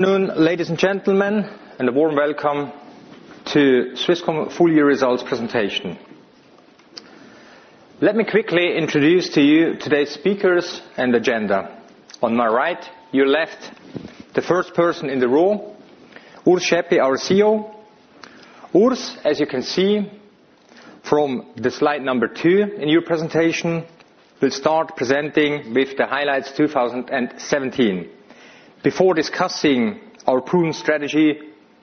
Good noon, ladies and gentlemen, a warm welcome to Swisscom full-year results presentation. Let me quickly introduce to you today's speakers and agenda. On my right, your left, the first person in the row, Urs Schaeppi, our CEO. Urs, as you can see from the slide number two in your presentation, will start presenting with the highlights 2017 before discussing our proven strategy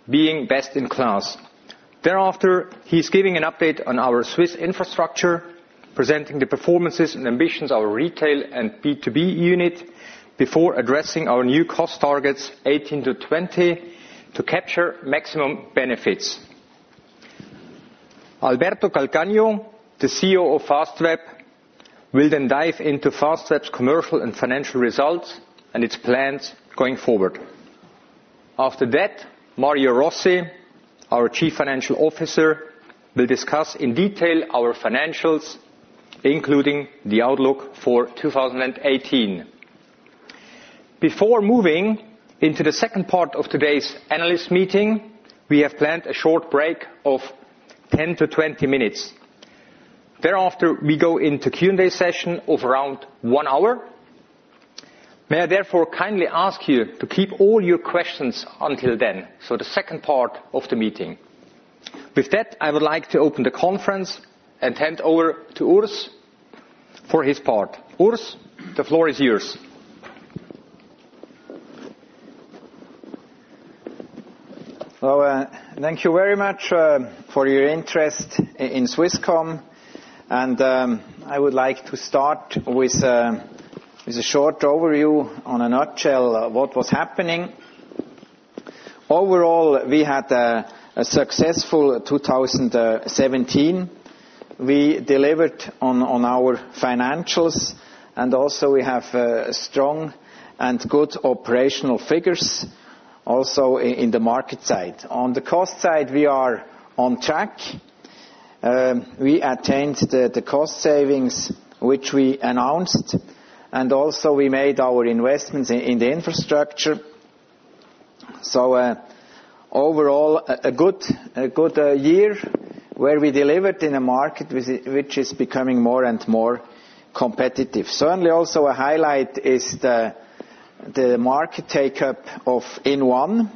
being best in class. Thereafter, he's giving an update on our Swiss infrastructure, presenting the performances and ambitions of our retail and B2B unit before addressing our new cost targets 2018 to 2020 to capture maximum benefits. Alberto Calcagno, the CEO of Fastweb, will then dive into Fastweb's commercial and financial results and its plans going forward. After that, Mario Rossi, our Chief Financial Officer, will discuss in detail our financials, including the outlook for 2018. Before moving into the second part of today's analyst meeting, we have planned a short break of 10 to 20 minutes. Thereafter, we go into Q&A session of around one hour. May I therefore kindly ask you to keep all your questions until then, so the second part of the meeting. With that, I would like to open the conference and hand over to Urs for his part. Urs, the floor is yours. Thank you very much for your interest in Swisscom. I would like to start with a short overview on a nutshell what was happening. Overall, we had a successful 2017. We delivered on our financials, and also we have strong and good operational figures also in the market side. On the cost side, we are on track. We attained the cost savings which we announced. Also we made our investments in the infrastructure. Overall, a good year where we delivered in a market which is becoming more and more competitive. Certainly, also a highlight is the market take-up of inOne.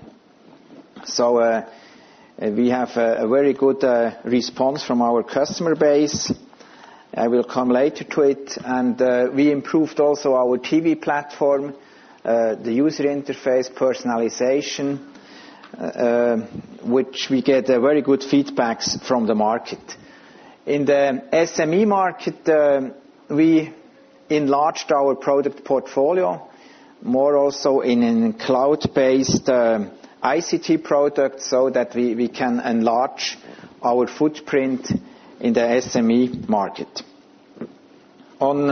We have a very good response from our customer base. I will come later to it. We improved also our TV platform, the user interface personalization which we get very good feedbacks from the market. In the SME market, we enlarged our product portfolio, more also in cloud-based ICT products so that we can enlarge our footprint in the SME market. On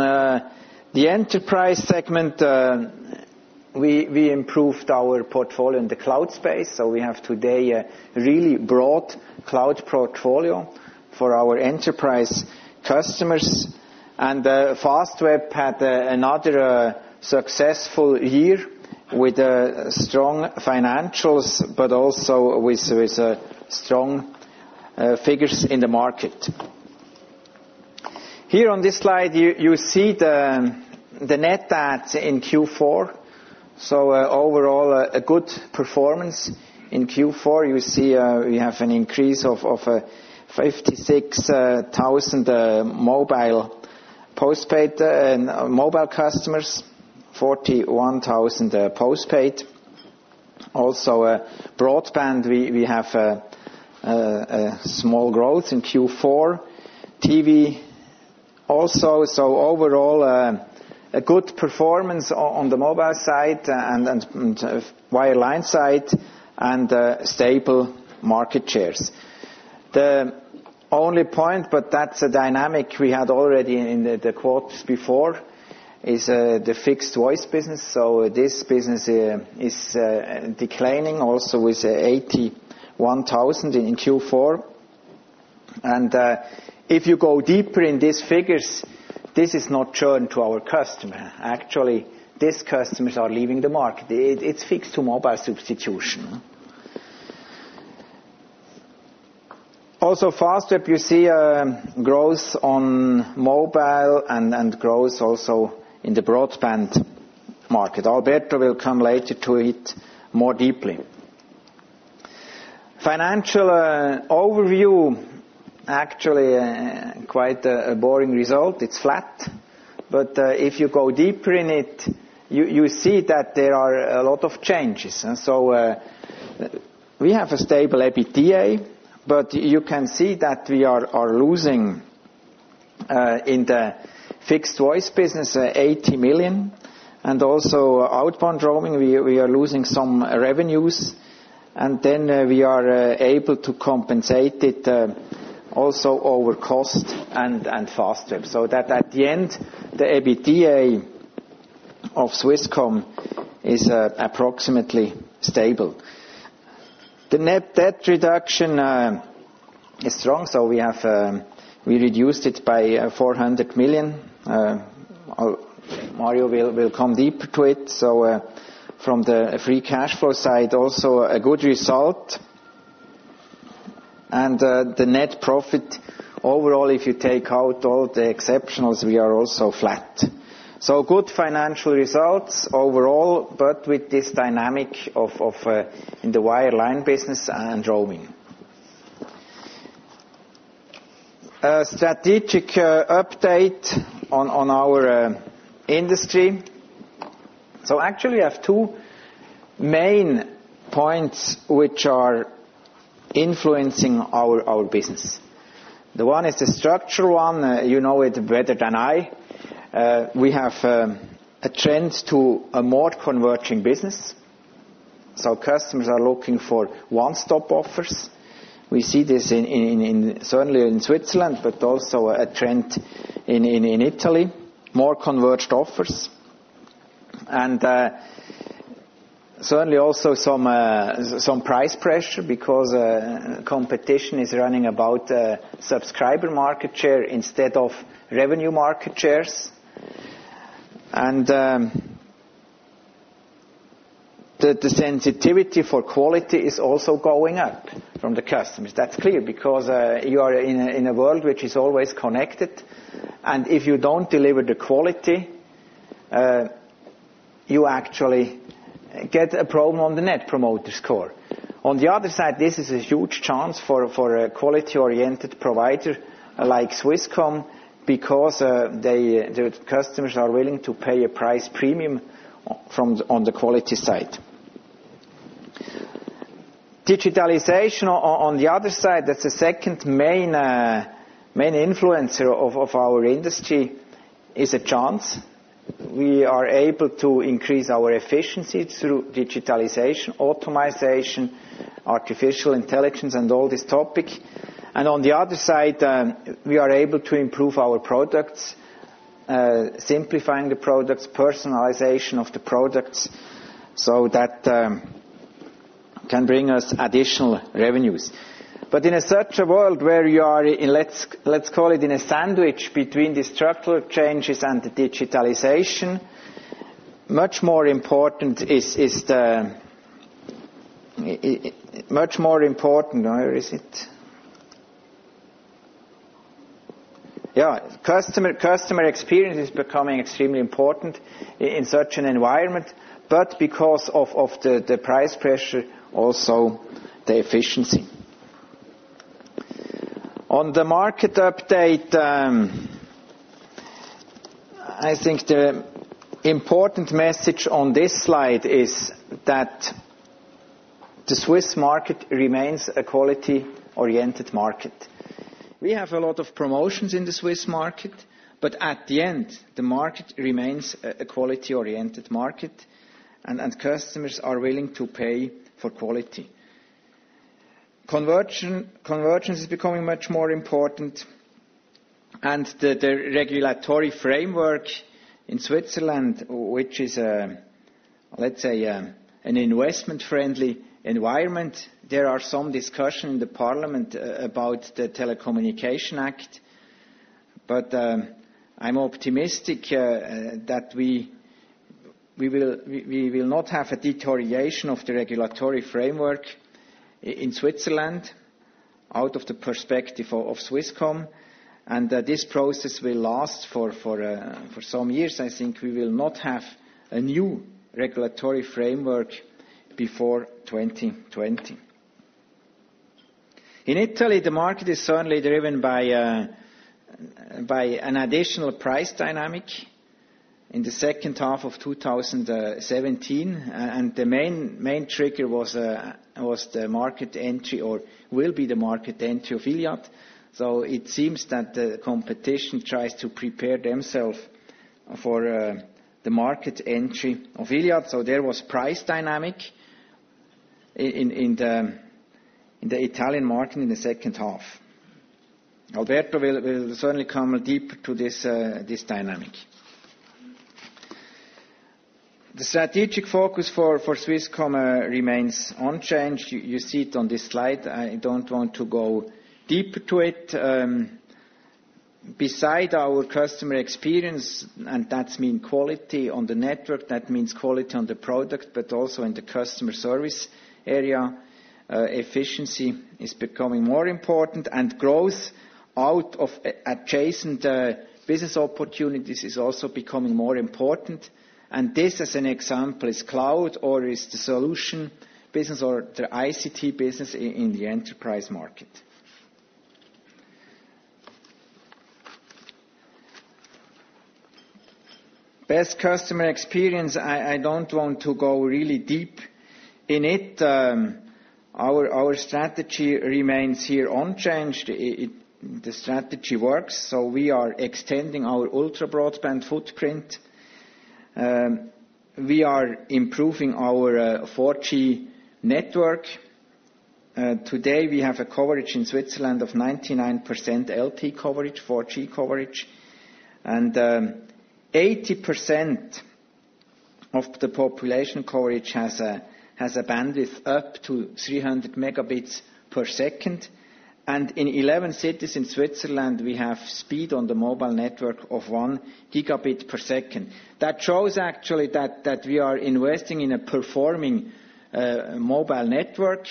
the enterprise segment, we improved our portfolio in the cloud space. We have today a really broad cloud portfolio for our enterprise customers. Fastweb had another successful year with strong financials, but also with strong figures in the market. Here on this slide, you see the net adds in Q4. Overall, a good performance. In Q4, you see we have an increase of 56,000 mobile customers, 41,000 postpaid. Also broadband, we have a small growth in Q4. TV also. Overall, a good performance on the mobile side and wireline side and stable market shares. The only point, but that's a dynamic we had already in the quarters before, is the fixed voice business. This business is declining also with 81,000 in Q4. If you go deeper in these figures, this is not churn to our customer. Actually, these customers are leaving the market. It's fixed to mobile substitution. Fastweb, you see a growth on mobile and growth also in the broadband market. Alberto will come later to it more deeply. Financial overview, actually quite a boring result. It's flat. If you go deeper in it, you see that there are a lot of changes. We have a stable EBITDA, but you can see that we are losing in the fixed voice business 80 million. Also outbound roaming, we are losing some revenues. We are able to compensate it also over cost and Fastweb so that at the end, the EBITDA of Swisscom is approximately stable. The net debt reduction is strong. We reduced it by 400 million. Mario will come deeper to it. From the free cash flow side, also a good result. The net profit overall, if you take out all the exceptionals, we are also flat. Good financial results overall, but with this dynamic in the wireline business and roaming. A strategic update on our industry. Actually we have two main points which are influencing our business. The one is the structural one. You know it better than I. We have a trend to a more converging business. Customers are looking for one-stop offers. We see this certainly in Switzerland, but also a trend in Italy, more converged offers. Certainly also some price pressure because competition is running about subscriber market share instead of revenue market shares. The sensitivity for quality is also going up from the customers. That's clear because you are in a world which is always connected, and if you don't deliver the quality, you actually get a problem on the Net Promoter Score. On the other side, this is a huge chance for a quality-oriented provider like Swisscom because the customers are willing to pay a price premium on the quality side. Digitalization on the other side, that's the second main influencer of our industry, is a chance. We are able to increase our efficiency through digitalization, automation, artificial intelligence, all this topic. On the other side, we are able to improve our products, simplifying the products, personalization of the products. That can bring us additional revenues. In such a world where you are in, let's call it in a sandwich between the structural changes and the digitalization, much more important is the Where is it? Yeah. Customer experience is becoming extremely important in such an environment, because of the price pressure, also the efficiency. On the market update, I think the important message on this slide is that the Swiss market remains a quality-oriented market. We have a lot of promotions in the Swiss market, at the end, the market remains a quality-oriented market, customers are willing to pay for quality. Convergence is becoming much more important, the regulatory framework in Switzerland, which is, let's say, an investment-friendly environment. There are some discussion in the parliament about the Telecommunication Act, I'm optimistic that we will not have a deterioration of the regulatory framework in Switzerland out of the perspective of Swisscom, this process will last for some years. I think we will not have a new regulatory framework before 2020. In Italy, the market is certainly driven by an additional price dynamic in the second half of 2017. The main trigger was the market entry or will be the market entry of Iliad. It seems that the competition tries to prepare themselves for the market entry of Iliad. There was price dynamic in the Italian market in the second half. Alberto Calcagno will certainly come deeper to this dynamic. The strategic focus for Swisscom remains unchanged. You see it on this slide. I don't want to go deeper to it. Beside our customer experience, and that means quality on the network, that means quality on the product, but also in the customer service area, efficiency is becoming more important, and growth out of adjacent business opportunities is also becoming more important. This, as an example, is cloud or is the solution business or the ICT business in the enterprise market. Best customer experience, I don't want to go really deep in it. Our strategy remains here unchanged. The strategy works, we are extending our ultra-broadband footprint. We are improving our 4G network. Today we have a coverage in Switzerland of 99% LTE coverage, 4G coverage, and 80% of the population coverage has a bandwidth up to 300 megabits per second. In 11 cities in Switzerland, we have speed on the mobile network of 1 gigabit per second. That shows actually that we are investing in a performing mobile network.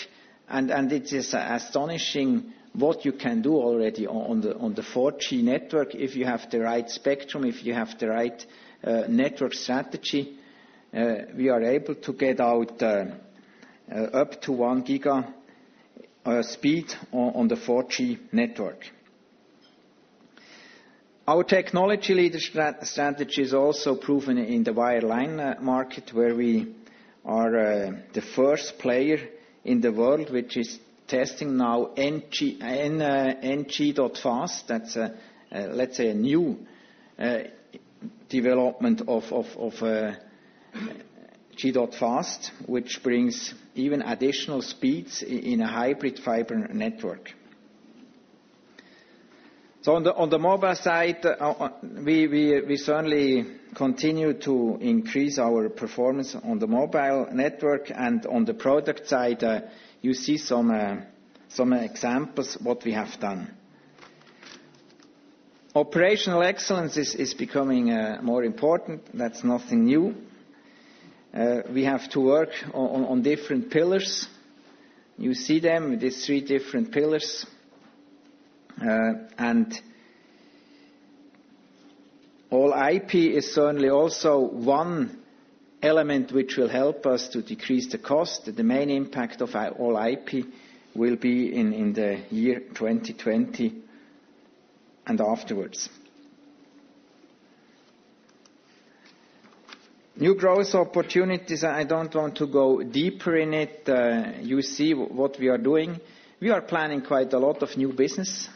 It is astonishing what you can do already on the 4G network if you have the right spectrum, if you have the right network strategy. We are able to get out up to 1 giga speed on the 4G network. Our technology leader strategy is also proven in the wireline market where we are the first player in the world which is testing now NG.fast. That's, let's say, a new development of G.fast which brings even additional speeds in a hybrid fiber network. On the mobile side, we certainly continue to increase our performance on the mobile network and on the product side, you see some examples what we have done. Operational excellence is becoming more important. That's nothing new. We have to work on different pillars. You see them, these three different pillars. All-IP is certainly also one element which will help us to decrease the cost. The main impact of All-IP will be in the year 2020 and afterwards. New growth opportunities, I don't want to go deeper in it. You see what we are doing. We are planning quite a lot of new business.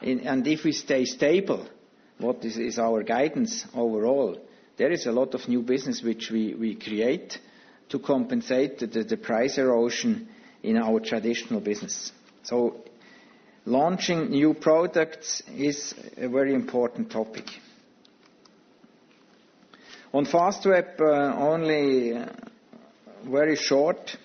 If we stay stable, what is our guidance overall? There is a lot of new business which we create to compensate the price erosion in our traditional business. Launching new products is a very important topic. On Fastweb, only very short.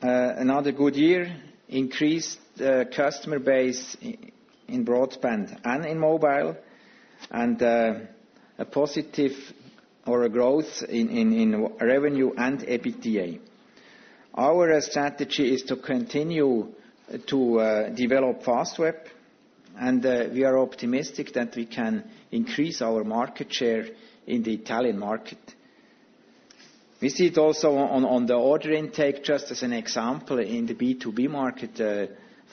Another good year, increased customer base in broadband and in mobile, and a positive or a growth in revenue and EBITDA. Our strategy is to continue to develop Fastweb, and we are optimistic that we can increase our market share in the Italian market. We see it also on the order intake, just as an example in the B2B market,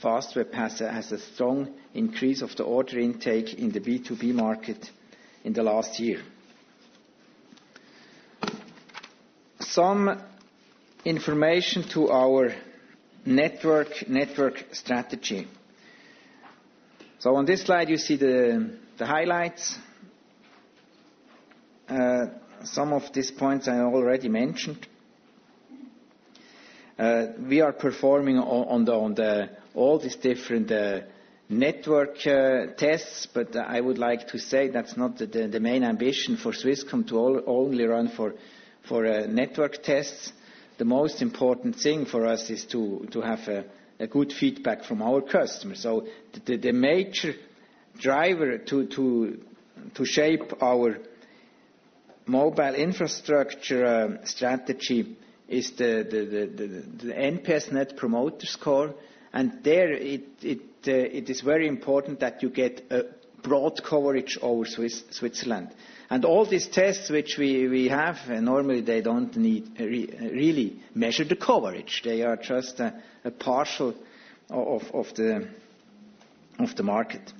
Fastweb has a strong increase of the order intake in the B2B market in the last year. Some information to our network strategy. On this slide, you see the highlights. Some of these points I already mentioned. We are performing on all these different network tests, but I would like to say that's not the main ambition for Swisscom to only run for network tests. The most important thing for us is to have a good feedback from our customers. The major driver to shape our mobile infrastructure strategy is the NPS, Net Promoter Score. There, it is very important that you get a broad coverage over Switzerland. All these tests which we have, normally they don't really measure the coverage. They are just a partial of the market.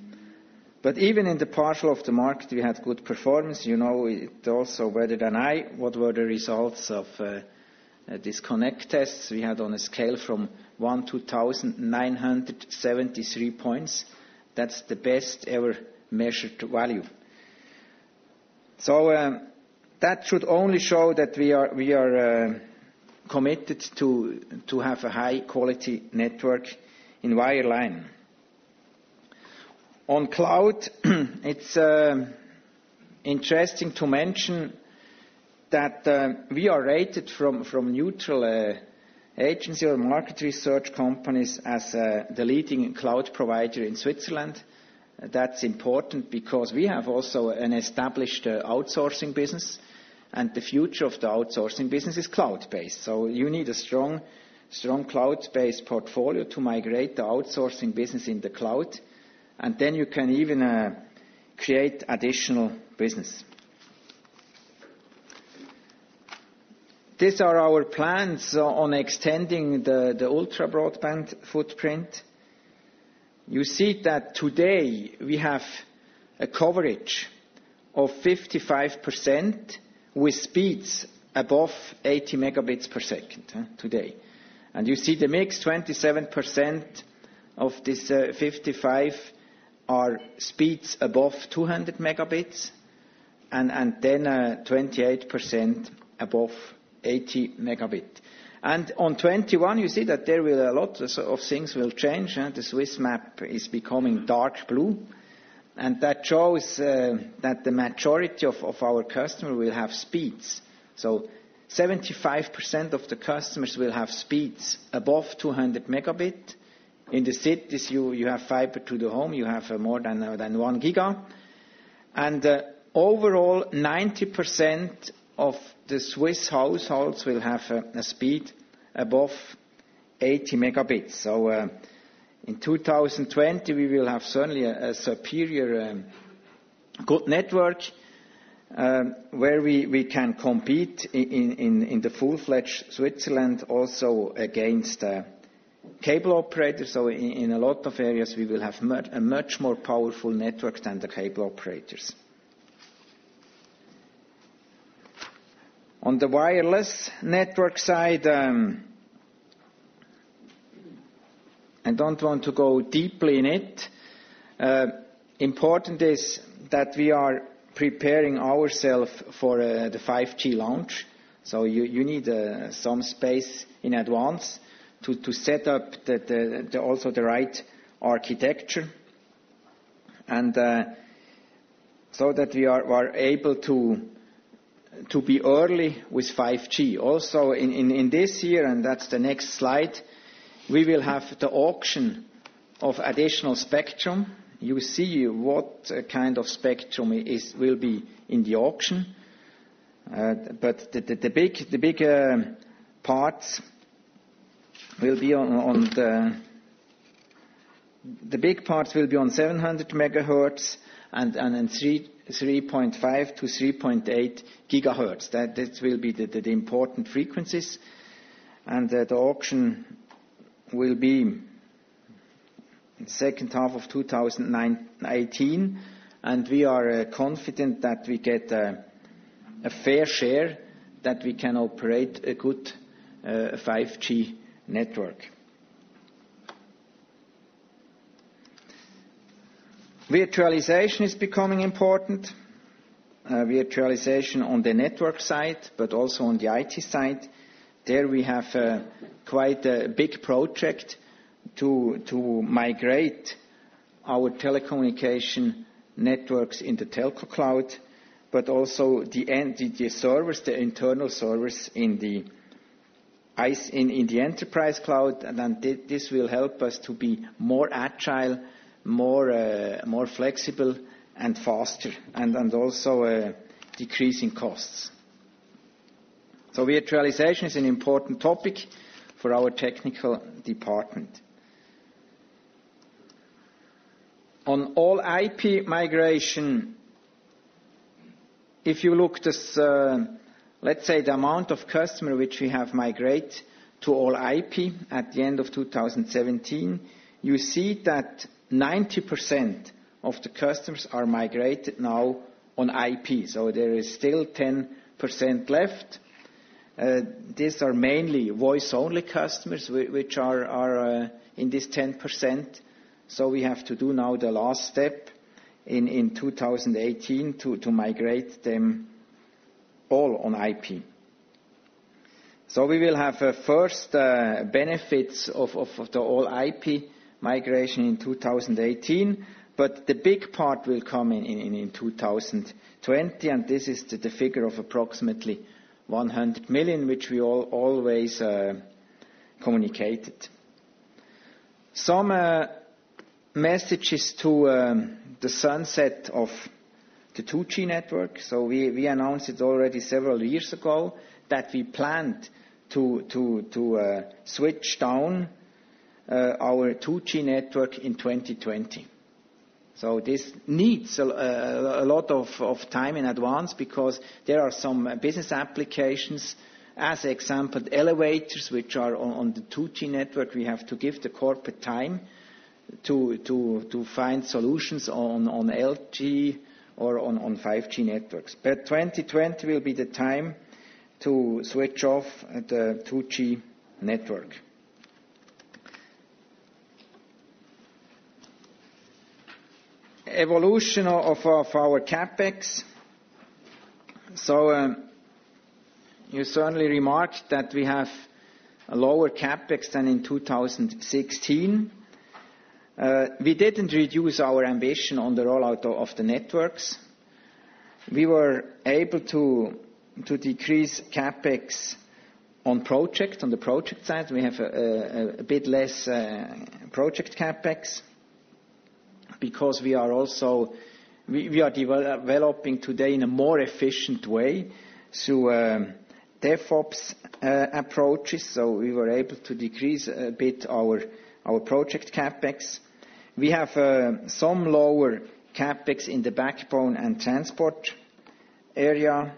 But even in the partial of the market, we have good performance. You know it also better than I what were the results of these connect test we had on a scale from 1 to 1,973 points. That's the best ever measured value. That should only show that we are committed to have a high-quality network in wireline. On cloud, it's interesting to mention that we are rated from neutral agency or market research companies as the leading cloud provider in Switzerland. That's important because we have also an established outsourcing business, and the future of the outsourcing business is cloud-based. You need a strong cloud-based portfolio to migrate the outsourcing business in the cloud, and you can even create additional business. These are our plans on extending the ultra-broadband footprint. You see that today we have a coverage of 55% with speeds above 80 megabits per second today. You see the mix, 27% of this 55 are speeds above 200 megabits and 28% above 80 megabit. On 2021, you see that there a lot of things will change. The Swiss map is becoming dark blue. That shows that the majority of our customers will have speeds. 75% of the customers will have speeds above 200 megabit. In the cities, you have fiber to the home, you have more than 1 giga. Overall, 90% of the Swiss households will have a speed above 80 megabits. In 2020, we will have certainly a superior good network where we can compete in the full-fledged Switzerland also against cable operators. In a lot of areas, we will have a much more powerful network than the cable operators. On the wireless network side, I don't want to go deeply in it. Important is that we are preparing ourselves for the 5G launch. You need some space in advance to set up also the right architecture so that we are able to be early with 5G. Also in this year, that's the next slide, we will have the auction of additional spectrum. You see what kind of spectrum will be in the auction. The big parts will be on 700 megahertz and 3.5 to 3.8 gigahertz. That will be the important frequencies, the auction will be in second half of 2018. We are confident that we get a fair share that we can operate a good 5G network. Virtualization is becoming important. Virtualization on the network side, but also on the IT side. There we have quite a big project to migrate our telecommunication networks in the telco cloud, but also the service, the internal service in the enterprise cloud. This will help us to be more agile, more flexible and faster and also a decrease in costs. Virtualization is an important topic for our technical department. On All-IP migration, if you looked at, let's say, the amount of customer which we have migrate to All-IP at the end of 2017, you see that 90% of the customers are migrated now on IP. There is still 10% left. These are mainly voice-only customers which are in this 10%. We have to do now the last step in 2018 to migrate them all on All-IP. We will have first benefits of the All-IP migration in 2018. But the big part will come in 2020, and this is the figure of approximately 100 million, which we always communicated. Some messages to the sunset of the 2G network. We announced it already several years ago that we planned to switch down our 2G network in 2020. This needs a lot of time in advance because there are some business applications, as example, elevators, which are on the 2G network. We have to give the corporate time to find solutions on LTE or on 5G networks. 2020 will be the time to switch off the 2G network. Evolution of our CapEx. You certainly remarked that we have a lower CapEx than in 2016. We didn't reduce our ambition on the rollout of the networks. We were able to decrease CapEx on the project side. We have a bit less project CapEx because we are developing today in a more efficient way through DevOps approaches. We were able to decrease a bit our project CapEx. We have some lower CapEx in the backbone and transport area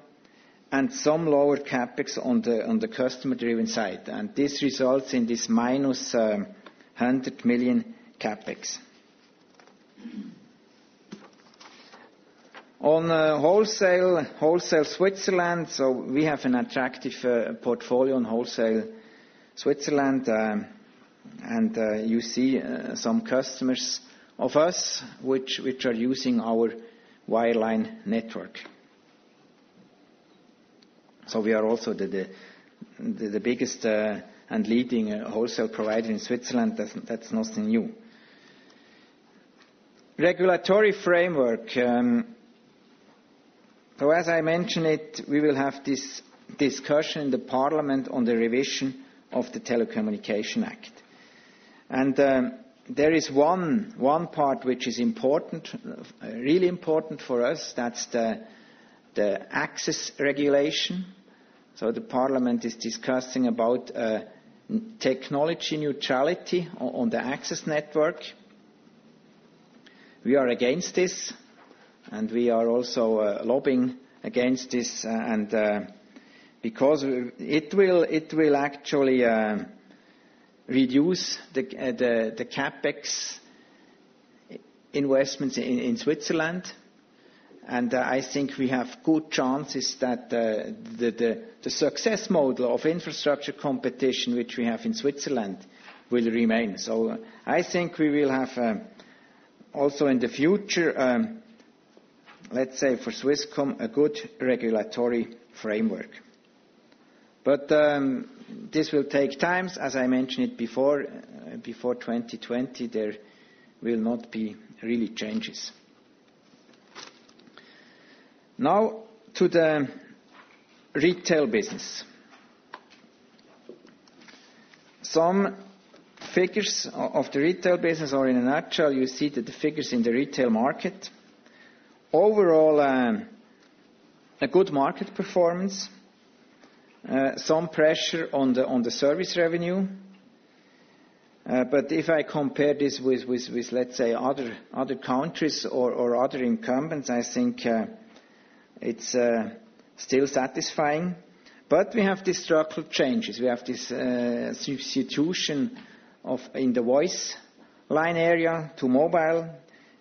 and some lower CapEx on the customer-driven side. This results in this minus 100 million CapEx. On wholesale Switzerland. We have an attractive portfolio on wholesale Switzerland. You see some customers of us which are using our wireline network. We are also the biggest and leading wholesale provider in Switzerland. That's nothing new. Regulatory framework. As I mentioned it, we will have this discussion in the parliament on the revision of the Telecommunication Act. There is one part which is important, really important for us, that's the access regulation. The parliament is discussing about technology neutrality on the access network. We are against this, we are also lobbying against this because it will actually reduce the CapEx investments in Switzerland. I think we have good chances that the success model of infrastructure competition, which we have in Switzerland, will remain. I think we will have, also in the future, let's say for Swisscom, a good regulatory framework. This will take time. As I mentioned it before 2020, there will not be really changes. Now to the retail business. Some figures of the retail business are in a nutshell. You see that the figures in the retail market. Overall, a good market performance. Some pressure on the service revenue. If I compare this with, let's say, other countries or other incumbents, I think it's still satisfying. We have these structural changes. We have this substitution in the voice line area to mobile.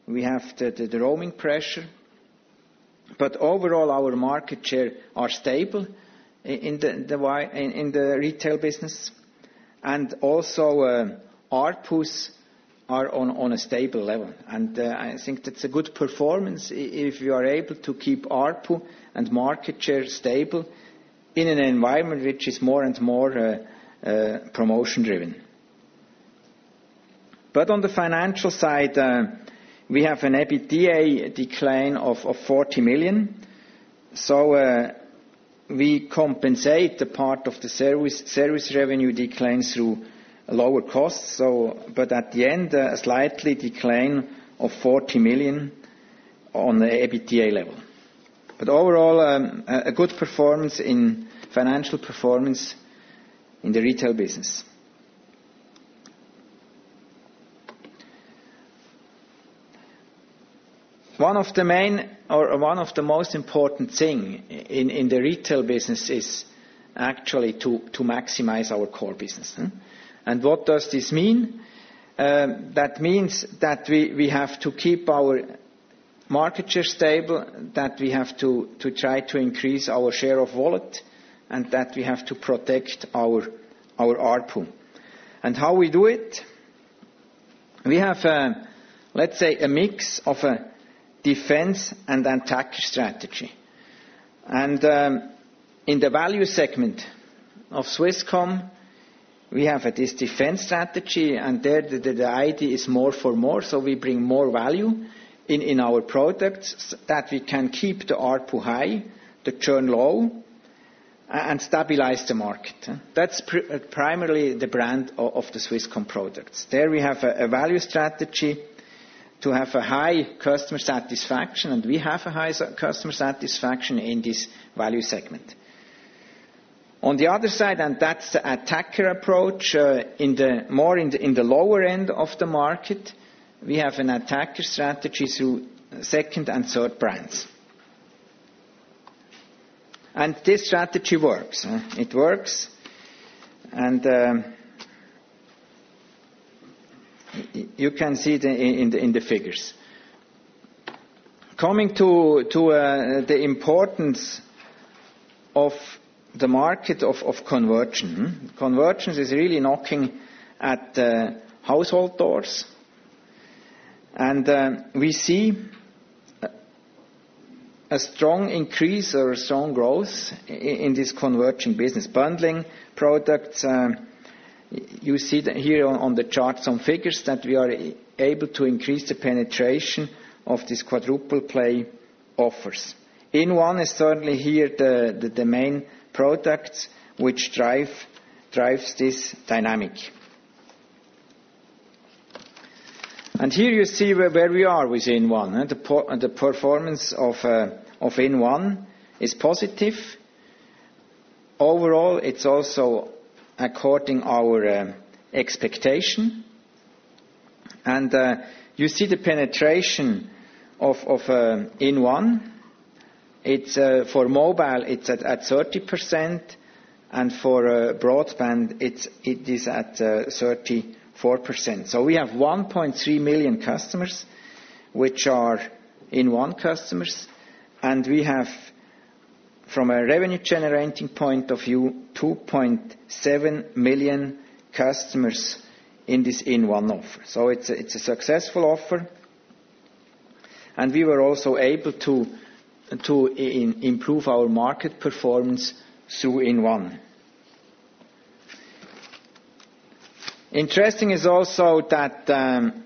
We have the roaming pressure. Overall, our market share are stable in the retail business. Also ARPU are on a stable level. I think that is a good performance if you are able to keep ARPU and market share stable in an environment which is more and more promotion-driven. On the financial side, we have an EBITDA decline of 40 million. We compensate the part of the service revenue decline through lower costs. At the end, a slight decline of 40 million on the EBITDA level. Overall, a good performance in financial performance in the retail business. One of the main or one of the most important thing in the retail business is actually to maximize our core business. What does this mean? That means that we have to keep our market share stable, that we have to try to increase our share of wallet, and that we have to protect our ARPU. How we do it? We have a, let's say, a mix of a defense and attack strategy. In the value segment of Swisscom, we have this defense strategy, and there the idea is more for more. We bring more value in our products that we can keep the ARPU high, the churn low, and stabilize the market. That is primarily the brand of the Swisscom products. There we have a value strategy to have a high customer satisfaction, and we have a high customer satisfaction in this value segment. On the other side, and that is the attacker approach, more in the lower end of the market, we have an attacker strategy through second and third brands. This strategy works. It works. You can see in the figures. Coming to the importance of the market of convergence. Convergence is really knocking at the household doors. We see a strong increase or a strong growth in this converging business bundling products. You see here on the chart some figures that we are able to increase the penetration of these quadruple play offers. inOne is certainly here the main product which drives this dynamic. Here you see where we are with inOne. The performance of inOne is positive. Overall, it is also according our expectation. You see the penetration of inOne. For mobile, it is at 30%, and for broadband, it is at 34%. We have 1.3 million customers which are inOne customers. We have, from a revenue-generating point of view, 2.7 million customers in this inOne offer. So it is a successful offer. We were also able to improve our market performance through inOne. Interesting is also that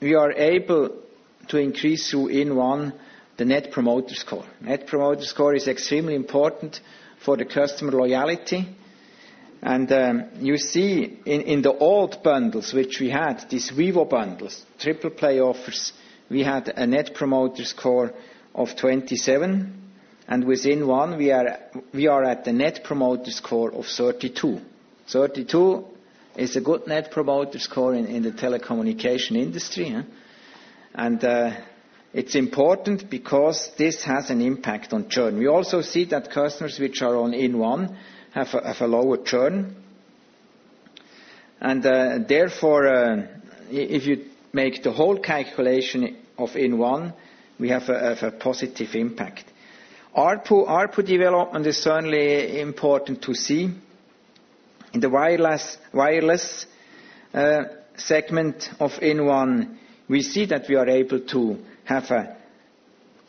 we are able to increase through inOne the Net Promoter Score. Net Promoter Score is extremely important for the customer loyalty. You see in the old bundles which we had, these Vivo bundles, triple play offers, we had a Net Promoter Score of 27, and with inOne, we are at the Net Promoter Score of 32. 32 is a good Net Promoter Score in the telecommunication industry, and it is important because this has an impact on churn. We also see that customers which are on inOne have a lower churn. Therefore, if you make the whole calculation of inOne, we have a positive impact. ARPU development is certainly important to see. In the wireless segment of inOne, we see that we are able to have a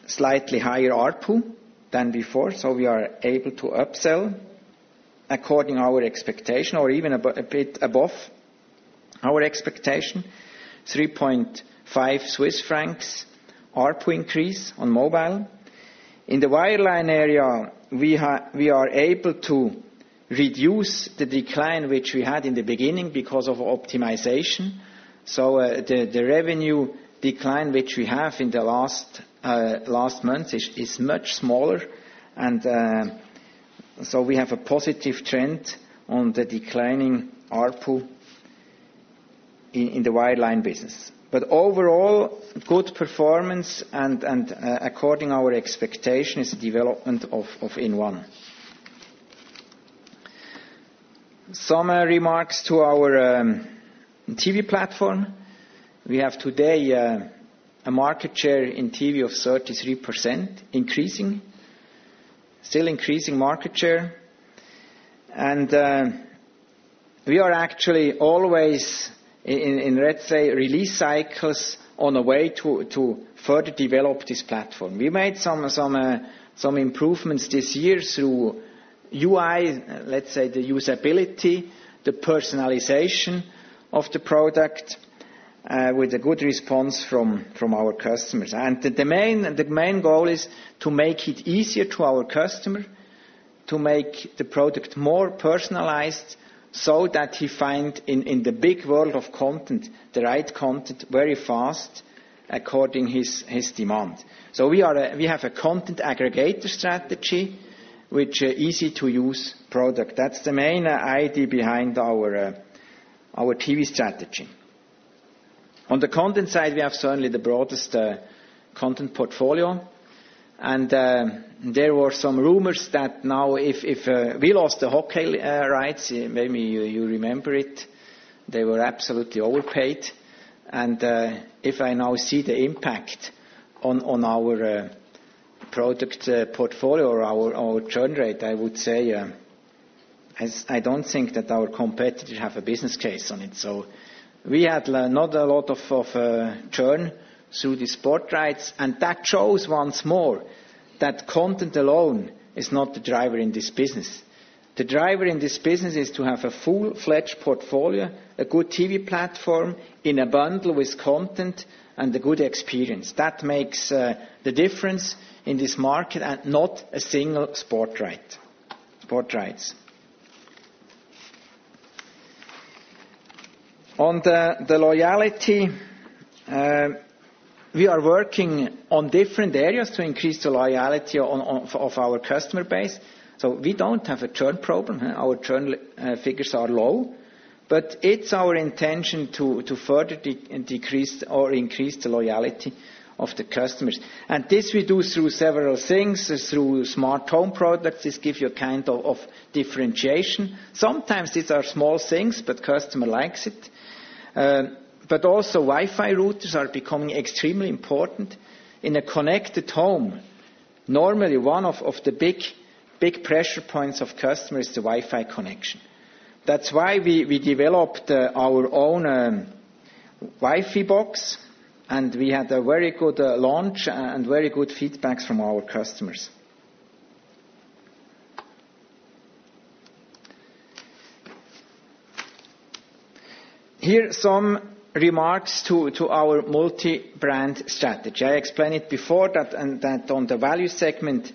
slightly higher ARPU than before. We are able to upsell according our expectation or even a bit above our expectation, 3.5 Swiss francs ARPU increase on mobile. The wireline area, we are able to reduce the decline which we had in the beginning because of optimization. The revenue decline which we have in the last month is much smaller, we have a positive trend on the declining ARPU in the wireline business. Overall, good performance and according our expectation is the development of inOne. Some remarks to our TV platform. We have today a market share in TV of 33% increasing, still increasing market share. We are actually always in, let's say, release cycles on the way to further develop this platform. We made some improvements this year through UI, let's say, the usability, the personalization of the product, with a good response from our customers. The main goal is to make it easier to our customer to make the product more personalized so that he find in the big world of content, the right content very fast according his demand. We have a content aggregator strategy which easy-to-use product. That's the main idea behind our TV strategy. On the content side, we have certainly the broadest content portfolio, there were some rumors that now if we lost the hockey rights, maybe you remember it. They were absolutely overpaid, if I now see the impact on our product portfolio or our churn rate, I would say, I don't think that our competitor have a business case on it. We had not a lot of churn through the sport rights, that shows once more that content alone is not the driver in this business. The driver in this business is to have a full-fledged portfolio, a good TV platform in a bundle with content and a good experience. That makes the difference in this market and not a single sport rights. On the loyalty, we are working on different areas to increase the loyalty of our customer base. We don't have a churn problem. Our churn figures are low, but it's our intention to further decrease or increase the loyalty of the customers. This we do through several things, through smart home products. This give you a kind of differentiation. Sometimes these are small things, but customer likes it. Also, Wi-Fi routers are becoming extremely important. In a connected home, normally one of the big pressure points of customer is the Wi-Fi connection. That's why we developed our own Wi-Fi box, we had a very good launch and very good feedbacks from our customers. Here some remarks to our multi-brand strategy. I explained it before that on the value segment,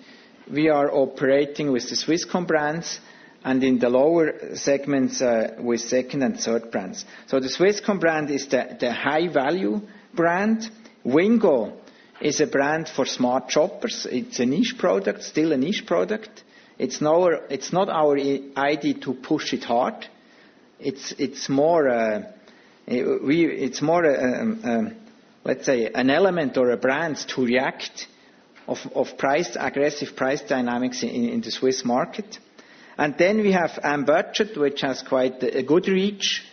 we are operating with the Swisscom brands and in the lower segments with second and third brands. The Swisscom brand is the high-value brand. Wingo is a brand for smart shoppers. It's a niche product, still a niche product. It's not our idea to push it hard. It's more, let's say, an element or a brand to react of aggressive price dynamics in the Swiss market. We have M-Budget, which has quite a good reach,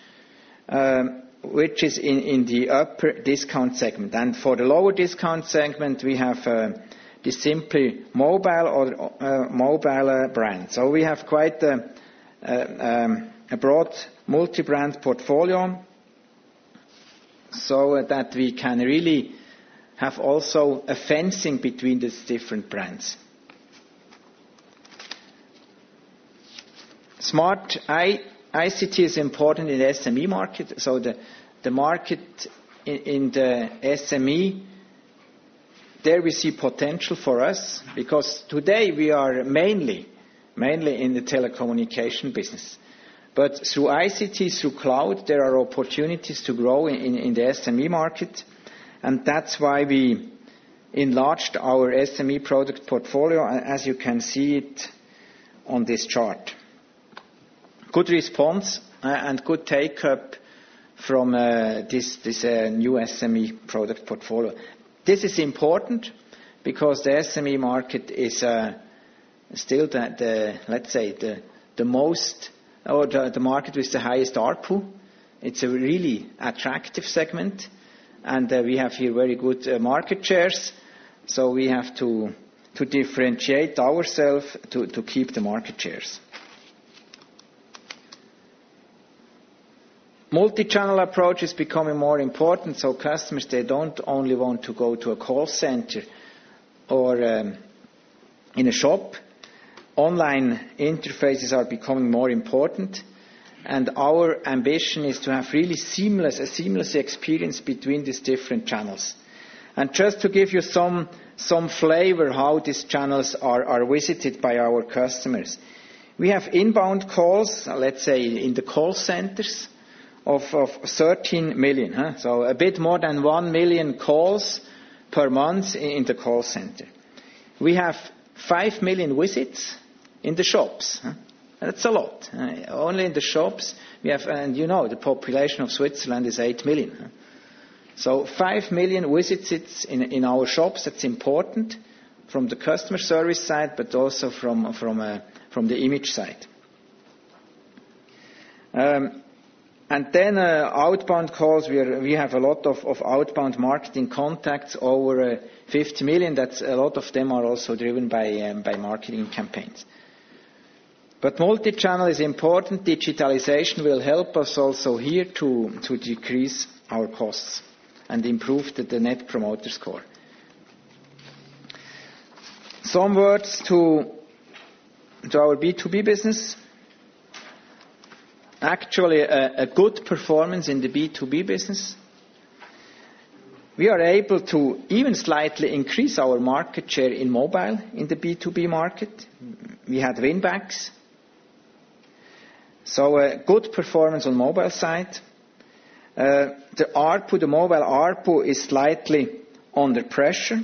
which is in the upper discount segment. For the lower discount segment, we have The Simply Mobile or mobile brand. We have quite a broad multi-brand portfolio so that we can really have also a fencing between these different brands. Smart ICT is important in the SME market. The market in the SME, there we see potential for us because today we are mainly in the telecommunication business. But through ICT, through cloud, there are opportunities to grow in the SME market and that's why we enlarged our SME product portfolio as you can see it on this chart. Good response and good take-up from this new SME product portfolio. This is important because the SME market is still, let's say, the market with the highest ARPU. It's a really attractive segment and we have here very good market shares. We have to differentiate ourselves to keep the market shares. Multi-channel approach is becoming more important so customers, they don't only want to go to a call center or in a shop. Online interfaces are becoming more important and our ambition is to have really a seamless experience between these different channels. Just to give you some flavor how these channels are visited by our customers. We have inbound calls, let's say, in the call centers of 13 million. A bit more than 1 million calls per month in the call center. We have 5 million visits in the shops. That's a lot. Only in the shops we have-- and you know the population of Switzerland is 8 million. 5 million visits in our shops, that's important from the customer service side, but also from the image side. Then outbound calls, we have a lot of outbound marketing contacts, over 50 million. A lot of them are also driven by marketing campaigns. But multi-channel is important. Digitalization will help us also here to decrease our costs and improve the Net Promoter Score. Some words to our B2B business. Actually, a good performance in the B2B business. We are able to even slightly increase our market share in mobile in the B2B market. We had win-backs. A good performance on mobile side. The mobile ARPU is slightly under pressure.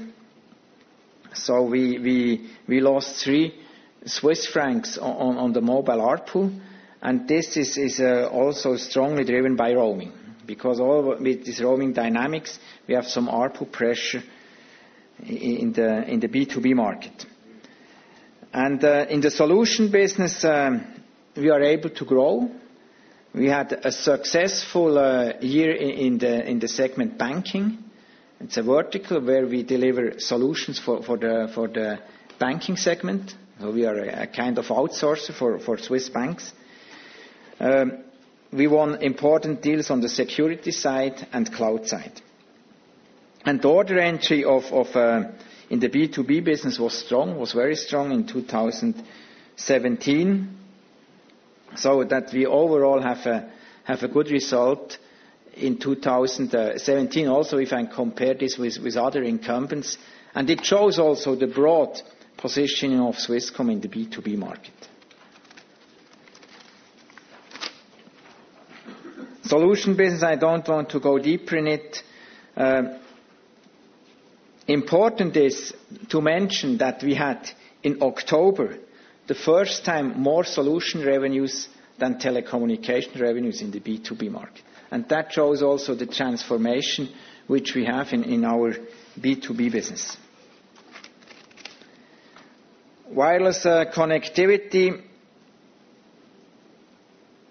We lost three CHF on the mobile ARPU and this is also strongly driven by roaming because all with these roaming dynamics we have some ARPU pressure in the B2B market. In the solution business, we are able to grow. We had a successful year in the segment banking. It's a vertical where we deliver solutions for the banking segment. We are a kind of outsourcer for Swiss banks. We won important deals on the security side and cloud side. Order entry in the B2B business was very strong in 2017, that we overall have a good result in 2017. If I compare this with other incumbents, and it shows also the broad positioning of Swisscom in the B2B market. Solution business, I don't want to go deeper in it. Important is to mention that we had in October the first time more solution revenues than telecommunication revenues in the B2B market. That shows also the transformation which we have in our B2B business. Wireless connectivity.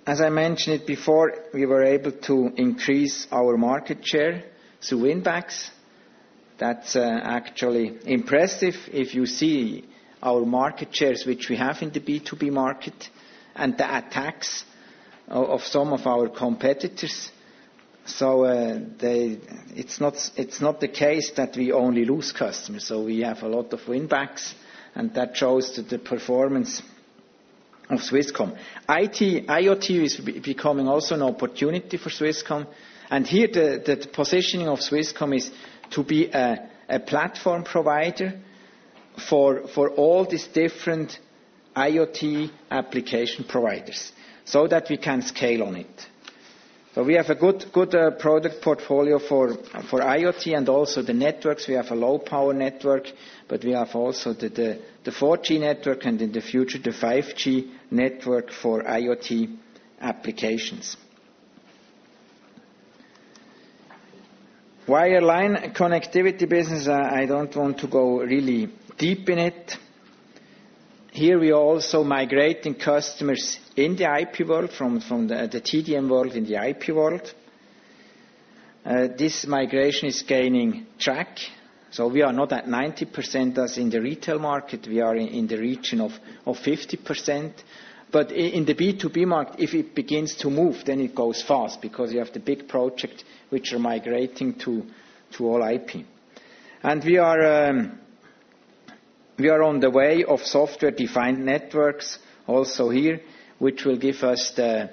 As I mentioned it before, we were able to increase our market share through win-backs. That's actually impressive if you see our market shares which we have in the B2B market and the attacks of some of our competitors. It's not the case that we only lose customers. We have a lot of win-backs and that shows the performance of Swisscom. IoT is becoming also an opportunity for Swisscom and here the positioning of Swisscom is to be a platform provider for all these different IoT application providers so that we can scale on it. We have a good product portfolio for IoT and also the networks. We have a low-power network, but we have also the 4G network and in the future, the 5G network for IoT applications. Wireline connectivity business, I don't want to go really deep in it. Here we are also migrating customers in the IP world from the TDM world in the IP world. This migration is gaining track. We are not at 90% as in the retail market, we are in the region of 50%. In the B2B market, if it begins to move, then it goes fast because you have the big project which are migrating to All-IP. We are on the way of software-defined networks also here, which will give us the,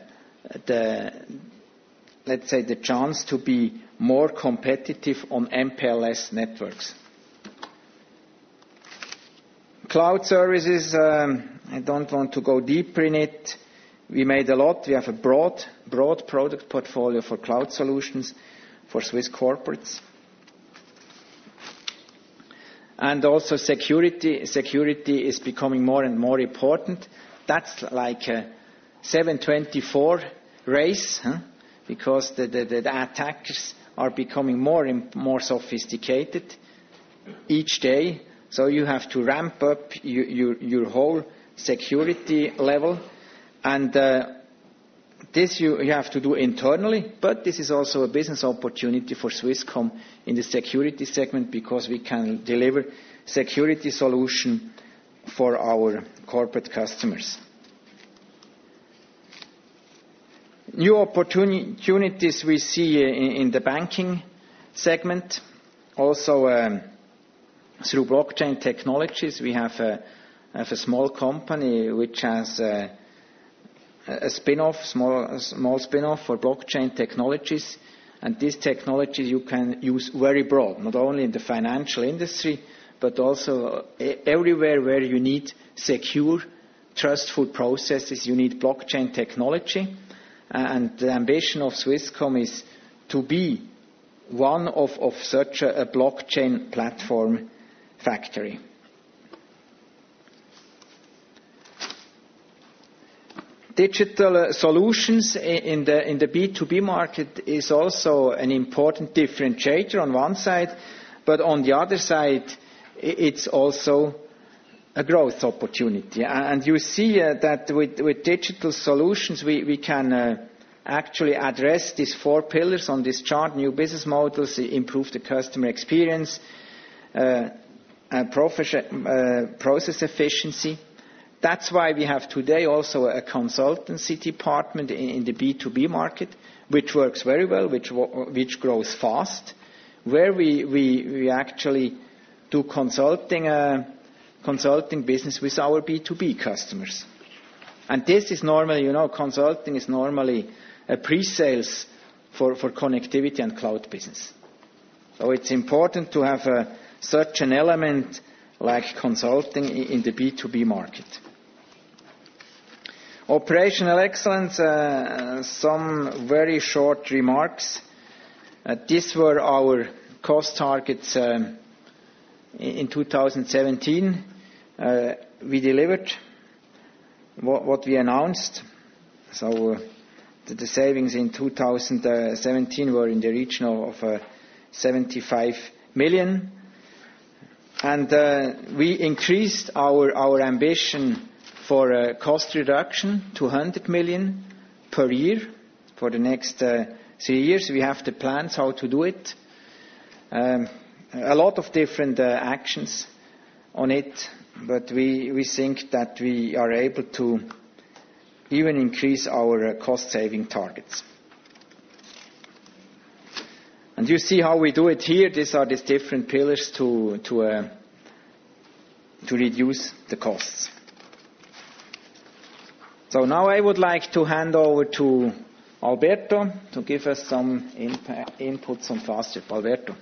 let's say, the chance to be more competitive on MPLS networks. Cloud services, I don't want to go deeper in it. We made a lot. We have a broad product portfolio for cloud solutions for Swiss corporates. Also security. Security is becoming more and more important. That's like a 7/24 race, because the attacks are becoming more and more sophisticated each day. You have to ramp up your whole security level. This you have to do internally, but this is also a business opportunity for Swisscom in the security segment because we can deliver security solution for our corporate customers. New opportunities we see in the banking segment. Also through blockchain technologies. We have a small company which has a small spinoff for blockchain technologies. This technology you can use very broad, not only in the financial industry, but also everywhere where you need secure, trustful processes, you need blockchain technology. The ambition of Swisscom is to be one of such a blockchain platform factory. Digital solutions in the B2B market is also an important differentiator on one side, but on the other side, it's also a growth opportunity. You see that with digital solutions, we can actually address these four pillars on this chart, new business models, improve the customer experience, process efficiency. That's why we have today also a consultancy department in the B2B market, which works very well, which grows fast, where we actually do consulting business with our B2B customers. This is normal. Consulting is normally a pre-sales for connectivity and cloud business. It's important to have such an element like consulting in the B2B market. Operational excellence, some very short remarks. These were our cost targets in 2017. We delivered what we announced. The savings in 2017 were in the region of 75 million. We increased our ambition for cost reduction to 100 million per year for the next three years. We have the plans how to do it. A lot of different actions on it, but we think that we are able to even increase our cost-saving targets. You see how we do it here. These are these different pillars to reduce the costs. Now I would like to hand over to Alberto to give us some inputs on Fastweb. Alberto.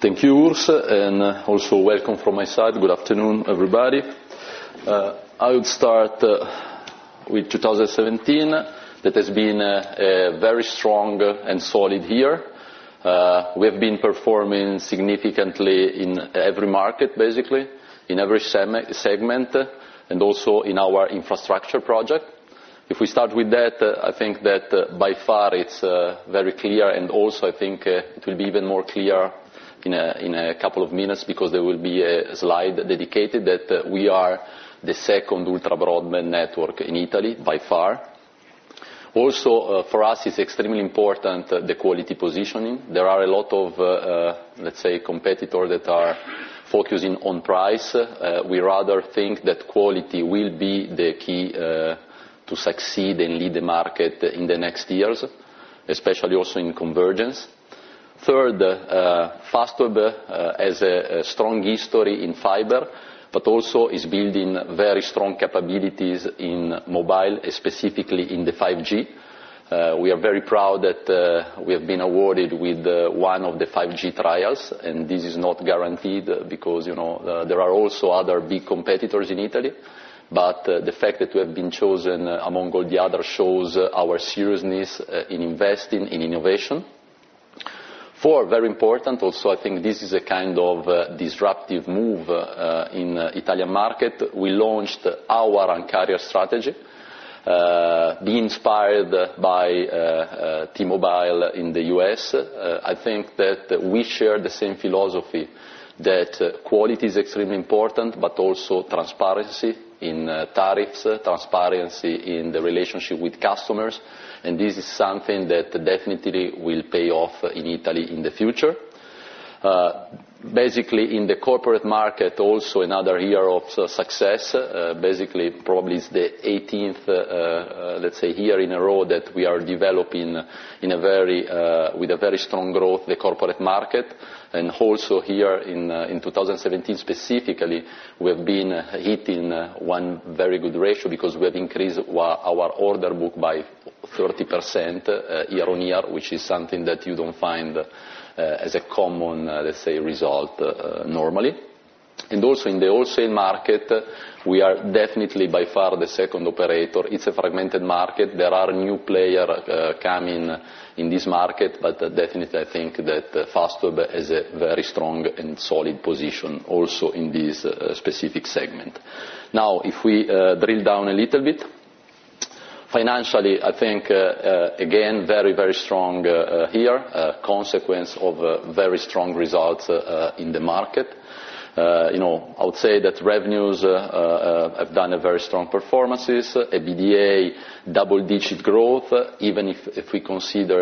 Thank you, Urs, and also welcome from my side. Good afternoon, everybody. I would start with 2017. That has been a very strong and solid year. We have been performing significantly in every market, basically, in every segment, and also in our infrastructure project. If we start with that, I think that by far it's very clear, and also I think it will be even more clear in a couple of minutes because there will be a slide dedicated that we are the second ultra-broadband network in Italy by far. Also, for us, it's extremely important the quality positioning. There are a lot of, let's say, competitor that are focusing on price. We rather think that quality will be the key to succeed and lead the market in the next years, especially also in convergence. Third, Fastweb has a strong history in fiber, but also is building very strong capabilities in mobile, specifically in the 5G. We are very proud that we have been awarded with one of the 5G trials, and this is not guaranteed because there are also other big competitors in Italy. The fact that we have been chosen among all the others shows our seriousness in investing in innovation. Four, very important also, I think this is a kind of disruptive move in Italian market. We launched our Un-carrier strategy. Be inspired by T-Mobile in the U.S. I think that we share the same philosophy that quality is extremely important, but also transparency in tariffs, transparency in the relationship with customers, and this is something that definitely will pay off in Italy in the future. Basically, in the corporate market, also another year of success. Basically, probably it's the 18th, let's say, year in a row that we are developing with a very strong growth the corporate market. Also here in 2017 specifically, we have been hitting one very good ratio because we have increased our order book by 30% year-on-year, which is something that you don't find as a common, let's say, result normally. Also in the wholesale market, we are definitely by far the second operator. It's a fragmented market. There are new player coming in this market, but definitely, I think that Fastweb has a very strong and solid position also in this specific segment. Now, if we drill down a little bit, financially, I think, again, very strong here, a consequence of very strong results in the market. I would say that revenues have done very strong performances. EBITDA double-digit growth, even if we consider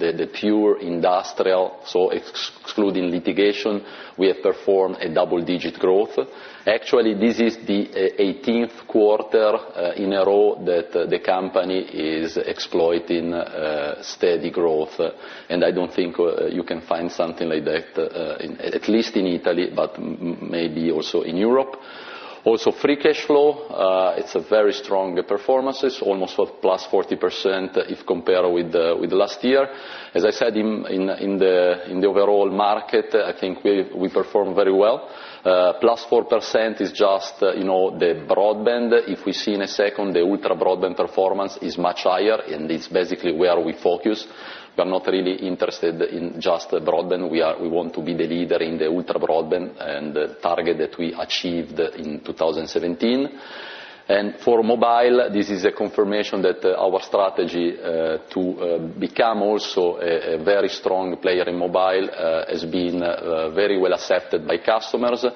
the pure industrial, so excluding litigation, we have performed a double-digit growth. Actually, this is the 18th quarter in a row that the company is exploiting steady growth, I don't think you can find something like that, at least in Italy, but maybe also in Europe. Also, free cash flow, it's a very strong performance, almost plus 40% if compared with last year. As I said, in the overall market, I think we perform very well. Plus 4% is just the broadband. If we see in a second, the ultra-broadband performance is much higher, and it's basically where we focus. We are not really interested in just the broadband. We want to be the leader in the ultra-broadband and the target that we achieved in 2017. For mobile, this is a confirmation that our strategy to become also a very strong player in mobile has been very well accepted by customers.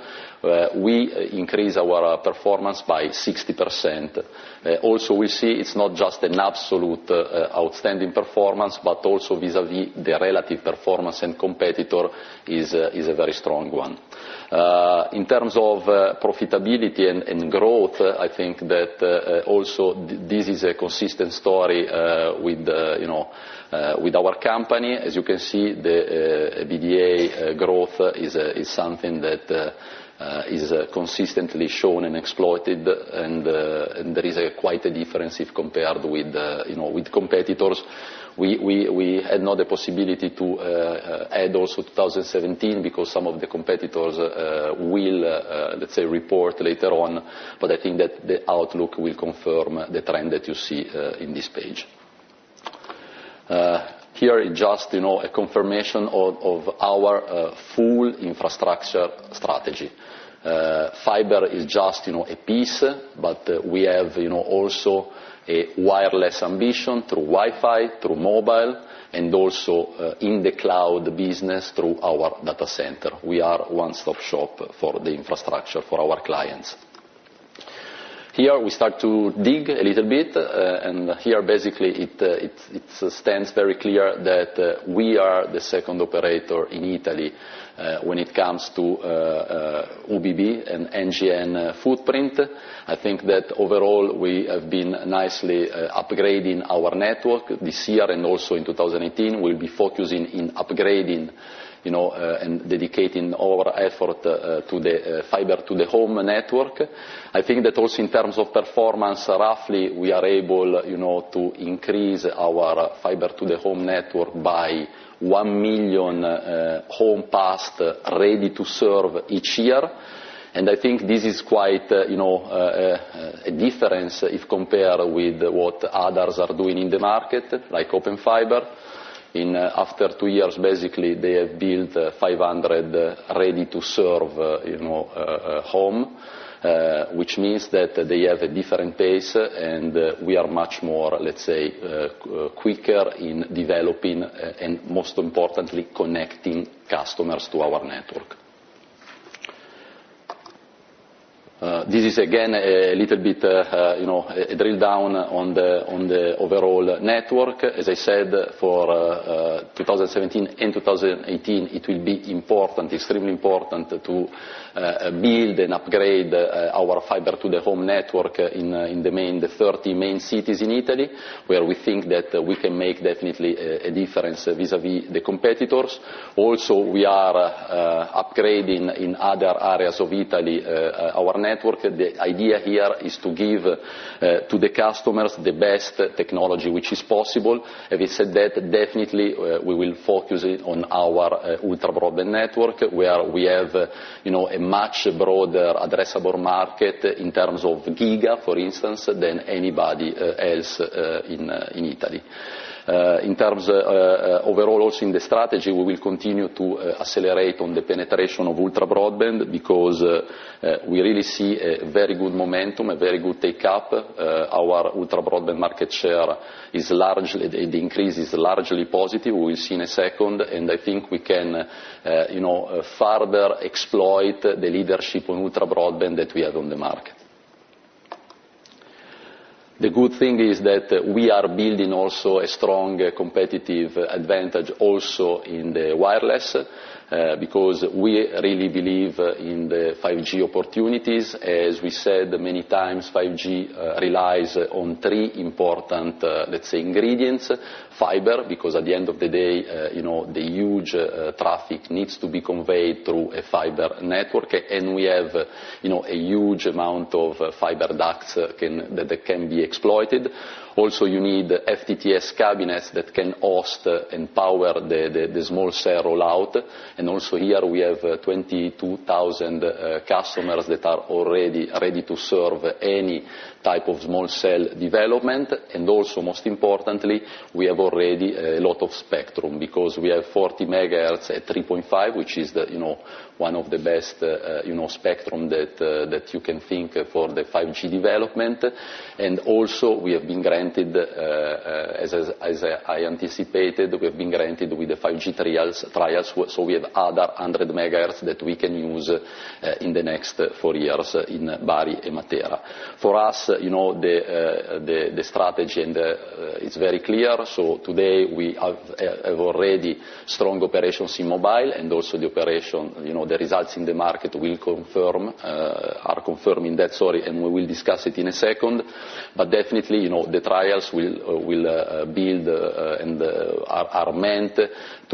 We increase our performance by 60%. Also, we see it's not just an absolute outstanding performance, but also vis-à-vis the relative performance and competitor is a very strong one. In terms of profitability and growth, I think that also this is a consistent story with our company. As you can see, the EBITDA growth is something that is consistently shown and exploited, and there is quite a difference if compared with competitors. We had not the possibility to add also 2017 because some of the competitors will, let's say, report later on. I think that the outlook will confirm the trend that you see in this page. Here is just a confirmation of our full infrastructure strategy. Fiber is just a piece, we have also a wireless ambition through Wi-Fi, through mobile, and also in the cloud business through our data center. We are a one-stop shop for the infrastructure for our clients. Here, we start to dig a little bit, and here, basically, it stands very clear that we are the second operator in Italy when it comes to UBB and NGN footprint. I think that overall, we have been nicely upgrading our network this year and also in 2018. We'll be focusing in upgrading, and dedicating our effort to the fiber to the home network. I think that also in terms of performance, roughly, we are able to increase our fiber to the home network by 1 million home passed ready to serve each year. I think this is quite a difference if compared with what others are doing in the market, like Open Fiber. After two years, basically, they have built 500 ready-to-serve home, which means that they have a different pace, and we are much more, let's say, quicker in developing and most importantly, connecting customers to our network. This is, again, a little bit a drill down on the overall network. As I said, for 2017 and 2018, it will be extremely important to build and upgrade our fiber to the home network in the 30 main cities in Italy, where we think that we can make definitely a difference vis-à-vis the competitors. We are upgrading in other areas of Italy our network. The idea here is to give to the customers the best technology which is possible. Having said that, definitely, we will focus it on our ultra-broadband network, where we have a much broader addressable market in terms of giga, for instance, than anybody else in Italy. In terms overall, also in the strategy, we will continue to accelerate on the penetration of ultra-broadband because we really see a very good momentum, a very good take-up. Our ultra-broadband market share, the increase is largely positive, we will see in a second, and I think we can further exploit the leadership on ultra-broadband that we have on the market. The good thing is that we are building also a strong competitive advantage also in the wireless, because we really believe in the 5G opportunities. As we said many times, 5G relies on three important, let's say, ingredients. Fiber, because at the end of the day, the huge traffic needs to be conveyed through a fiber network, and we have a huge amount of fiber ducts that can be exploited. You need FTTS cabinets that can host and power the small cell rollout. Here we have 22,000 customers that are already ready to serve any type of small cell development. Most importantly, we have already a lot of spectrum because we have 40 MHz at 3.5, which is one of the best spectrum that you can think for the 5G development. As I anticipated, we have been granted with the 5G trials. We have other 100 MHz that we can use in the next four years in Bari and Matera. For us, the strategy is very clear. Today, we have already strong operations in mobile and also the results in the market are confirming that story, and we will discuss it in a second. Definitely, the trials will build and are meant to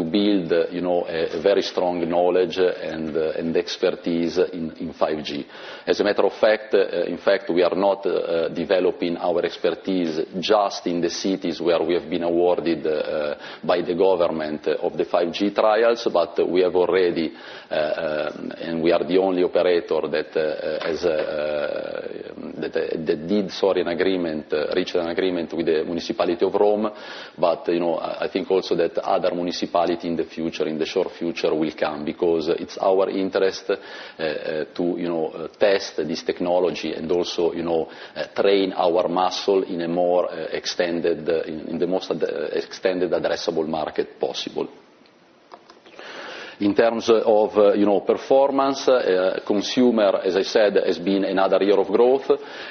build a very strong knowledge and expertise in 5G. As a matter of fact, we are not developing our expertise just in the cities where we have been awarded by the government of the 5G trials, but we have already, and we are the only operator that reached an agreement with the municipality of Rome. I think also that other municipality in the future, in the short future, will come because it's our interest to test this technology and also train our muscle in the most extended addressable market possible. In terms of performance, consumer, as I said, has been another year of growth.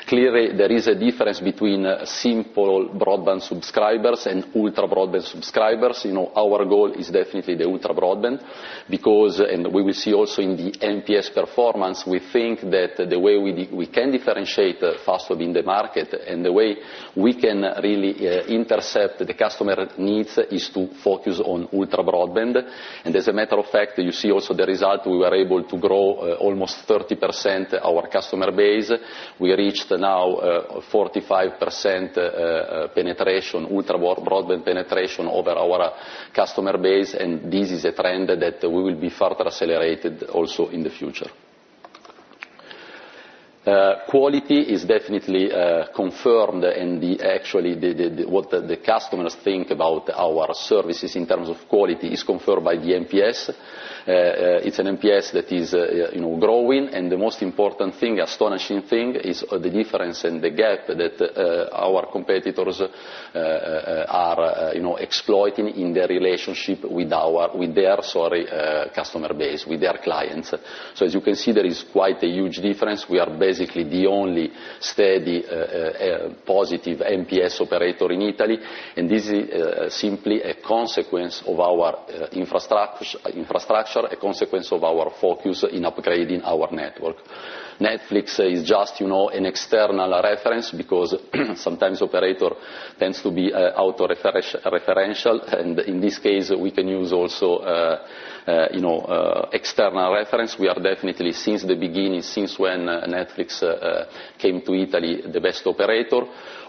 Clearly, there is a difference between simple broadband subscribers and ultra-broadband subscribers. Our goal is definitely the ultra-broadband because, and we will see also in the NPS performance, we think that the way we can differentiate Fastweb in the market and the way we can really intercept the customer needs is to focus on ultra-broadband. As a matter of fact, you see also the result, we were able to grow almost 30% our customer base. We reached now 45% ultra-broadband penetration over our customer base, and this is a trend that will be further accelerated also in the future. Quality is definitely confirmed, and actually what the customers think about our services in terms of quality is confirmed by the NPS. It's an NPS that is growing, and the most important thing, astonishing thing, is the difference and the gap that our competitors are exploiting in their relationship with their customer base, with their clients. As you can see, there is quite a huge difference. We are basically the only steady, positive NPS operator in Italy, and this is simply a consequence of our infrastructure, a consequence of our focus in upgrading our network. Netflix is just an external reference because sometimes operator tends to be auto-referential, and in this case, we can use also external reference. We are definitely, since the beginning, since when Netflix came to Italy, the best operator.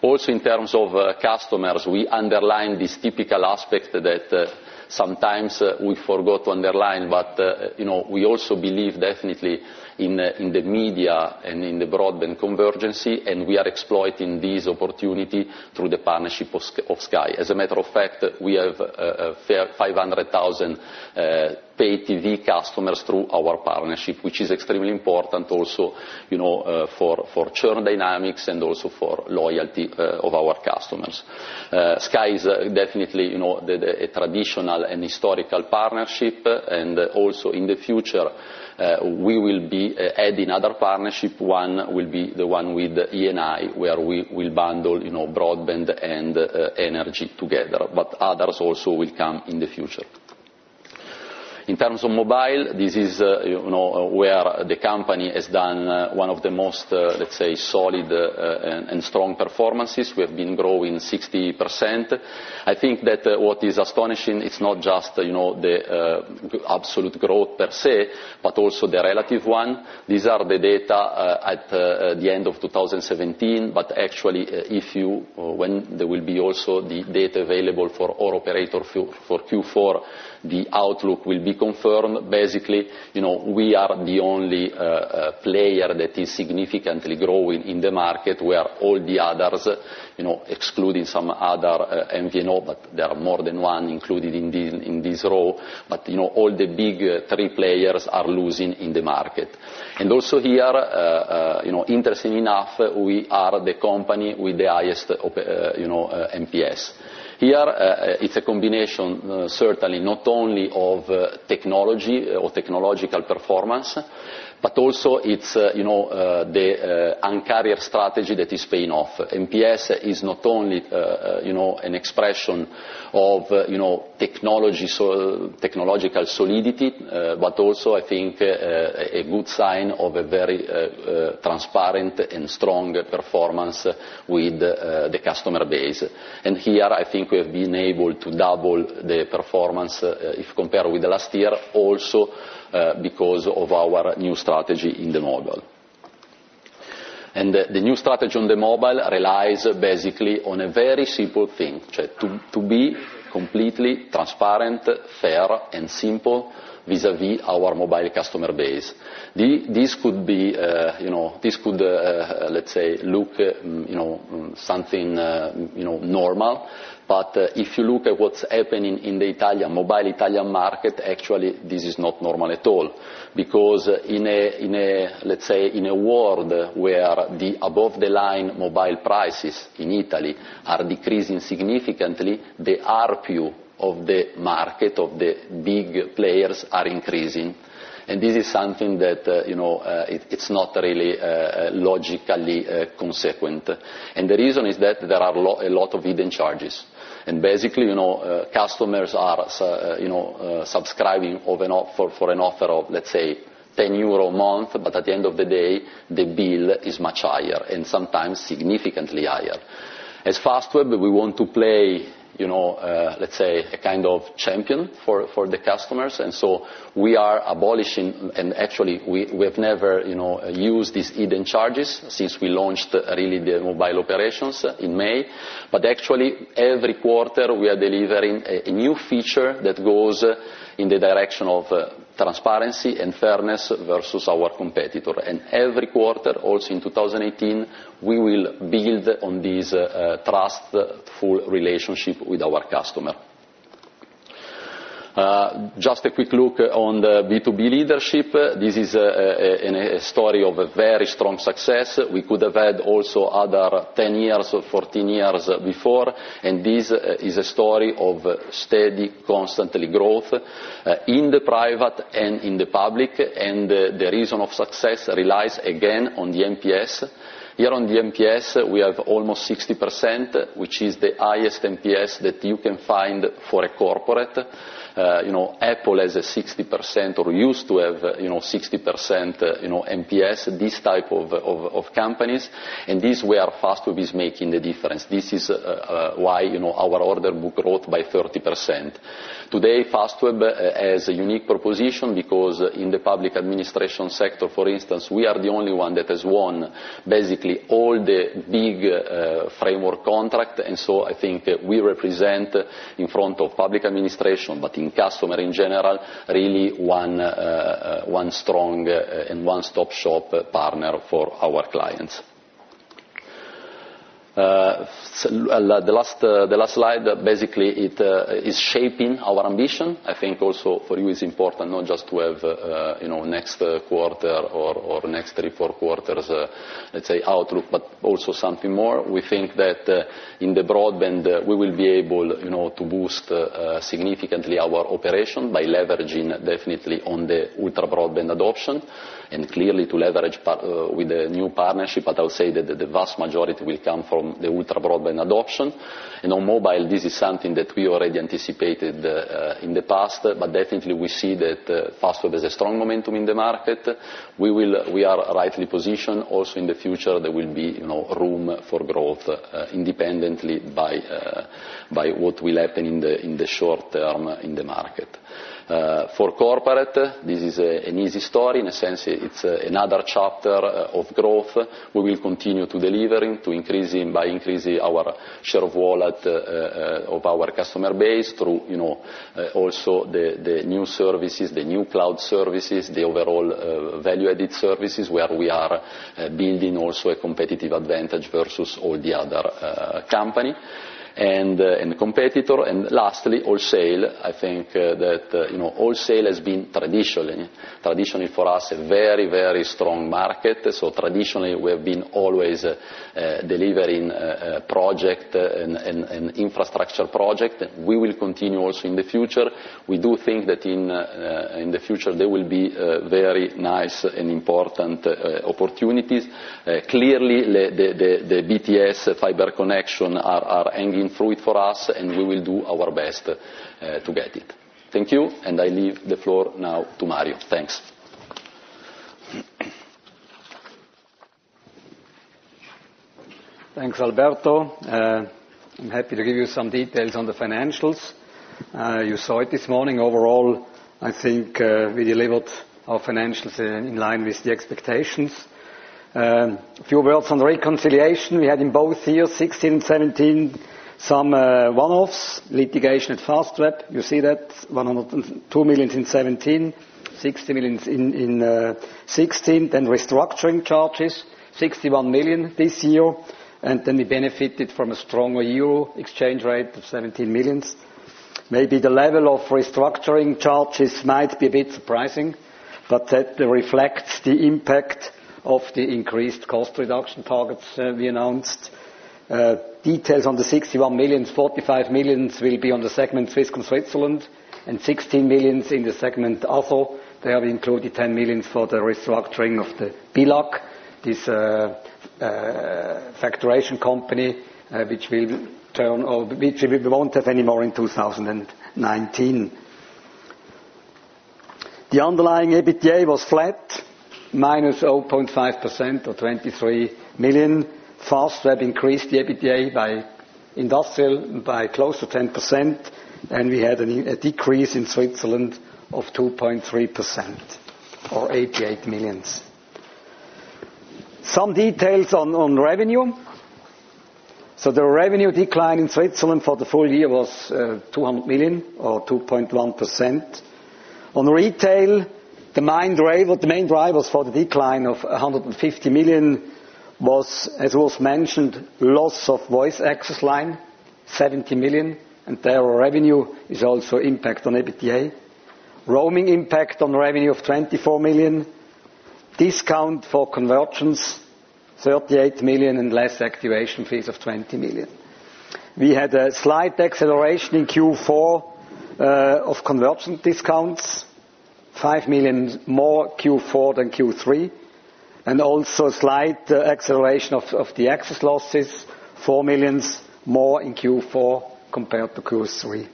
Also in terms of customers, we underline this typical aspect that sometimes we forgot to underline, but we also believe definitely in the media and in the broadband convergence, and we are exploiting this opportunity through the partnership of Sky. As a matter of fact, we have 500,000 pay TV customers through our partnership, which is extremely important also for churn dynamics and also for loyalty of our customers. Sky is definitely a traditional and historical partnership, and also in the future, we will be adding other partnership. One will be the one with Eni, where we will bundle broadband and energy together, but others also will come in the future. In terms of mobile, this is where the company has done one of the most, let's say, solid and strong performances. We have been growing 60%. I think that what is astonishing, it's not just the absolute growth per se. Also the relative one. These are the data at the end of 2017, but actually, when there will be also the data available for all operator for Q4, the outlook will be confirmed. Basically, we are the only player that is significantly growing in the market, where all the others, excluding some other MVNO, but there are more than one included in this role. All the big three players are losing in the market. Also here, interesting enough, we are the company with the highest NPS. Here, it's a combination certainly not only of technology or technological performance, but also it's the Un-carrier strategy that is paying off. NPS is not only an expression of technological solidity, but also I think a good sign of a very transparent and strong performance with the customer base. Here, I think we've been able to double the performance if compared with the last year, also because of our new strategy in the mobile. The new strategy on the mobile relies basically on a very simple thing, to be completely transparent, fair and simple vis-à-vis our mobile customer base. This could, let's say look something normal, but if you look at what's happening in the mobile Italian market, actually this is not normal at all. Let's say in a world where the above the line mobile prices in Italy are decreasing significantly, the ARPU of the market of the big players are increasing. This is something that it's not really logically consequent. The reason is that there are a lot of hidden charges, and basically, customers are subscribing for an offer of, let's say 10 euro a month, but at the end of the day, the bill is much higher and sometimes significantly higher. As Fastweb, we want to play, let's say a kind of champion for the customers. So we are abolishing, and actually we have never used these hidden charges since we launched, really the mobile operations in May. Actually every quarter we are delivering a new feature that goes in the direction of transparency and fairness versus our competitor. Every quarter also in 2018, we will build on this trustful relationship with our customer. Just a quick look on the B2B leadership. This is a story of a very strong success. We could have had also other 10 years or 14 years before, this is a story of steady, constantly growth in the private and in the public. The reason of success relies again on the NPS. Here on the NPS, we have almost 60%, which is the highest NPS that you can find for a corporate. Apple has a 60% or used to have 60% NPS, these type of companies. This where Fastweb is making the difference. This is why our order book growth by 30%. Today, Fastweb has a unique proposition because in the public administration sector, for instance, we are the only one that has won, basically all the big framework contract. I think we represent in front of public administration, but in customer in general, really one strong and one-stop-shop partner for our clients. The last slide, basically, it is shaping our ambition. I think also for you it's important not just to have next quarter or next three, four quarters, let's say outlook, but also something more. We think that in the broadband we will be able to boost significantly our operation by leveraging definitely on the ultra-broadband adoption and clearly to leverage with the new partnership. I'll say that the vast majority will come from the ultra-broadband adoption. In mobile, this is something that we already anticipated in the past, but definitely we see that Fastweb has a strong momentum in the market. We are rightly positioned also in the future, there will be room for growth independently by what will happen in the short term in the market. For corporate, this is an easy story. In a sense, it's another chapter of growth. We will continue to delivering, to increasing by increasing our share of wallet of our customer base through also the new services, the new cloud services, the overall value-added services, where we are building also a competitive advantage versus all the other company and competitor. Lastly, wholesale. I think that wholesale has been traditionally for us, a very strong market. Traditionally we have been always delivering project and infrastructure project. We will continue also in the future. We do think that in the future there will be very nice and important opportunities. Clearly, the BTS fiber connection are hanging fruit for us, we will do our best to get it. Thank you, I leave the floor now to Mario. Thanks. Thanks, Alberto. I'm happy to give you some details on the financials. You saw it this morning. Overall, I think we delivered our financials in line with the expectations. A few words on the reconciliation. We had in both years 2016 and 2017, some one-offs. Litigation at Fastweb. You see that, 102 million in 2017, 60 million in 2016. Restructuring charges, 61 million this year. We benefited from a strong EUR exchange rate of 17 million. Maybe the level of restructuring charges might be a bit surprising, that reflects the impact of the increased cost reduction targets we announced. Details on the 61 million, 45 million will be on the segment Swisscom Switzerland and 16 million in the segment. [inaudible] They have included 10 million for the restructuring of the Billag. This facturation company, which we won't have anymore in 2019. The underlying EBITDA was flat, -0.5% or 23 million. Fastweb increased EBITDA by Industrial by close to 10%, we had a decrease in Switzerland of 2.3% or 88 million. Some details on revenue. The revenue decline in Switzerland for the full year was 200 million or 2.1%. On retail, the main drivers for the decline of 150 million was, as was mentioned, loss of voice access line, 70 million, their revenue is also impact on EBITDA. Roaming impact on revenue of 24 million. Discount for conversions, 38 million and less activation fees of 20 million. We had a slight acceleration in Q4 of conversion discounts, 5 million more Q4 than Q3. Also slight acceleration of the access losses, 4 million more in Q4 compared to Q3.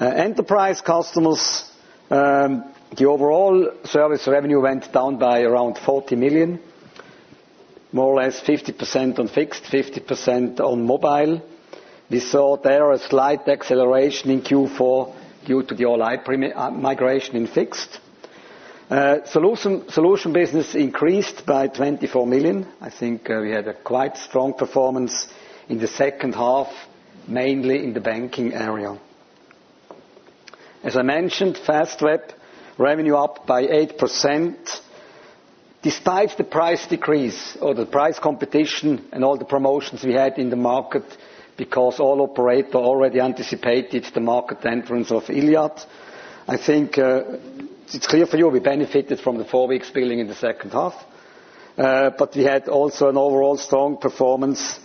Enterprise customers, the overall service revenue went down by around 40 million, more or less 50% on fixed, 50% on mobile. We saw there a slight acceleration in Q4 due to the All-IP migration in fixed. Solution business increased by 24 million. I think we had a quite strong performance in the second half, mainly in the banking area. As I mentioned, Fastweb revenue up by 8%. Despite the price decrease or the price competition and all the promotions we had in the market because all operator already anticipated the market entrance of Iliad. I think it's clear for you, we benefited from the four weeks billing in the second half. We had also an overall strong performance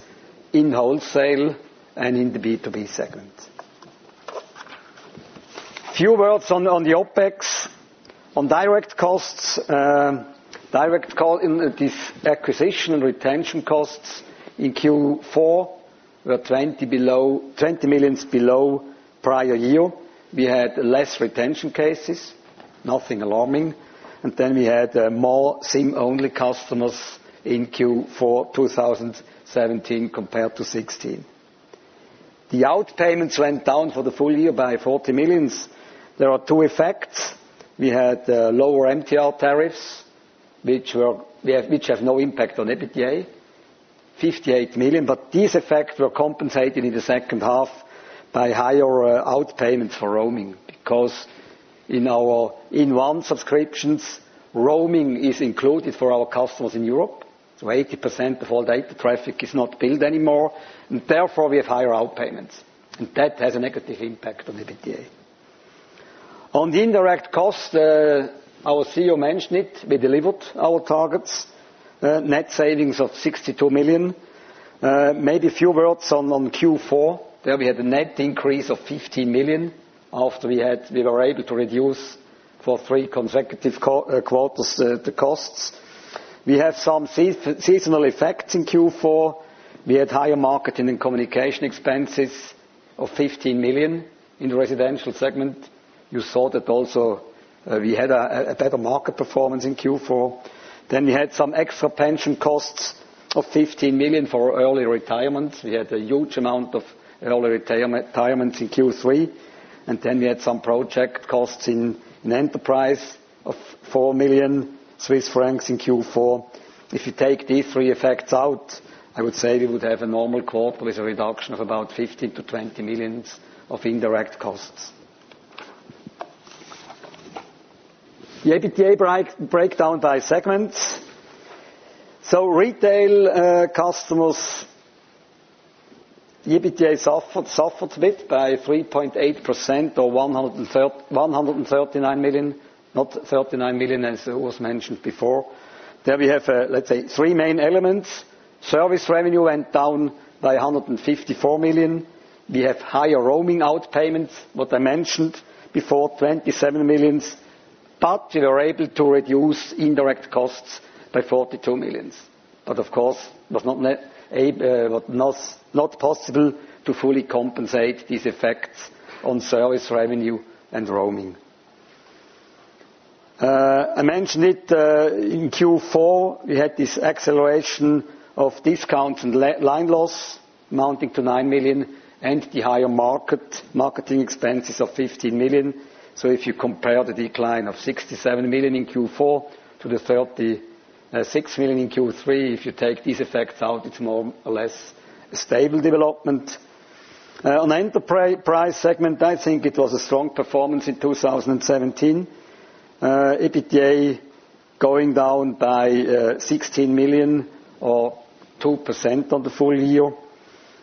in wholesale and in the B2B segment. A few words on the OpEx. On direct costs, direct cost in this acquisition and retention costs in Q4 were 20 million below prior year. We had less retention cases, nothing alarming. We had more SIM-only customers in Q4 2017 compared to 2016. The outpayments went down for the full year by 40 million. There are two effects. We had lower MTR tariffs which have no impact on EBITDA, 58 million. These effects were compensated in the second half by higher outpayments for roaming because in our inOne subscriptions, roaming is included for our customers in Europe. 80% of all data traffic is not billed anymore, therefore we have higher outpayments, that has a negative impact on EBITDA. On the indirect cost, our CEO mentioned it, we delivered our targets. Net savings of 62 million. Maybe a few words on Q4. There we had a net increase of 15 million after we were able to reduce for three consecutive quarters the costs. We had some seasonal effects in Q4. We had higher marketing and communication expenses of 15 million in the residential segment. You saw that also we had a better market performance in Q4. We had some extra pension costs of 15 million for early retirement. We had a huge amount of early retirement in Q3, we had some project costs in enterprise of 4 million Swiss francs in Q4. If you take these three effects out, I would say we would have a normal quarter with a reduction of about 15 million-20 million of indirect costs. The EBITDA breakdown by segments. Retail customers, EBITDA suffered a bit by 3.8% or 139 million, not 39 million as it was mentioned before. We have, let's say, three main elements. Service revenue went down by 154 million. We have higher roaming outpayments, what I mentioned before, 27 million, but we were able to reduce indirect costs by 42 million. Of course, was not possible to fully compensate these effects on service revenue and roaming. I mentioned it, in Q4 we had this acceleration of discount and line loss amounting to 9 million and the higher marketing expenses of 15 million. If you compare the decline of 67 million in Q4 to the 36 million in Q3, if you take these effects out, it is more or less a stable development. On enterprise segment, I think it was a strong performance in 2017. EBITDA going down by 16 million or 2% on the full year.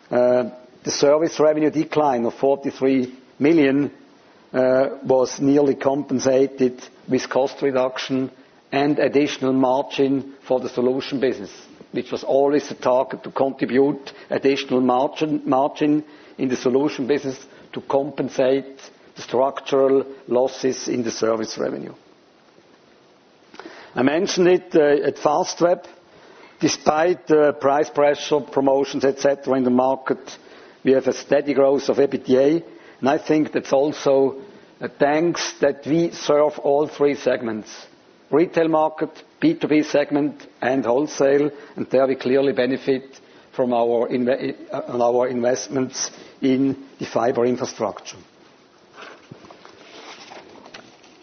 The service revenue decline of 43 million was nearly compensated with cost reduction and additional margin for the solution business, which was always the target to contribute additional margin in the solution business to compensate the structural losses in the service revenue. I mentioned it at Fastweb, despite the price pressure, promotions, et cetera in the market, we have a steady growth of EBITDA. I think that is also thanks that we serve all three segments, retail market, B2B segment, and wholesale, and there we clearly benefit on our investments in the fiber infrastructure.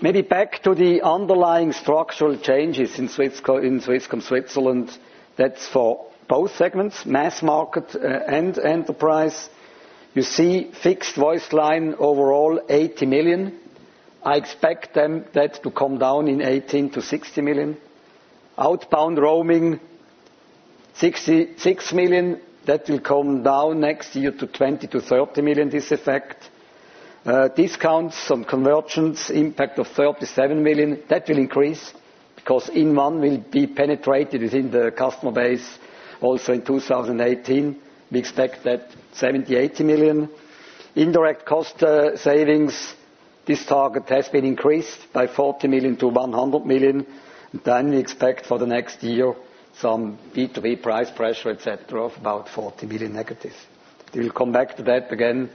Maybe back to the underlying structural changes in Swisscom Switzerland. That is for both segments, mass market and enterprise. You see fixed voice line overall 80 million. I expect that to come down in 2018 to 60 million. Outbound roaming 66 million, that will come down next year to 20 million-30 million, this effect. Discounts on conversions impact of 37 million, that will increase because inOne will be penetrated within the customer base also in 2018. We expect that 70 million-80 million. Indirect cost savings, this target has been increased by 40 million to 100 million. We expect for the next year some B2B price pressure, et cetera, of about 40 million negative. We will come back to that again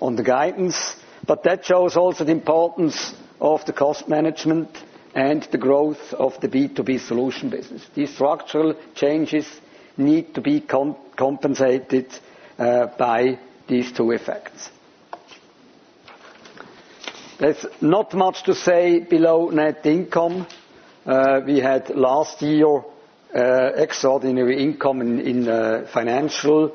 on the guidance. That shows also the importance of the cost management and the growth of the B2B solution business. These structural changes need to be compensated by these two effects. There is not much to say below net income. We had last year extraordinary income in financial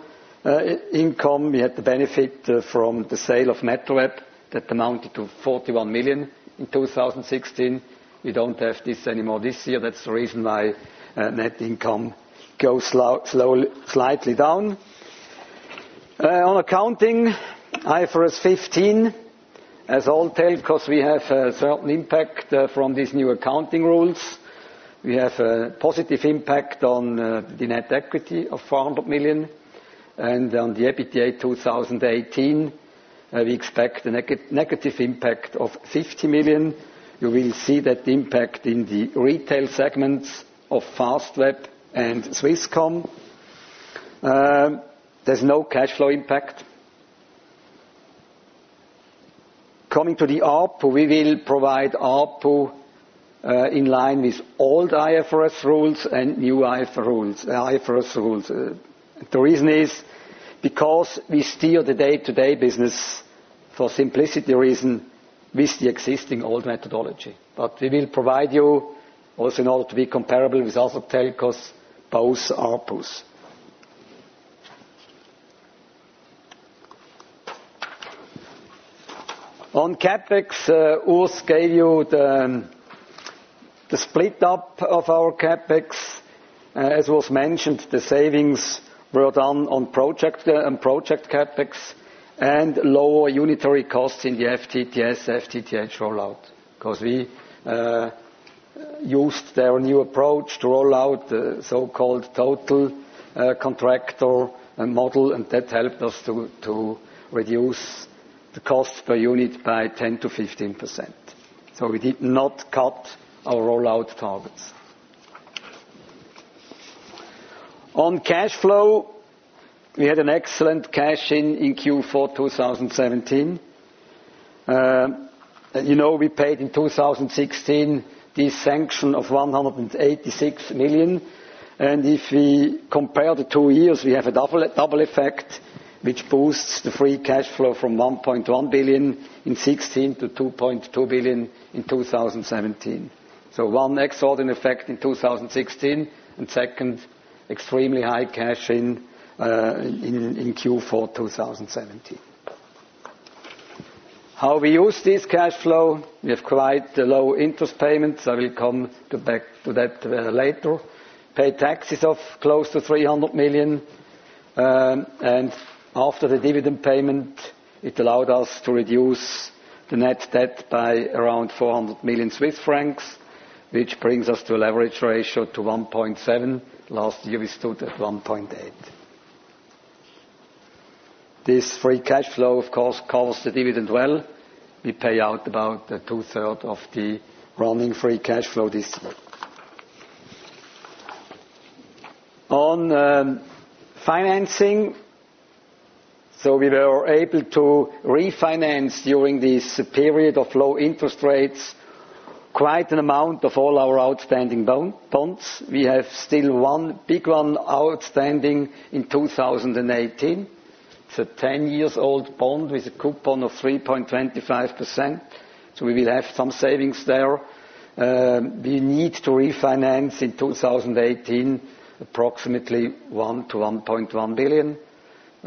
income. We had the benefit from the sale of MetroWeb that amounted to 41 million in 2016. We do not have this anymore this year. That is the reason why net income goes slightly down. On accounting, IFRS 15, as all tell, because we have a certain impact from these new accounting rules. We have a positive impact on the net equity of 400 million. On the EBITDA 2018, we expect a negative impact of 50 million. You will see that impact in the retail segments of Fastweb and Swisscom. There is no cash flow impact. Coming to the ARPU, we will provide ARPU in line with old IFRS rules and new IFRS rules. The reason is because we steer the day-to-day business for simplicity reason with the existing old methodology. We will provide you also in order to be comparable with other telcos, both ARPUs. On CapEx, Urs gave you the split up of our CapEx. As was mentioned, the savings were done on project CapEx and lower unitary costs in the FTTS, FTTH rollout because we used our new approach to roll out the so-called total contractor model and that helped us to reduce the cost per unit by 10%-15%. We did not cut our rollout targets. On cash flow, we had an excellent cash in in Q4 2017. As you know we paid in 2016 the sanction of 186 million and if we compare the two years we have a double effect which boosts the free cash flow from 1.1 billion in 2016 to 2.2 billion in 2017. One extraordinary effect in 2016 and second extremely high cash in in Q4 2017. How we use this cash flow? We have quite low interest payments. I will come back to that later. Paid taxes of close to 300 million and after the dividend payment it allowed us to reduce the net debt by around 400 million Swiss francs which brings us to a leverage ratio to 1.7. Last year we stood at 1.8. This free cash flow of course covers the dividend well. We pay out about 2/3 of the running free cash flow this year. On financing, we were able to refinance during this period of low interest rates quite an amount of all our outstanding bonds. We have still one big one outstanding in 2018. It's a 10-year-old bond with a coupon of 3.25%, we will have some savings there. We need to refinance in 2018 approximately 1 billion to 1.1 billion.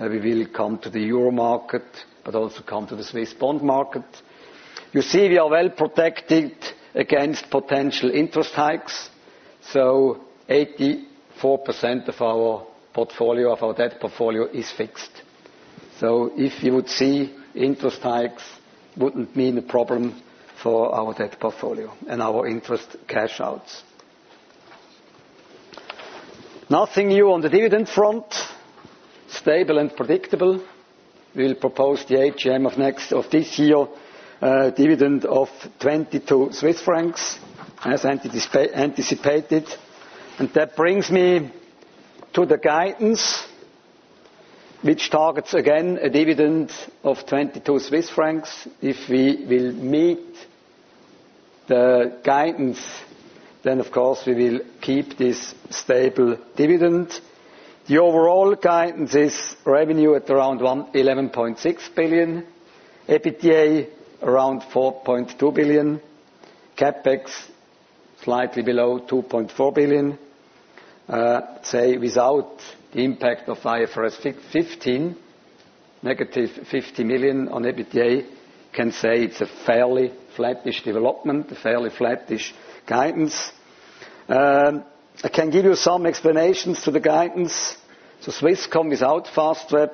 We will come to the Euro market, also come to the Swiss bond market. You see we are well-protected against potential interest hikes, 84% of our debt portfolio is fixed. If you would see interest hikes wouldn't mean a problem for our debt portfolio and our interest cash outs. Nothing new on the dividend front, stable and predictable. We'll propose the AGM of this year a dividend of 22 Swiss francs as anticipated. That brings me to the guidance, which targets again a dividend of 22 Swiss francs. If we will meet the guidance, of course we will keep this stable dividend. The overall guidance is revenue at around 11.6 billion, EBITDA around 4.2 billion, CapEx slightly below 2.4 billion. Say without the impact of IFRS 15, negative 50 million on EBITDA can say it's a fairly flattish development, a fairly flattish guidance. I can give you some explanations to the guidance. Swisscom without Fastweb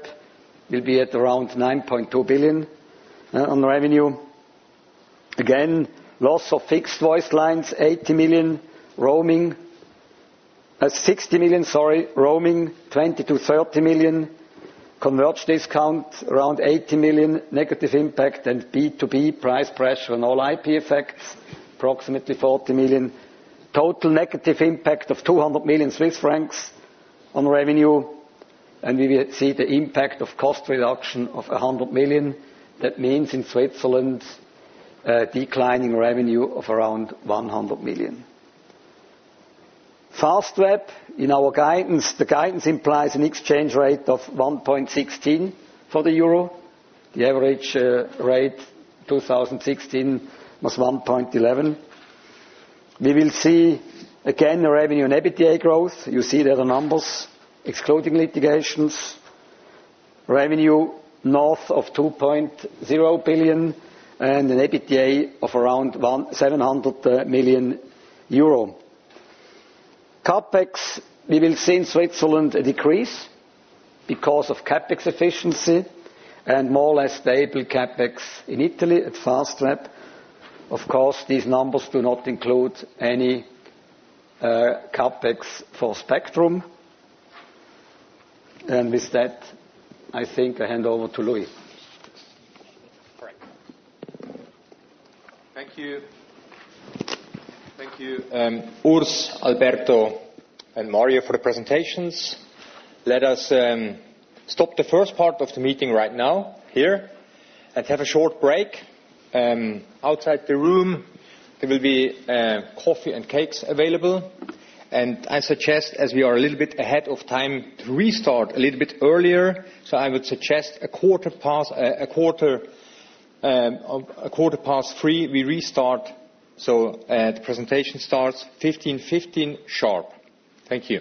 will be at around 9.2 billion on revenue. Again, loss of fixed voice lines, 60 million; roaming, 20 million to 30 million; converged discount, around 80 million negative impact; B2B price pressure and All-IP effects, approximately 40 million. Total negative impact of 200 million Swiss francs on revenue, and we will see the impact of cost reduction of 100 million. That means in Switzerland a declining revenue of around 100 million. Fastweb in our guidance, the guidance implies an exchange rate of 1.16 for the EUR. The average rate 2016 was 1.11. We will see again a revenue and EBITDA growth. You see there the numbers excluding litigations, revenue north of 2.0 billion and an EBITDA of around 700 million euro. CapEx, we will see in Switzerland a decrease because of CapEx efficiency and more or less stable CapEx in Italy at Fastweb. Of course, these numbers do not include any CapEx for spectrum. With that, I think I hand over to Louis. Great. Thank you. Thank you Urs, Alberto, and Mario for the presentations. Let us stop the first part of the meeting right now here and have a short break. Outside the room, there will be coffee and cakes available. I suggest as we are a little bit ahead of time to restart a little bit earlier. I would suggest 3:15 P.M. we restart, the presentation starts 3:15 P.M. sharp. Thank you.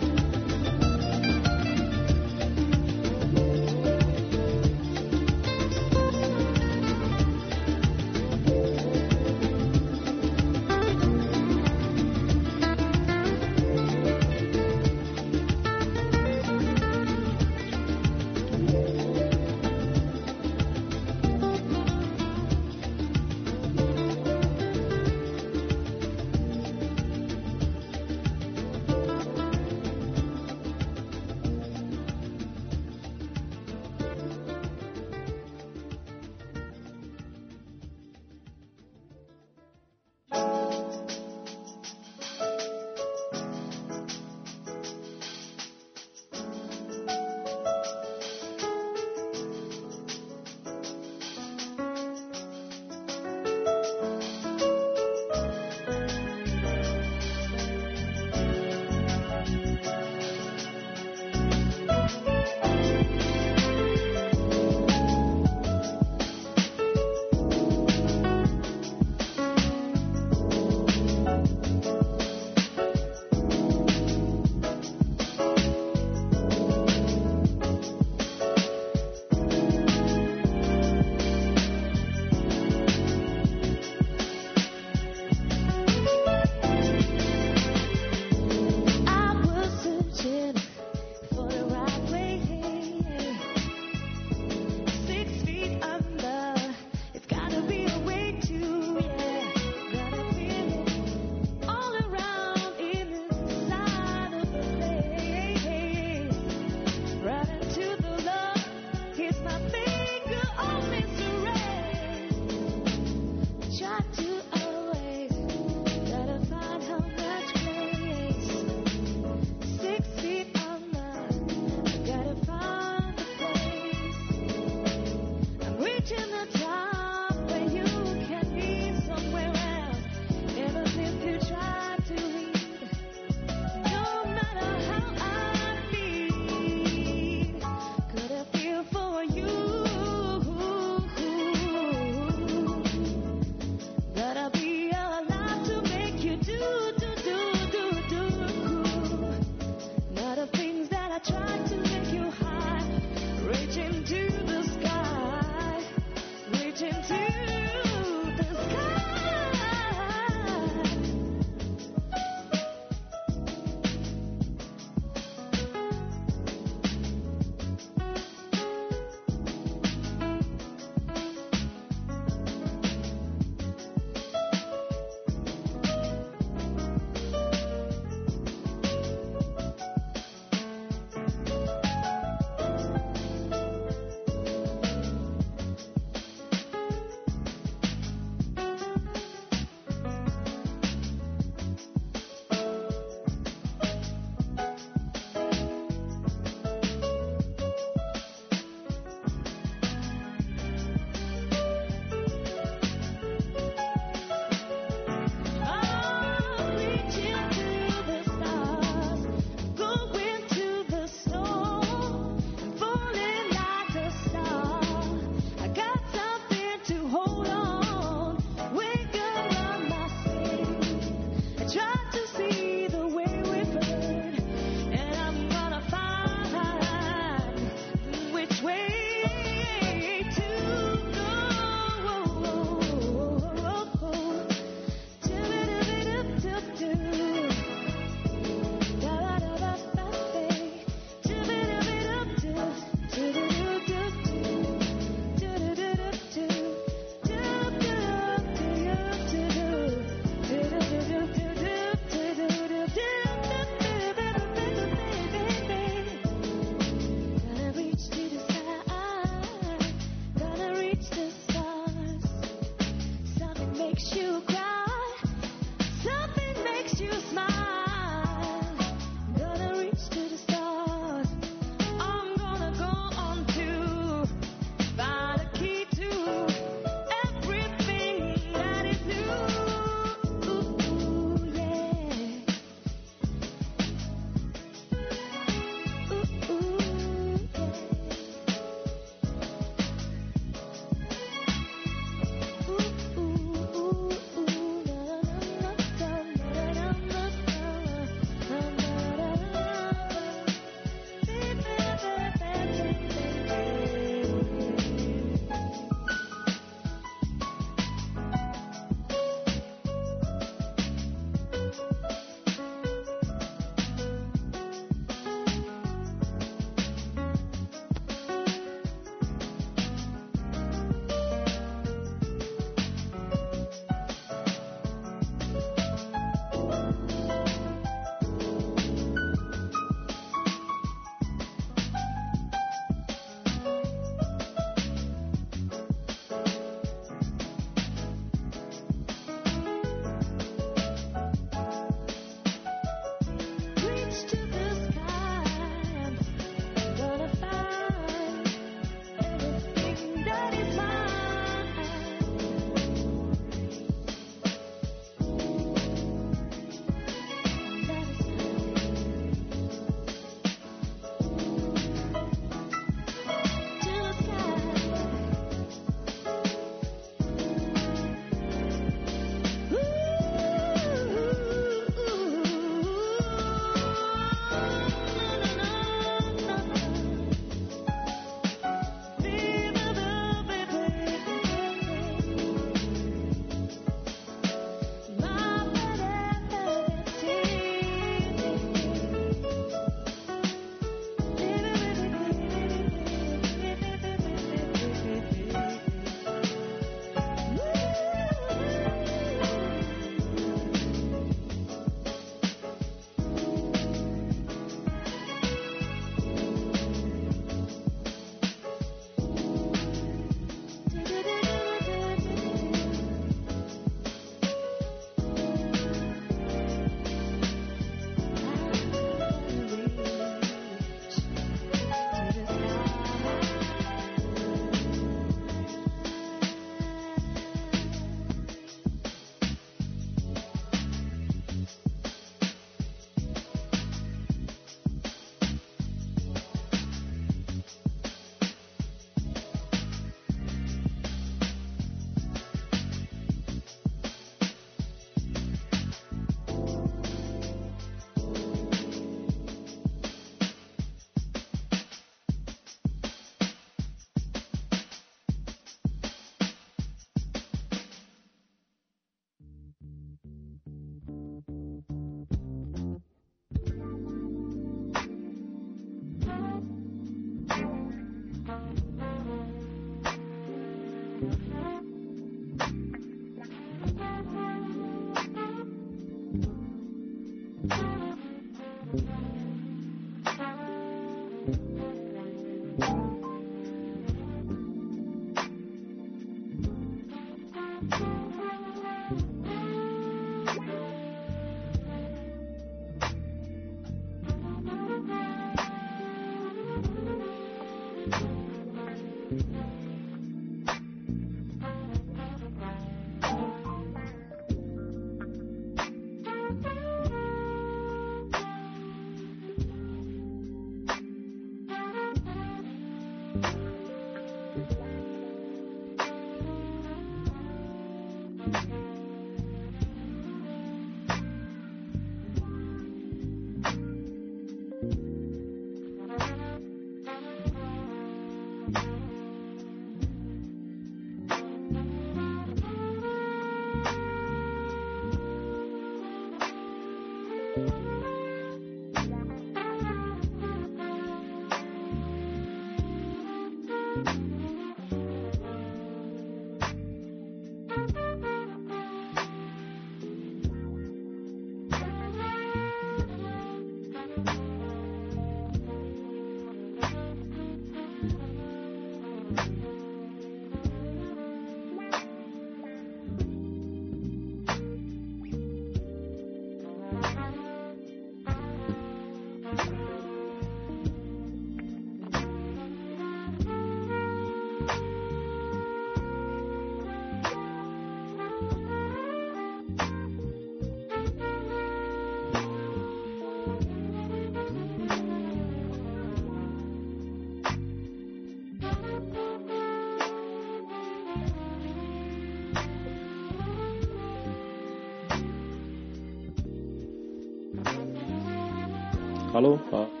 I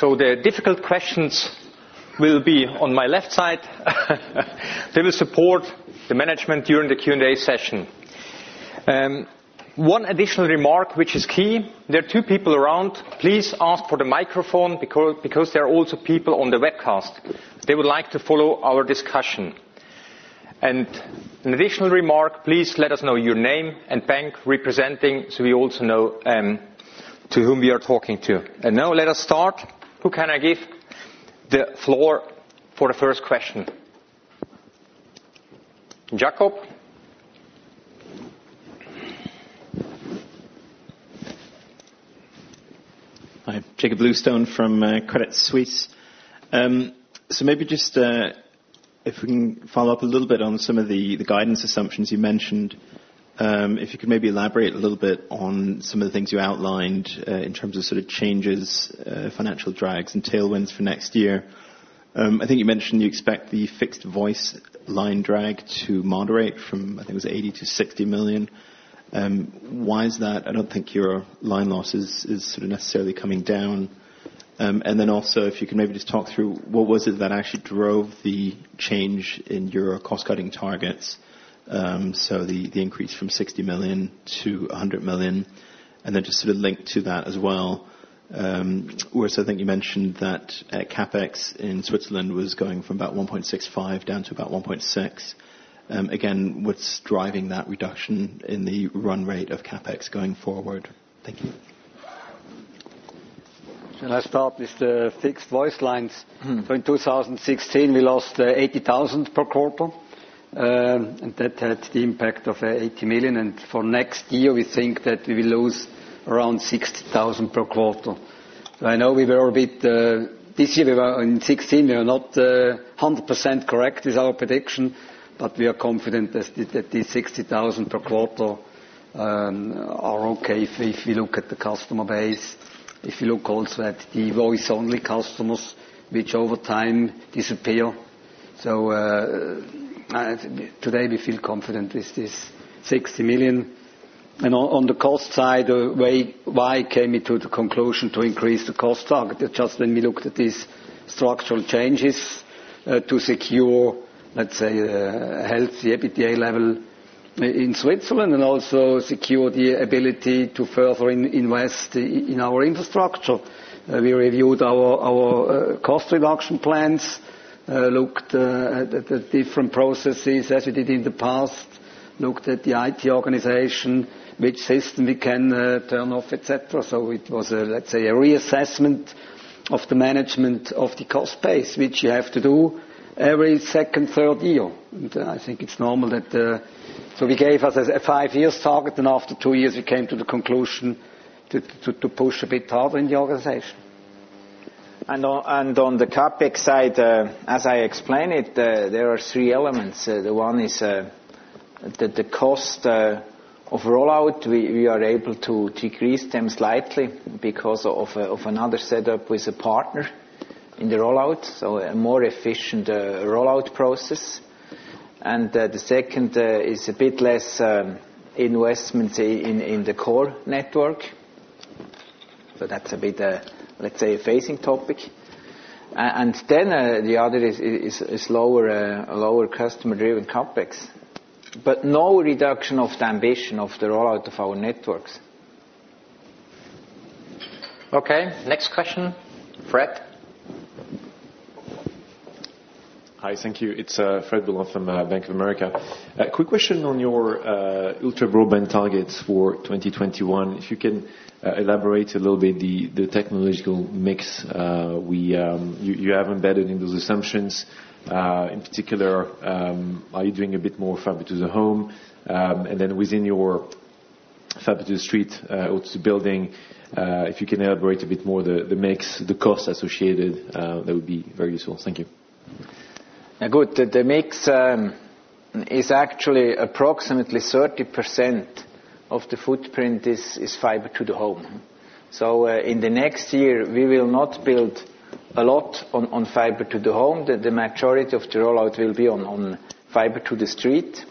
The difficult questions will be on my left side. They will support the management during the Q&A session. One additional remark, which is key, there are two people around. Please ask for the microphone because there are also people on the webcast. They would like to follow our discussion. An additional remark, please let us know your name and bank representing, so we also know to whom we are talking to. Now let us start. Who can I give the floor for the first question? Jakob? Hi. Jakob Bluestone from Credit Suisse. Maybe just if we can follow up a little bit on some of the guidance assumptions you mentioned. If you could maybe elaborate a little bit on some of the things you outlined, in terms of sort of changes, financial drags and tailwinds for next year. I think you mentioned you expect the fixed voice line drag to moderate from, I think it was 80 million to 60 million. Why is that? I don't think your line loss is sort of necessarily coming down. And then also, if you could maybe just talk through what was it that actually drove the change in your cost-cutting targets? The increase from 60 million to 100 million. And then just sort of link to that as well. Urs, I think you mentioned that CapEx in Switzerland was going from about 1.65 down to about 1.6. Again, what's driving that reduction in the run rate of CapEx going forward? Thank you. Shall I start with the fixed voice lines? In 2016, we lost 80,000 per quarter, and that had the impact of 80 million. For next year, we think that we will lose around 60,000 per quarter. I know this year, in 2016, we were not 100% correct with our prediction, but we are confident that the 60,000 per quarter are okay if you look at the customer base, if you look also at the voice-only customers, which over time disappear. Today we feel confident with this 60 million. On the cost side, why came we to the conclusion to increase the cost target? Just when we looked at these structural changes to secure, let's say, a healthy EBITDA level in Switzerland, and also secure the ability to further invest in our infrastructure. We reviewed our cost reduction plans. Looked at the different processes as we did in the past, looked at the IT organization, which system we can turn off, et cetera. It was, let's say, a reassessment of the management of the cost base, which you have to do every second, third year. I think it's normal that we gave us a five years target, and after two years we came to the conclusion to push a bit harder in the organization. On the CapEx side, as I explained it, there are three elements. The one is that the cost of rollout, we are able to decrease them slightly because of another setup with a partner in the rollout, a more efficient rollout process. The second is a bit less investment in the core network. That's a bit, let's say, a phasing topic. Then, the other is lower customer-driven CapEx. No reduction of the ambition of the rollout of our networks. Okay, next question. Fred? Hi. Thank you. It's Fred Boulan from Bank of America. Quick question on your ultra-broadband targets for 2021. If you can elaborate a little bit the technological mix you have embedded in those assumptions. In particular, are you doing a bit more fiber to the home? Then within your fiber to the street, or to building, if you can elaborate a bit more the mix, the cost associated, that would be very useful. Thank you. Good. The mix is actually approximately 30% of the footprint is fiber to the home. In the next year, we will not build a lot on fiber to the home. The majority of the rollout will be on fiber to the street,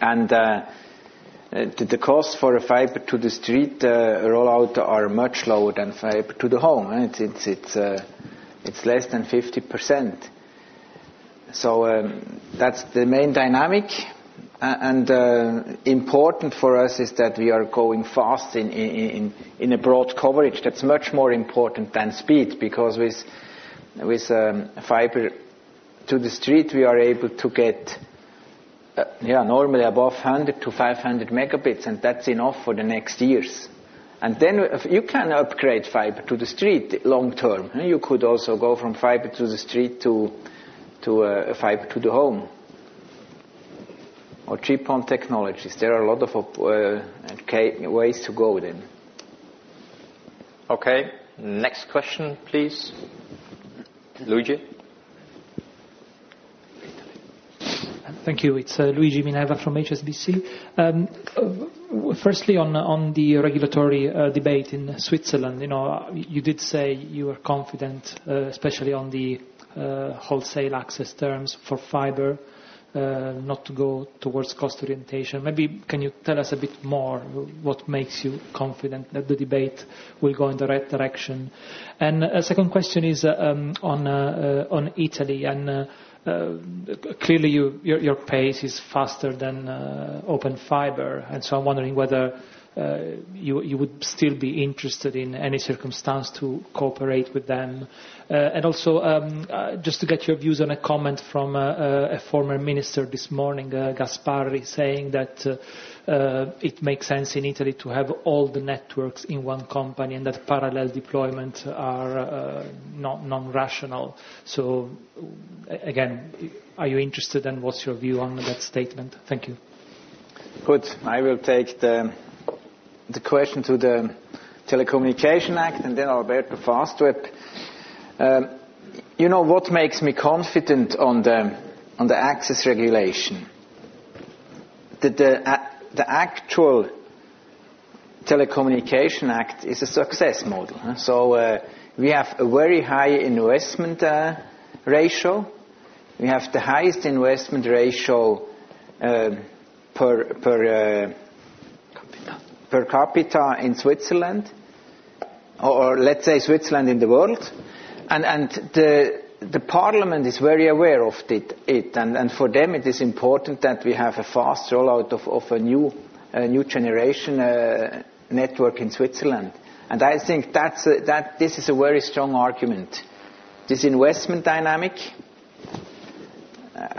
and the cost for a fiber to the street rollout are much lower than fiber to the home. It's less than 50%. That's the main dynamic, and important for us is that we are going fast in a broad coverage. That's much more important than speed, because with fiber to the street, we are able to get normally above 100 to 500 megabits, and that's enough for the next years. Then you can upgrade fiber to the street long-term, and you could also go from fiber to the street to fiber to the home, or GPON technologies. There are a lot of ways to go then. Okay. Next question, please. Luigi. Thank you. It's Luigi Minerva from HSBC. Firstly, on the regulatory debate in Switzerland, you did say you were confident, especially on the wholesale access terms for fiber, not to go towards cost orientation. Maybe can you tell us a bit more what makes you confident that the debate will go in the right direction? A second question is on Italy. Clearly, your pace is faster than Open Fiber, and so I'm wondering whether you would still be interested in any circumstance to cooperate with them. Also, just to get your views on a comment from a former minister this morning, Gasparri, saying that it makes sense in Italy to have all the networks in one company and that parallel deployment are non-rational. Again, are you interested, and what's your view on that statement? Thank you. Good. I will take the question to the Telecommunication Act and then Alberto for Fastweb. What makes me confident on the access regulation, that the actual Telecommunication Act is a success model. We have a very high investment ratio. We have the highest investment ratio per- Capita per capita in Switzerland, or let's say Switzerland in the world. The parliament is very aware of it, for them it is important that we have a fast rollout of a new generation network in Switzerland. I think this is a very strong argument, this investment dynamic.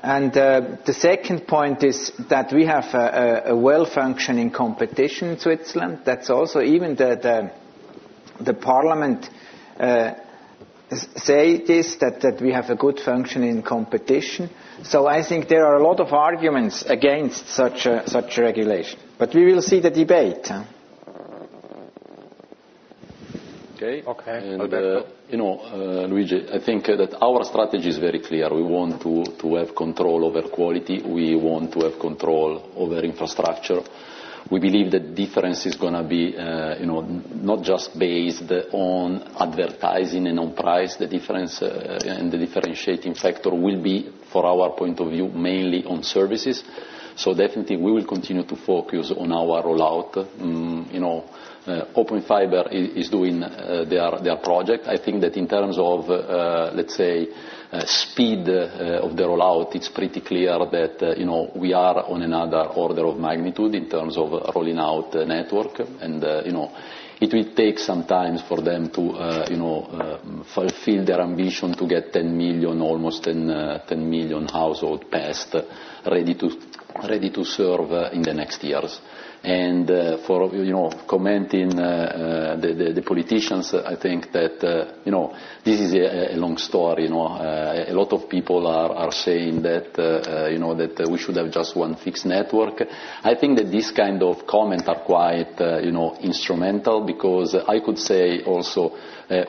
The second point is that we have a well-functioning competition in Switzerland. That's also even the parliament say this, that we have a good functioning competition. I think there are a lot of arguments against such a regulation, we will see the debate. Okay. Okay. Alberto. Luigi, I think that our strategy is very clear. We want to have control over quality. We want to have control over infrastructure. We believe the difference is going to be not just based on advertising and on price. The difference and the differentiating factor will be, for our point of view, mainly on services. Definitely we will continue to focus on our rollout. Open Fiber is doing their project. I think that in terms of, let's say, speed of the rollout, it's pretty clear that we are on another order of magnitude in terms of rolling out network, and it will take some time for them to fulfill their ambition to get 10 million, almost 10 million household passed, ready to serve in the next years. For commenting the politicians, I think that this is a long story. A lot of people are saying that we should have just one fixed network. I think that this kind of comment are quite instrumental because I could say also,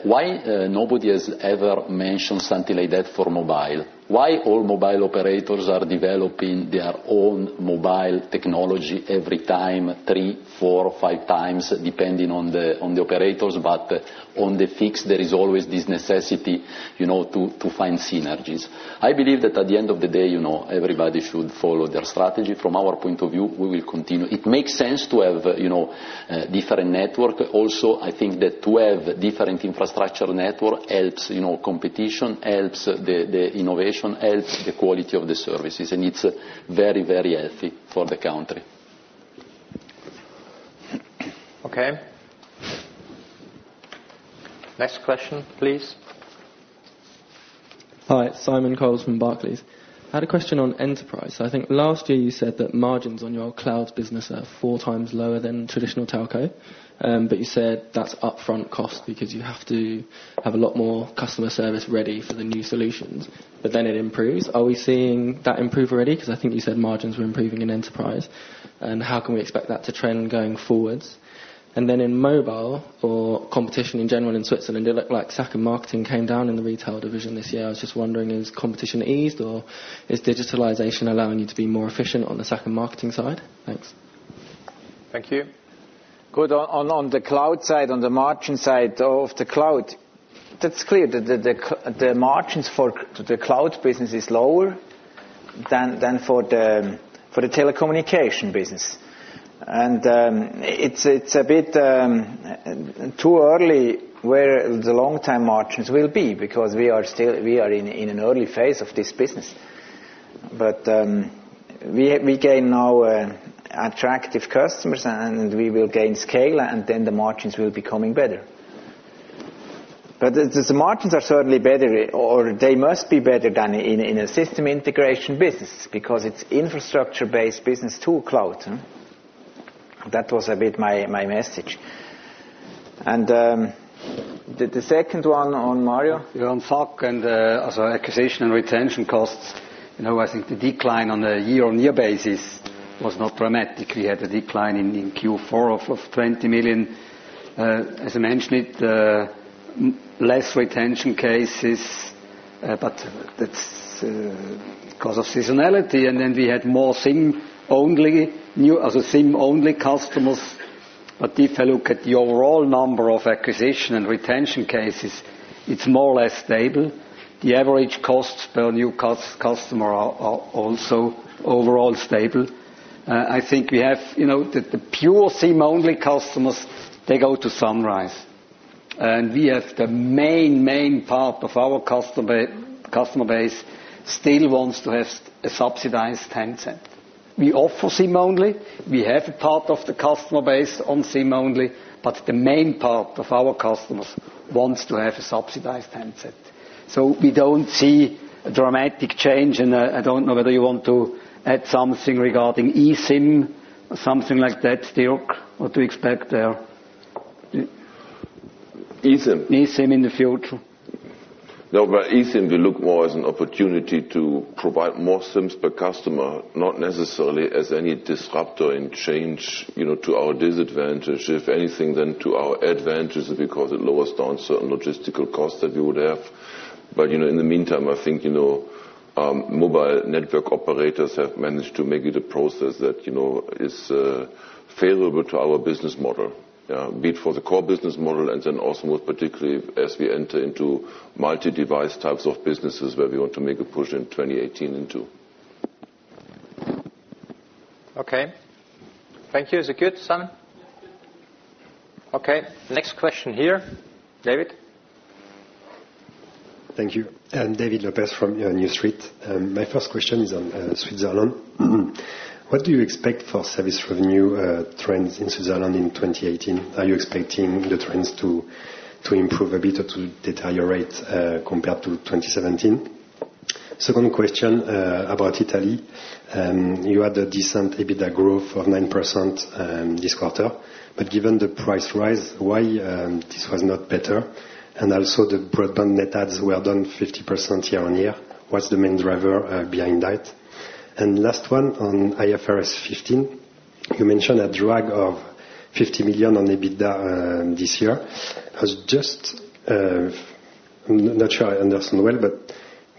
why nobody has ever mentioned something like that for mobile? Why all mobile operators are developing their own mobile technology every time, three, four, five times, depending on the operators, but on the fixed, there is always this necessity to find synergies. I believe that at the end of the day, everybody should follow their strategy. From our point of view, we will continue. It makes sense to have different network. I think that to have different infrastructure network helps competition, helps the innovation, helps the quality of the services, and it's very healthy for the country. Okay. Next question, please. Hi, Simon Coles from Barclays. I had a question on Enterprise. I think last year you said that margins on your cloud business are four times lower than traditional telco, but you said that's upfront cost because you have to have a lot more customer service ready for the new solutions, but then it improves. Are we seeing that improve already? Because I think you said margins were improving in Enterprise. How can we expect that to trend going forwards? Then in mobile or competition in general in Switzerland, it looked like SAC and marketing came down in the retail division this year. I was just wondering, has competition eased or is digitalization allowing you to be more efficient on the second marketing side? Thanks. Thank you. Good. On the cloud side, on the margin side of the cloud, that's clear. The margins for the cloud business is lower than for the telecommunication business. It's a bit too early where the long-term margins will be because we are in an early phase of this business. We gain now attractive customers and we will gain scale, and then the margins will becoming better. The margins are certainly better, or they must be better than in a system integration business because it's infrastructure-based business to cloud. That was a bit my message. The second one on Mario? SAC and also acquisition and retention costs, I think the decline on a year-on-year basis was not dramatic. We had a decline in Q4 of 20 million. As I mentioned it, less retention cases, but that's because of seasonality. We had more SIM-only customers. If I look at the overall number of acquisition and retention cases, it's more or less stable. The average costs per new customer are also overall stable. I think we have the pure SIM-only customers, they go to Sunrise. We have the main part of our customer base still wants to have a subsidized handset. We offer SIM-only. We have a part of the customer base on SIM-only, but the main part of our customers wants to have a subsidized handset. We don't see a dramatic change, and I don't know whether you want to add something regarding eSIM or something like that, Dirk, what to expect there? eSIM? eSIM in the future. eSIM we look more as an opportunity to provide more SIMs per customer, not necessarily as any disruptor in change to our disadvantage. If anything, then to our advantage because it lowers down certain logistical costs that we would have. In the meantime, I think mobile network operators have managed to make it a process that is favorable to our business model. Be it for the core business model also most particularly as we enter into multi-device types of businesses where we want to make a push in 2018 into. Okay. Thank you. Is it good, Simon? Yes, good. Okay, next question here. David? Thank you. David Lopez from New Street. My first question is on Switzerland. What do you expect for service revenue trends in Switzerland in 2018? Are you expecting the trends to improve a bit or to deteriorate compared to 2017? Second question about Italy. You had a decent EBITDA growth of 9% this quarter, but given the price rise, why this was not better? Also the broadband net adds were down 50% year-on-year. What's the main driver behind that? Last one on IFRS 15. You mentioned a drag of 50 million on EBITDA this year. I was just not sure I understand well, but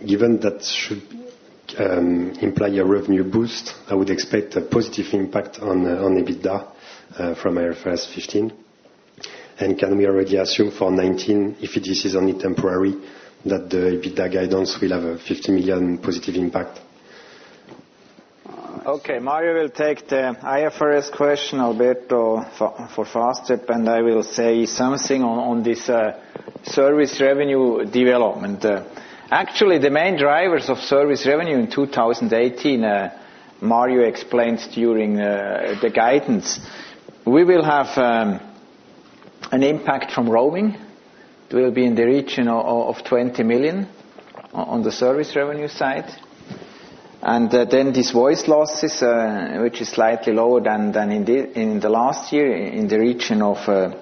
given that should imply a revenue boost, I would expect a positive impact on EBITDA from IFRS 15. Can we already assume for 2019, if this is only temporary, that the EBITDA guidance will have a 50 million positive impact? Okay, Mario will take the IFRS question. Alberto for Fastweb, and I will say something on this service revenue development. The main drivers of service revenue in 2018, Mario explained during the guidance. We will have an impact from roaming. It will be in the region of 20 million on the service revenue side. This voice losses, which is slightly lower than in the last year, in the region of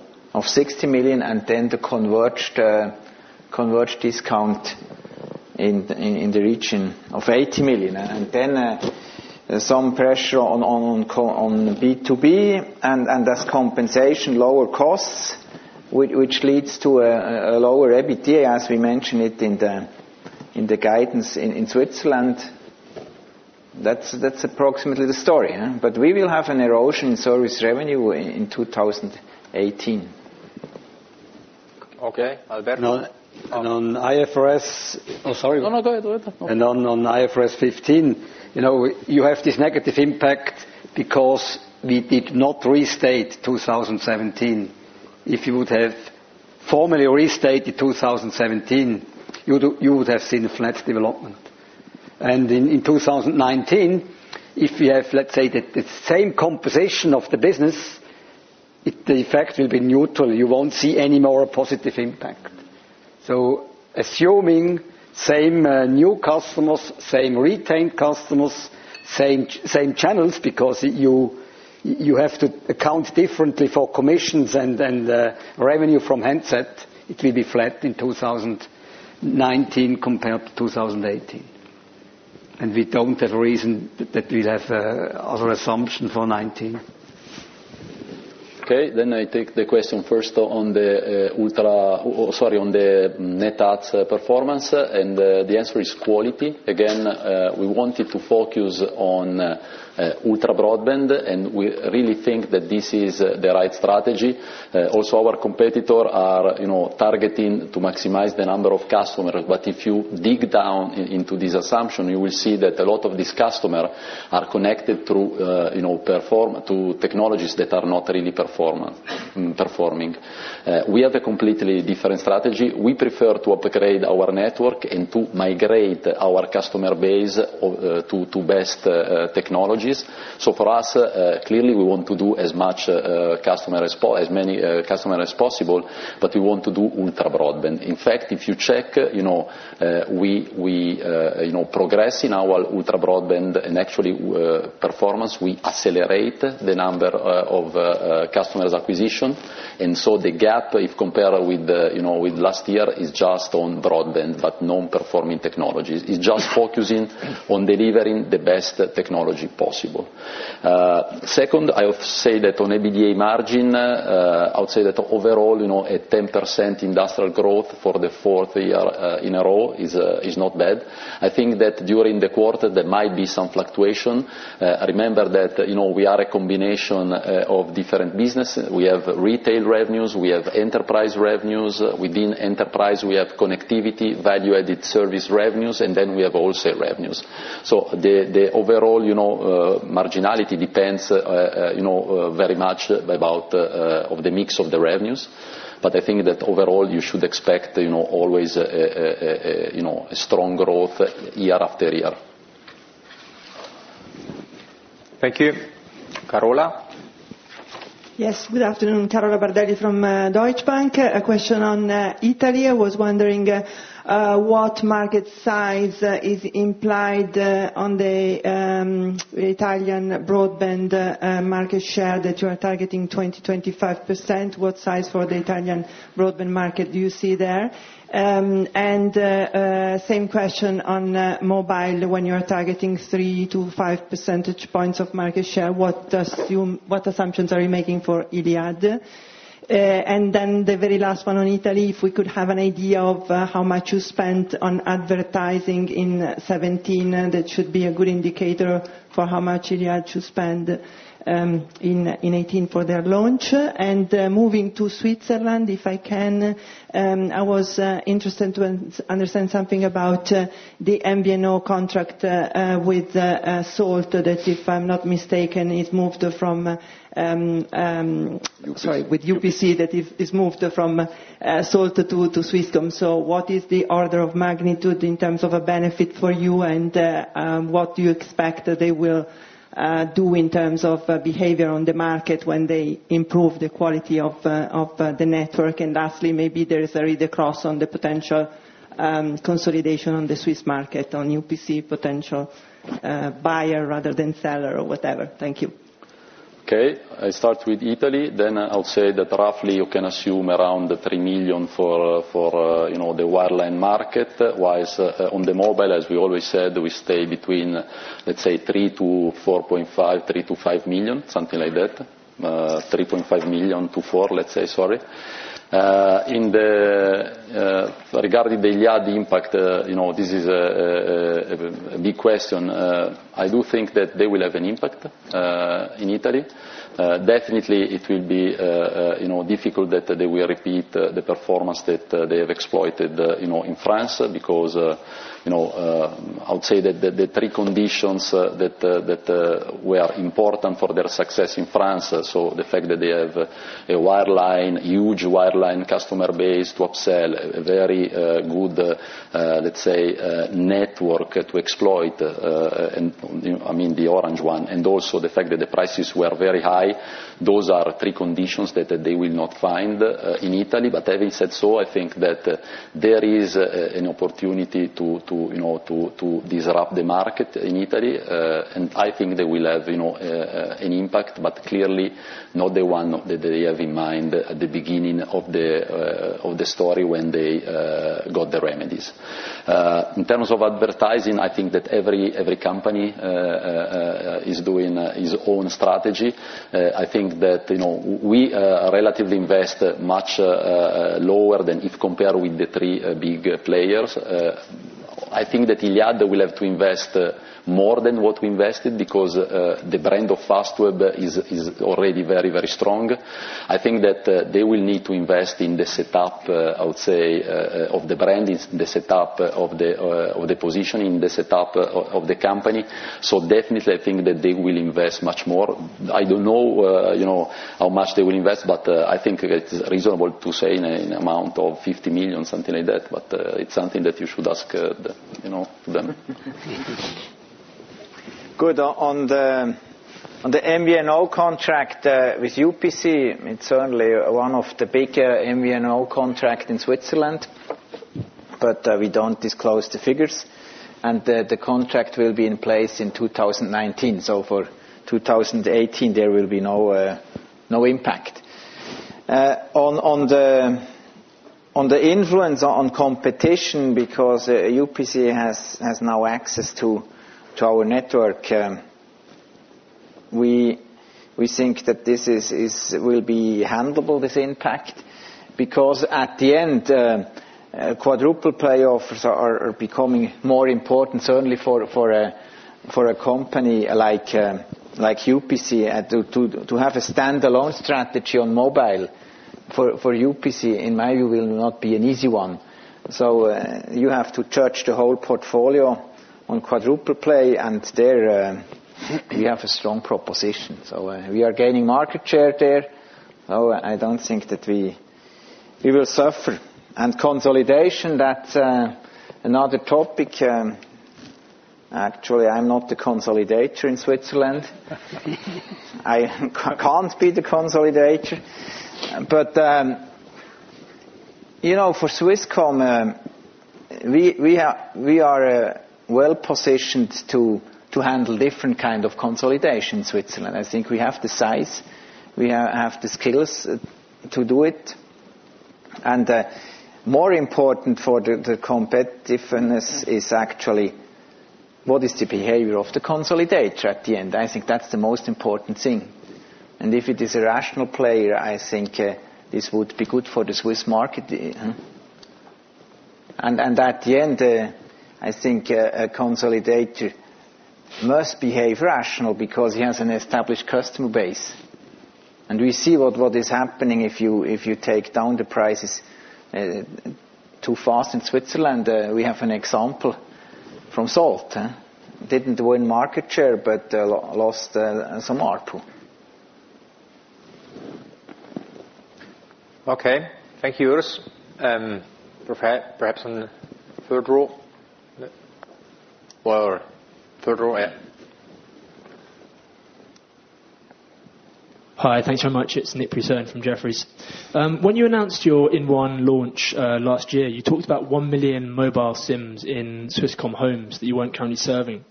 60 million, and then the converged discount in the region of 80 million. Some pressure on B2B, and as compensation, lower costs, which leads to a lower EBITDA, as we mentioned it in the guidance in Switzerland. That's approximately the story. We will have an erosion in service revenue in 2018. Okay. Alberto? On IFRS- Oh, sorry. No, go ahead. On IFRS 15, you have this negative impact because we did not restate 2017. If you would have formally restated 2017, you would have seen a flat development. In 2019, if we have, let's say, the same composition of the business, the effect will be neutral. You won't see any more positive impact. Assuming same new customers, same retained customers, same channels, because you have to account differently for commissions and revenue from handset, it will be flat in 2019 compared to 2018. We don't have a reason that we'll have other assumption for 2019. Okay. I take the question first on the net adds performance. The answer is quality. We wanted to focus on ultra-broadband. We really think that this is the right strategy. Our competitor are targeting to maximize the number of customers. If you dig down into this assumption, you will see that a lot of these customer are connected through technologies that are not really performing. We have a completely different strategy. We prefer to upgrade our network and to migrate our customer base to best technologies. For us, clearly, we want to do as many customer as possible, but we want to do ultra-broadband. In fact, if you check, we progress in our ultra-broadband and actually performance, we accelerate the number of customers acquisition. The gap, if compared with last year, is just on broadband, but non-performing technologies. It's just focusing on delivering the best technology possible. Second, I have to say that on EBITDA margin, I would say that overall, a 10% industrial growth for the fourth year in a row is not bad. I think that during the quarter, there might be some fluctuation. Remember that we are a combination of different business. We have retail revenues, we have enterprise revenues. Within enterprise, we have connectivity, value-added service revenues, we have wholesale revenues. The overall marginality depends very much about of the mix of the revenues. I think that overall, you should expect always a strong growth year after year. Thank you. Carola? Yes, good afternoon, Carola Bardelli from Deutsche Bank. A question on Italy. I was wondering what market size is implied on the Italian broadband market share that you are targeting 20%-25%. What size for the Italian broadband market do you see there? Same question on mobile, when you are targeting 3 to 5 percentage points of market share, what assumptions are you making for Iliad? The very last one on Italy, if we could have an idea of how much you spent on advertising in 2017, that should be a good indicator for how much Iliad should spend in 2018 for their launch. Moving to Switzerland, if I can, I was interested to understand something about the MVNO contract with Salt that, if I'm not mistaken, is moved from- Sorry sorry, with UPC, that is moved from Salt to Swisscom. What is the order of magnitude in terms of a benefit for you? What do you expect that they will do in terms of behavior on the market when they improve the quality of the network? Lastly, maybe there is a read across on the potential consolidation on the Swiss market, on UPC potential buyer rather than seller or whatever. Thank you. Okay, I start with Italy, then I'll say that roughly you can assume around 3 million for the wireline market. Whilst on the mobile, as we always said, we stay between, let's say 3-4.5, 3 million-5 million, something like that. 3.5 million to 4 million, let's say, sorry. Regarding the Iliad impact, this is a big question. I do think that they will have an impact in Italy. Definitely, it will be difficult that they will repeat the performance that they have exploited in France because I would say that the three conditions that were important for their success in France. The fact that they have a huge wireline customer base to upsell, a very good, let's say, network to exploit, I mean the Orange one, the fact that the prices were very high. Those are three conditions that they will not find in Italy. Having said so, I think that there is an opportunity to disrupt the market in Italy, and I think they will have an impact, but clearly not the one that they have in mind at the beginning of the story when they got the remedies. In terms of advertising, I think that every company is doing its own strategy. I think that we relatively invest much lower than if compared with the three big players. I think that Iliad will have to invest more than what we invested because the brand of Fastweb is already very strong. I think that they will need to invest in the setup, I would say, of the brand, the setup of the position in the setup of the company. Definitely, I think that they will invest much more. I don't know how much they will invest, but I think it's reasonable to say in amount of 50 million, something like that, but it's something that you should ask them. Good. On the MVNO contracts with UPC, it's certainly one of the bigger MVNO contracts in Switzerland, but we don't disclose the figures. The contract will be in place in 2019. For 2018, there will be no impact. On the influence on competition, because UPC has now access to our network, we think that this will be handleable, this impact. At the end, quadruple play is becoming more important, certainly for a company like UPC. To have a standalone strategy on mobile for UPC, in my view, will not be an easy one. You have to touch the whole portfolio on quadruple play, and there we have a strong proposition. We are gaining market share there. I don't think that we will suffer. Consolidation, that's another topic. Actually, I'm not the consolidator in Switzerland. I can't be the consolidator. For Swisscom, we are well-positioned to handle different kind of consolidation in Switzerland. I think we have the size, we have the skills to do it, and more important for the competitiveness is actually what is the behavior of the consolidator at the end. I think that's the most important thing. If it is a rational player, I think this would be good for the Swiss market. At the end, I think a consolidator must behave rational because he has an established customer base. We see what is happening if you take down the prices too fast in Switzerland. We have an example from Salt. Didn't win market share, but lost some ARPU. Okay. Thank you, Urs. Perhaps on the third row. Lower. Third row, yeah. Hi, thanks very much. It's Nick Preserne from Jefferies. When you announced your inOne launch last year, you talked about 1 million mobile SIMs in Swisscom homes that you weren't currently serving.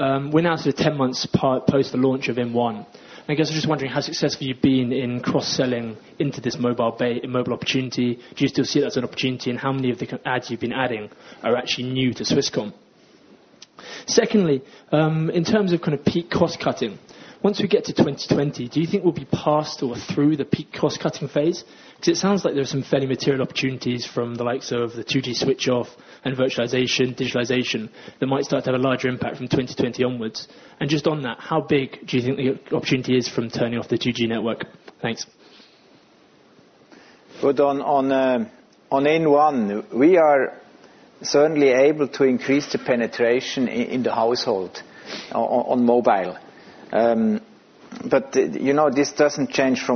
We're now sort of 10 months post the launch of inOne, I guess I'm just wondering how successful you've been in cross-selling into this mobile opportunity. Do you still see it as an opportunity, and how many of the adds you've been adding are actually new to Swisscom? Secondly, in terms of peak cost cutting, once we get to 2020, do you think we'll be past or through the peak cost-cutting phase? It sounds like there are some fairly material opportunities from the likes of the 2G switch-off and virtualization, digitalization, that might start to have a larger impact from 2020 onwards. Just on that, how big do you think the opportunity is from turning off the 2G network? Thanks. Good. On inOne, we are certainly able to increase the penetration in the household on mobile. This doesn't change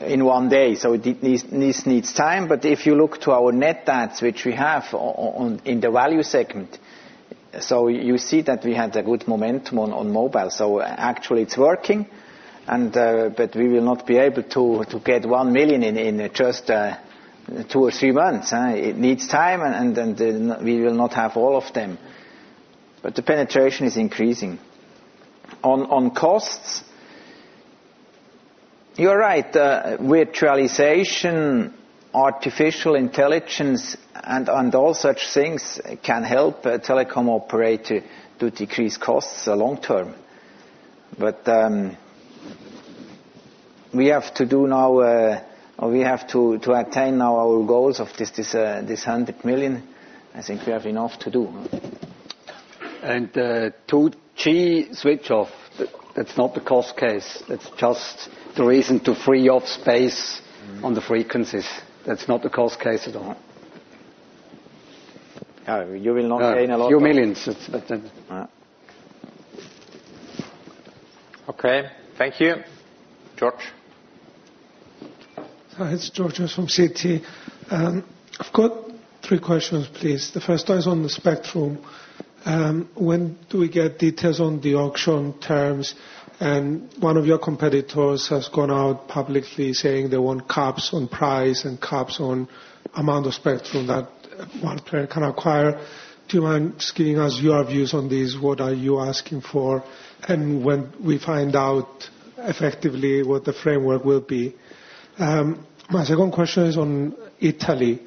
in one day, this needs time. If you look to our net adds, which we have in the value segment, you see that we had a good momentum on mobile. Actually, it's working. We will not be able to get 1 million in just two or three months. It needs time, and we will not have all of them. The penetration is increasing. On costs, you're right. Virtualization, artificial intelligence, and all such things can help a telecom operator to decrease costs long term. We have to attain now our goals of this 100 million. I think we have enough to do. 2G switch-off, that's not the cost case. That's just the reason to free up space on the frequencies. That's not the cost case at all. You will not gain a lot. A few millions. That's it. Right. Okay. Thank you, George. Hi, it is George Just from Citi. I have got three questions, please. The first one is on the spectrum. When do we get details on the auction terms? One of your competitors has gone out publicly saying they want caps on price and caps on amount of spectrum that one player can acquire. Do you mind just giving us your views on this? What are you asking for, and when we find out effectively what the framework will be? My second question is on Italy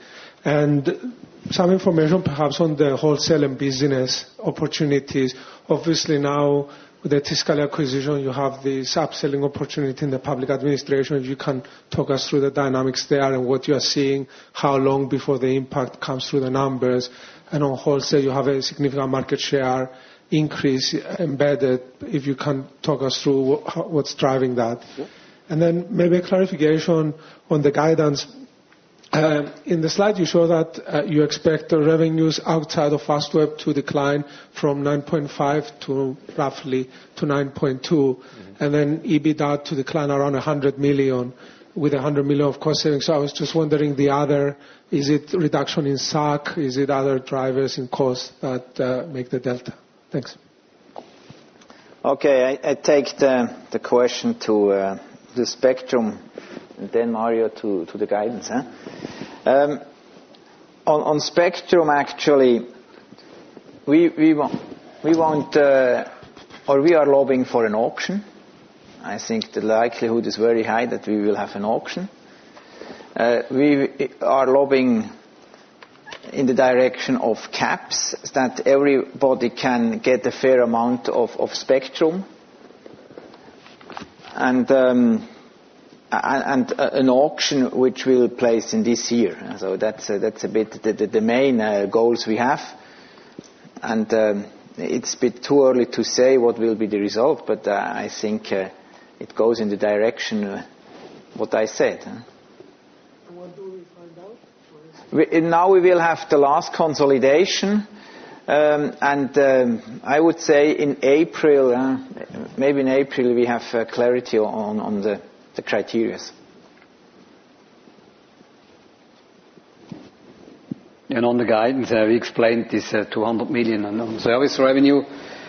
and some information perhaps on the wholesale and business opportunities. Obviously, now with the Tiscali acquisition, you have the sub-selling opportunity in the public administration. If you can talk us through the dynamics there and what you are seeing, how long before the impact comes through the numbers? On wholesale, you have a significant market share increase embedded. If you can talk us through what is driving that. Sure. Then maybe a clarification on the guidance. In the slide, you show that you expect the revenues outside of Fastweb to decline from 9.5 billion roughly to 9.2 billion, then EBITDA to decline around 100 million, with 100 million of cost savings. I was just wondering the other, is it reduction in SAC? Is it other drivers in cost that make the delta? Thanks. Okay. I take the question to the spectrum, then Mario to the guidance. On spectrum, actually, we are lobbying for an auction. I think the likelihood is very high that we will have an auction. We are lobbying in the direction of caps that everybody can get a fair amount of spectrum, and an auction which will place in this year. That is a bit the main goals we have. It is a bit too early to say what will be the result, but I think it goes in the direction what I said. When do we find out? Now we will have the last consolidation. I would say maybe in April we have clarity on the criteria. On the guidance, we explained this 200 million on service revenue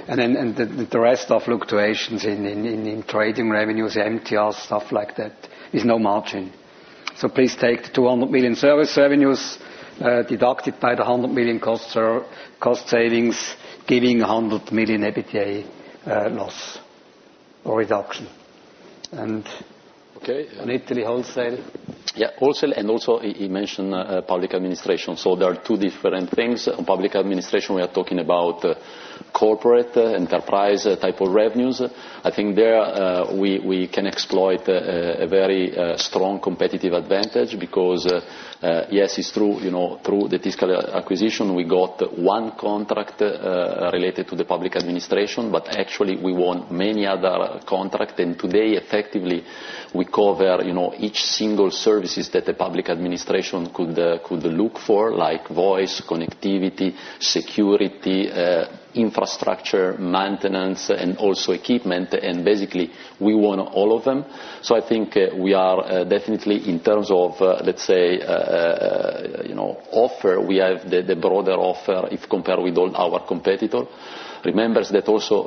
and the rest of fluctuations in trading revenues, MTR, stuff like that, is no margin. Please take the 200 million service revenues, deducted by the 100 million cost savings, giving 100 million EBITDA loss or reduction. Okay. Italy wholesale. Yeah. Wholesale and also he mentioned public administration. There are two different things. Public administration, we are talking about corporate enterprise type of revenues. I think there we can exploit a very strong competitive advantage because, yes, it's through the Tiscali acquisition, we got one contract related to the public administration, but actually we want many other contract. Today, effectively we cover each single services that the public administration could look for, like voice, connectivity, security, infrastructure, maintenance, and also equipment, and basically we want all of them. I think we are definitely in terms of, let's say, offer, we have the broader offer if compared with all our competitor. Remember that also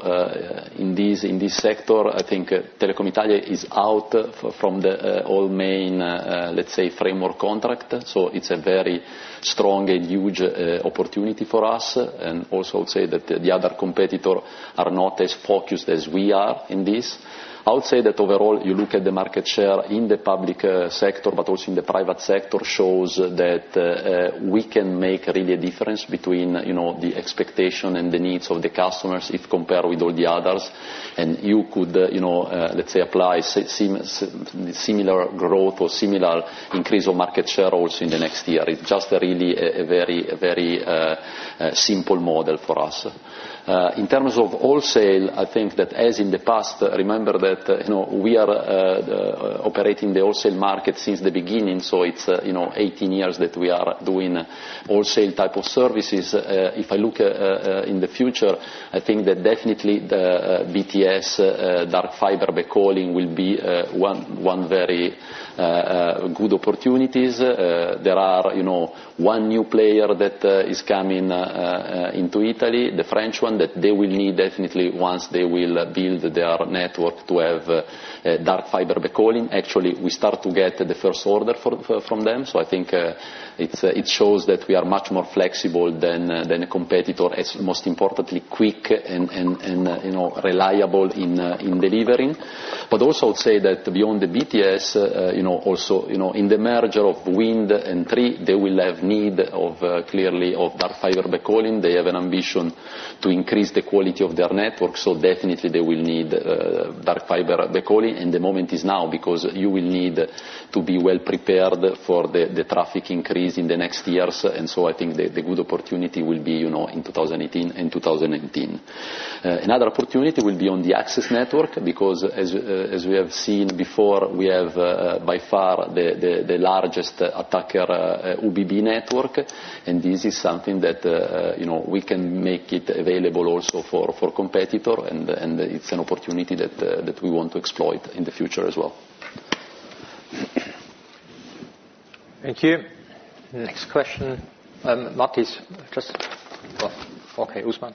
in this sector, I think Telecom Italia is out from the all main, let's say, framework contract. It's a very strong and huge opportunity for us, and also say that the other competitor are not as focused as we are in this. I would say that overall, you look at the market share in the public sector, but also in the private sector, shows that we can make really a difference between the expectation and the needs of the customers if compared with all the others. You could, let's say, apply similar growth or similar increase of market share also in the next year. It's just really a very simple model for us. In terms of wholesale, I think that as in the past, remember that we are operating the wholesale market since the beginning, so it's 18 years that we are doing wholesale type of services. If I look in the future, I think that definitely the BTS dark fiber backhauling will be one very good opportunities. There are one new player that is coming into Italy, the French one, that they will need definitely once they will build their network to have dark fiber backhauling. Actually, we start to get the first order from them. I think it shows that we are much more flexible than a competitor as most importantly, quick and reliable in delivering. Also, I would say that beyond the BTS, also in the merger of Wind and Three, they will have need of clearly, of dark fiber backhauling. They have an ambition to increase the quality of their network, so definitely they will need dark fiber backhauling, and the moment is now because you will need to be well prepared for the traffic increase in the next years. I think the good opportunity will be in 2018 and 2019. Another opportunity will be on the access network because as we have seen before, we have by far the largest attacker UBB network, and this is something that we can make it available also for competitor, and it's an opportunity that we want to exploit in the future as well. Thank you. Next question. Marcus, Oh, okay. Usman.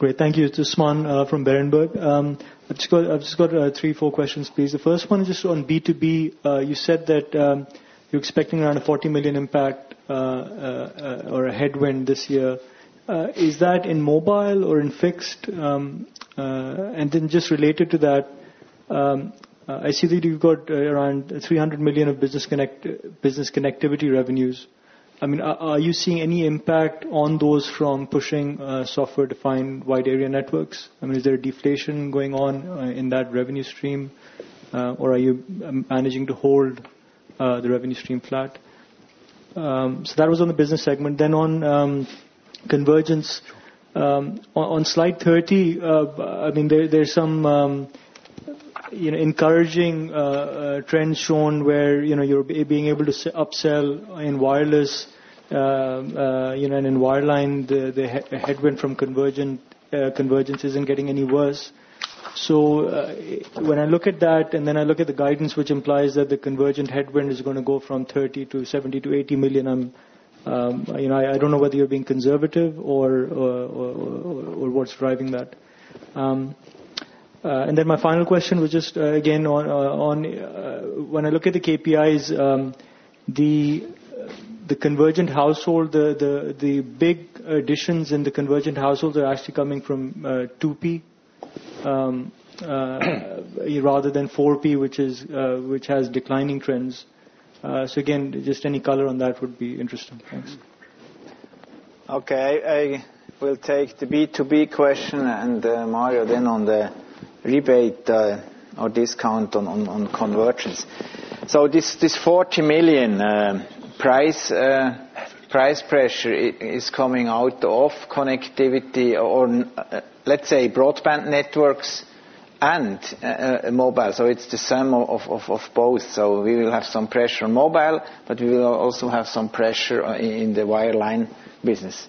Great. Thank you. It's Usman from Berenberg. I've just got three, four questions, please. The first one is just on B2B. You said that you're expecting around a 40 million impact or a headwind this year. Is that in mobile or in fixed? Then just related to that, I see that you've got around 300 million of business connectivity revenues. Are you seeing any impact on those from pushing software-defined wide area networks? Is there a deflation going on in that revenue stream? Or are you managing to hold the revenue stream flat? So that was on the business segment. Then on convergence, on slide 30, there's some encouraging trends shown where you're being able to upsell in wireless and in wireline, the headwind from convergence isn't getting any worse. When I look at that, I look at the guidance, which implies that the convergent headwind is going to go from 30 million to 70 million to 80 million, I don't know whether you're being conservative or what's driving that. My final question was just again, on when I look at the KPIs, the convergent household, the big additions in the convergent households are actually coming from 2P, rather than 4P, which has declining trends. Again, just any color on that would be interesting. Thanks. Okay. I will take the B2B question and Mario then on the rebate or discount on convergence. This 40 million price pressure is coming out of connectivity on, let's say, broadband networks and mobile. It's the sum of both. We will have some pressure on mobile, but we will also have some pressure in the wireline business.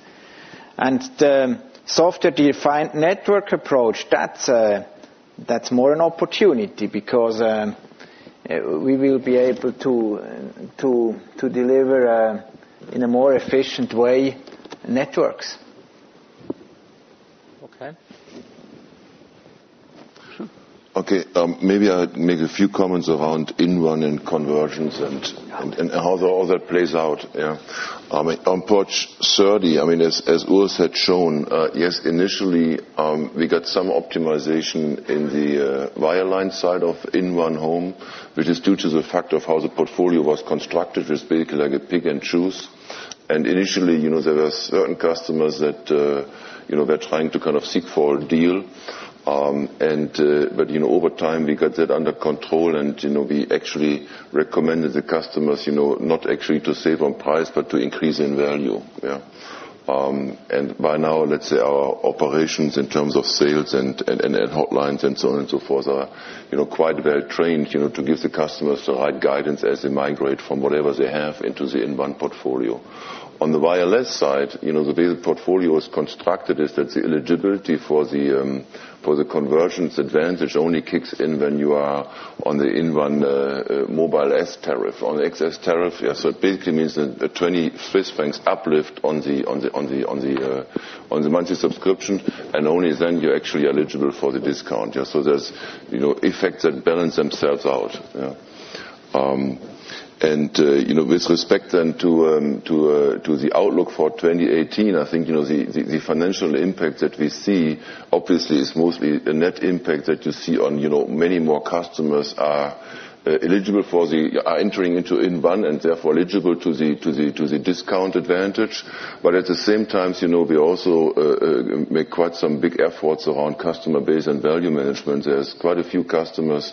The software-defined network approach, that's more an opportunity because we will be able to deliver in a more efficient way, networks. Okay. Okay. Maybe I make a few comments around inOne and convergence and how all that plays out, yeah. On page 30, as Urs had shown, initially, we got some optimization in the wireline side of inOne Home, which is due to the fact of how the portfolio was constructed. It was basically like a pick and choose. Initially, there were certain customers that they're trying to seek for a deal. Over time, we got that under control, and we actually recommended the customers not actually to save on price, but to increase in value. Yeah. By now, let's say our operations in terms of sales and hotlines and so on and so forth are quite well trained to give the customers the right guidance as they migrate from whatever they have into the inOne portfolio. On the wireless side, the way the portfolio is constructed is that the eligibility for the convergence advantage only kicks in when you are on the inOne mobile S tariff. On the XS tariff, yeah. It basically means that 20 Swiss francs uplift on the monthly subscription, and only then you're actually eligible for the discount. Yeah. With respect then to the outlook for 2018, I think, the financial impact that we see, obviously, is mostly a net impact that you see on many more customers are entering into inOne and therefore eligible to the discount advantage. At the same time, we also make quite some big efforts around customer base and value management. There's quite a few customers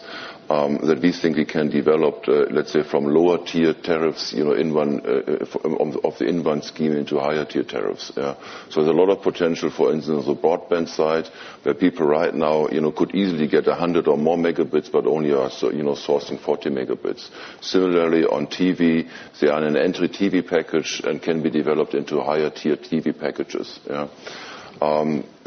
that we think we can develop, let's say, from lower tier tariffs of the inOne scheme into higher tier tariffs. There's a lot of potential for instance, the broadband side, where people right now could easily get 100 or more megabits but only are sourcing 40 megabits. Similarly on TV, they are on an entry TV package and can be developed into higher tier TV packages. Yeah.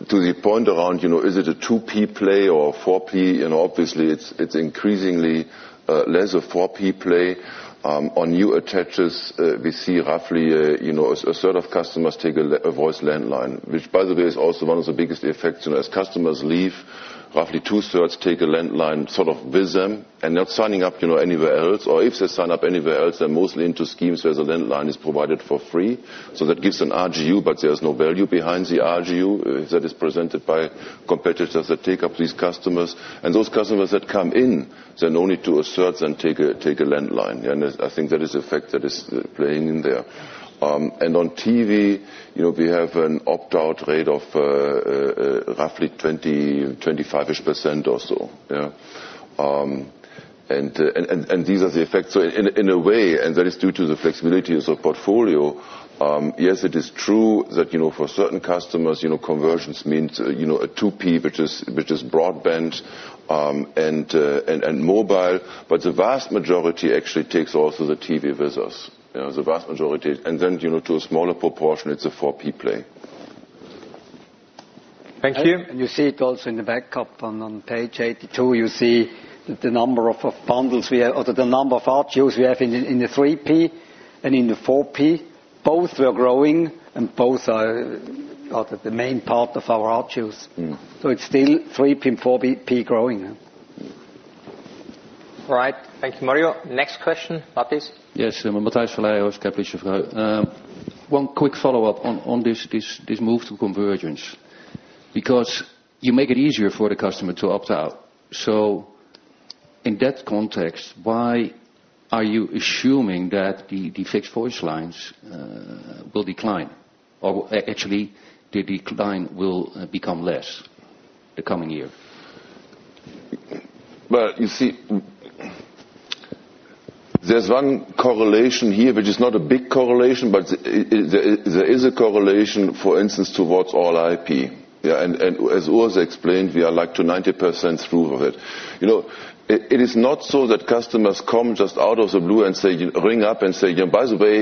To the point around, is it a 2P play or a 4P? Obviously, it's increasingly less a 4P play. On new attaches, we see roughly a sort of customers take a voice landline. Which by the way, is also one of the biggest effects as customers leave, roughly two-thirds take a landline with them and not signing up anywhere else. Or if they sign up anywhere else, they're mostly into schemes where the landline is provided for free. That gives an RGU, but there's no value behind the RGU that is presented by competitors that take up these customers. Those customers that come in then only to a certain take a landline. I think that is a effect that is playing in there. On TV, we have an opt-out rate of roughly 25-ish% or so. Yeah. These are the effects. In a way, that is due to the flexibility of the portfolio, yes, it is true that for certain customers, convergence means a 2P, which is broadband and mobile. The vast majority actually takes also the TV with us. Yeah. The vast majority. Then, to a smaller proportion, it's a 4P play. Thank you. You see it also in the backup on page 82, you see that the number of bundles we have, or the number of RGUs we have in the 3P and in the 4P, both were growing and both are the main part of our RGUs. It's still 3P and 4P growing. All right. Thank you, Mario. Next question. Baptiste? Yes. Matthias Follé, Swiss Capital. One quick follow-up on this move to convergence. You make it easier for the customer to opt out. In that context, why are you assuming that the fixed voice lines will decline? Or actually, the decline will become less the coming year? Well, you see, there's one correlation here, which is not a big correlation, but there is a correlation, for instance, towards All-IP. Yeah. As Urs explained, we are like to 90% through with it. It is not so that customers come just out of the blue and ring up and say, "By the way,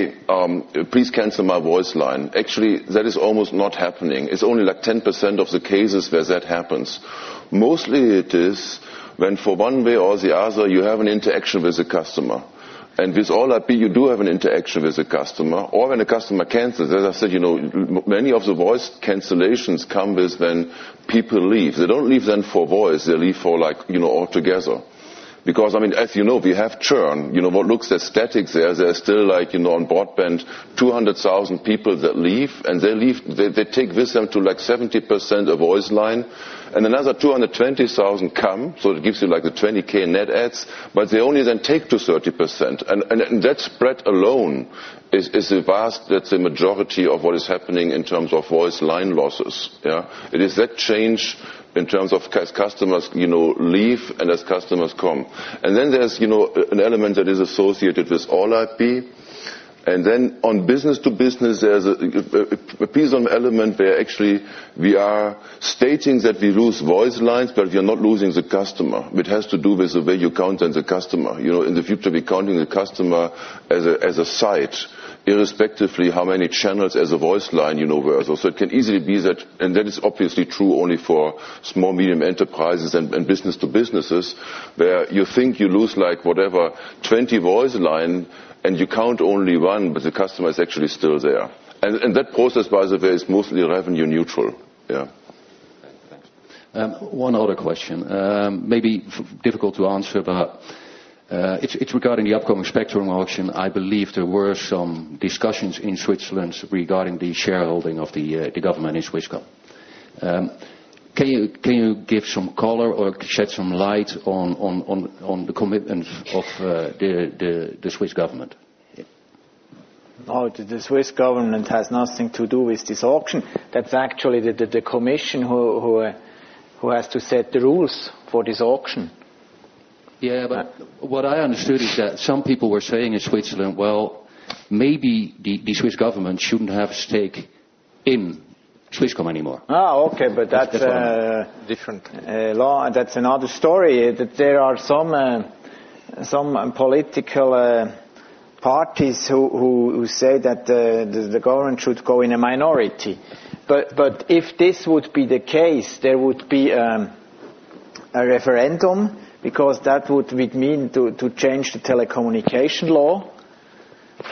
please cancel my voice line." Actually, that is almost not happening. It's only 10% of the cases where that happens. Mostly it is when, for one way or the other, you have an interaction with a customer. With All-IP, you do have an interaction with a customer or when a customer cancels. As I said, many of the voice cancellations come with when people leave. They don't leave then for voice, they leave all together. As you know, we have churn. What looks as static there are still on broadband 200,000 people that leave, and they take with them to 70% of voice line and another 220,000 come, so it gives you the 20K net adds, but they only then take to 30%. That spread alone is vast. That's the majority of what is happening in terms of voice line losses. Yeah. It is that change in terms of customers leave and as customers come. Then there's an element that is associated with All-IP, and then on business-to-business, there's a prism element where actually we are stating that we lose voice lines, but we are not losing the customer, which has to do with the way you count as a customer. In the future, we're counting the customer as a site, irrespectively how many channels as a voice line there. It can easily be that, and that is obviously true only for small, medium enterprises and business-to-businesses, where you think you lose like whatever, 20 voice line and you count only one, but the customer is actually still there. That process, by the way, is mostly revenue neutral. Yeah. Okay, thanks. One other question. Maybe difficult to answer, but it's regarding the upcoming spectrum auction. I believe there were some discussions in Switzerland regarding the shareholding of the government in Swisscom. Can you give some color or shed some light on the commitment of the Swiss government? No. The Swiss government has nothing to do with this auction. That's actually the commission who has to set the rules for this auction. Yeah, what I understood is that some people were saying in Switzerland, "Well, maybe the Swiss government shouldn't have stake in Swisscom anymore. Okay. Different law, that's another story. There are some political parties who say that the government should go in a minority. If this would be the case, there would be a referendum because that would mean to change the Telecommunication Act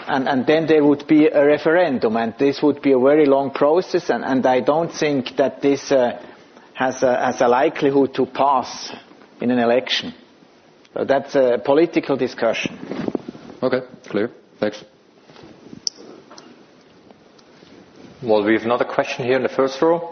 and then there would be a referendum, and this would be a very long process, and I don't think that this has a likelihood to pass in an election. That's a political discussion. Okay. Clear. Thanks. Well, we have another question here in the first row.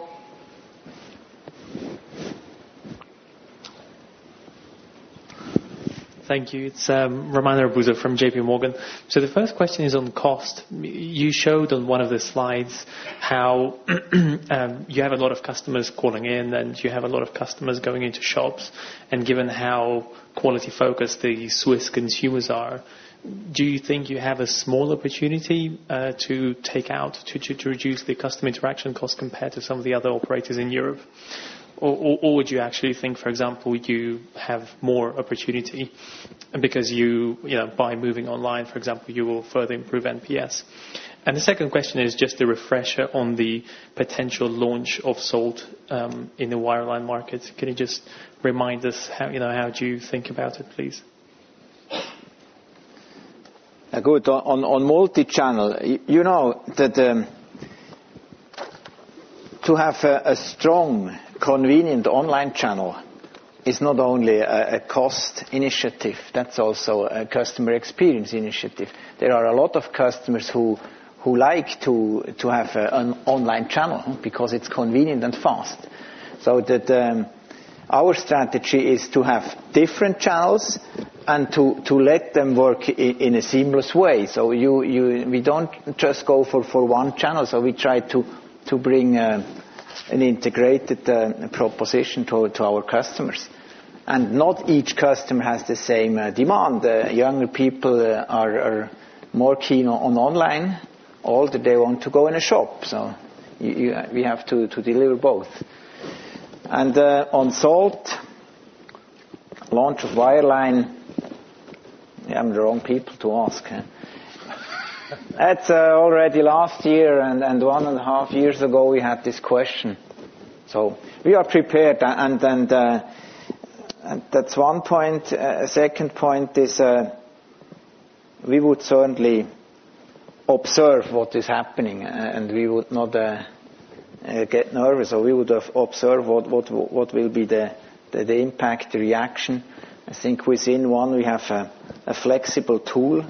Thank you. It's [Romana Buzas] from JP Morgan. The first question is on cost. You showed on one of the slides how you have a lot of customers calling in, and you have a lot of customers going into shops, and given how quality-focused the Swiss consumers are, do you think you have a small opportunity to take out to reduce the customer interaction cost compared to some of the other operators in Europe? Or would you actually think, for example, you have more opportunity because by moving online, for example, you will further improve NPS? The second question is just a refresher on the potential launch of Salt in the wireline market. Can you just remind us how would you think about it, please? Good. On multichannel, you know that to have a strong, convenient online channel is not only a cost initiative, that's also a customer experience initiative. There are a lot of customers who like to have an online channel because it's convenient and fast. Our strategy is to have different channels and to let them work in a seamless way. We don't just go for one channel. We try to bring an integrated proposition to our customers. Not each customer has the same demand. Younger people are more keen on online. Older, they want to go in a shop. We have to deliver both. On Salt launch of wireline, you have the wrong people to ask, huh? That's already last year and one and a half years ago, we had this question. We are prepared, and that's one point. A second point is we would certainly observe what is happening, and we would not get nervous, or we would observe what will be the impact reaction. I think with inOne, we have a flexible tool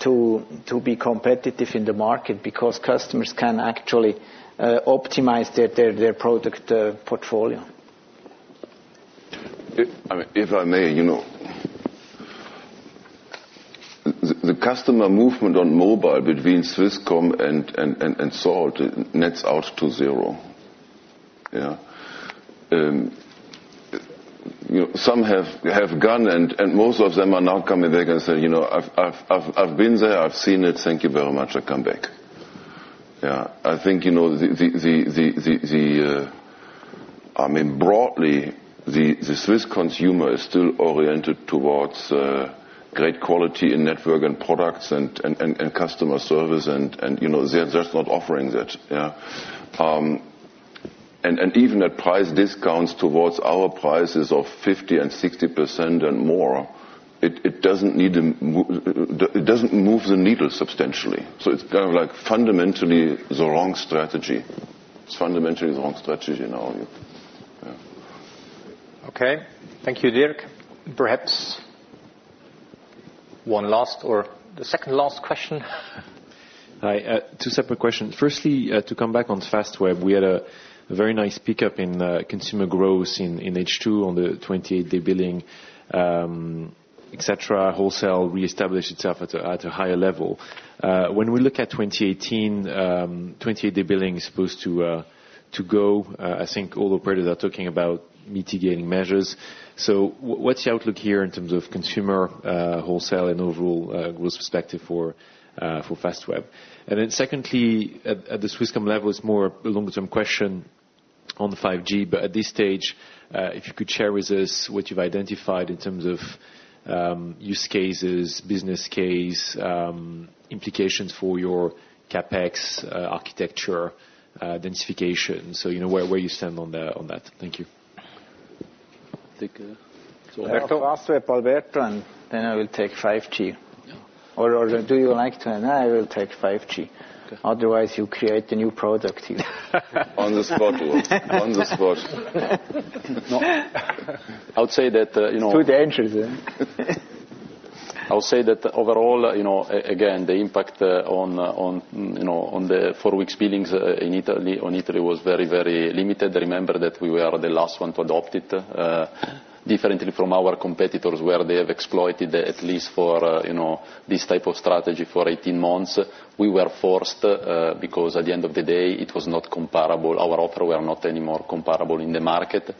to be competitive in the market because customers can actually optimize their product portfolio. If I may. The customer movement on mobile between Swisscom and Salt nets out to zero. Yeah. Some have gone and most of them are now coming back and saying, "I've been there, I've seen it. Thank you very much. I come back." Yeah. I think, broadly, the Swiss consumer is still oriented towards great quality in network and products and customer service, and they're just not offering that. Yeah. Even at price discounts towards our prices of 50% and 60% and more, it doesn't move the needle substantially. It's kind of fundamentally the wrong strategy. It's fundamentally the wrong strategy in our view. Yeah. Okay. Thank you, Dirk. Perhaps one last or the second last question. Hi. Two separate questions. Firstly, to come back on Fastweb, we had a very nice pickup in consumer growth in H2 on the 28-day billing, et cetera. Wholesale reestablished itself at a higher level. When we look at 2018, 28-day billing is supposed to go. I think all the operators are talking about mitigating measures. What's the outlook here in terms of consumer, wholesale, and overall growth perspective for Fastweb? Secondly, at the Swisscom level, it's more a long-term question on 5G, but at this stage, if you could share with us what you've identified in terms of use cases, business case, implications for your CapEx, architecture, densification, so where you stand on that. Thank you. Take, Alberto. Fastweb, Alberto, and then I will take 5G. Yeah. Do you like to, and I will take 5G. Okay. Otherwise, you create a new product. On the spot. I would say that- It's too dangerous, yeah. I would say that overall, again, the impact on the four weeks billings on Italy was very limited. Remember that we were the last one to adopt it, differently from our competitors where they have exploited at least for this type of strategy for 18 months. We were forced because at the end of the day, it was not comparable. Our offer were not any more comparable in the market.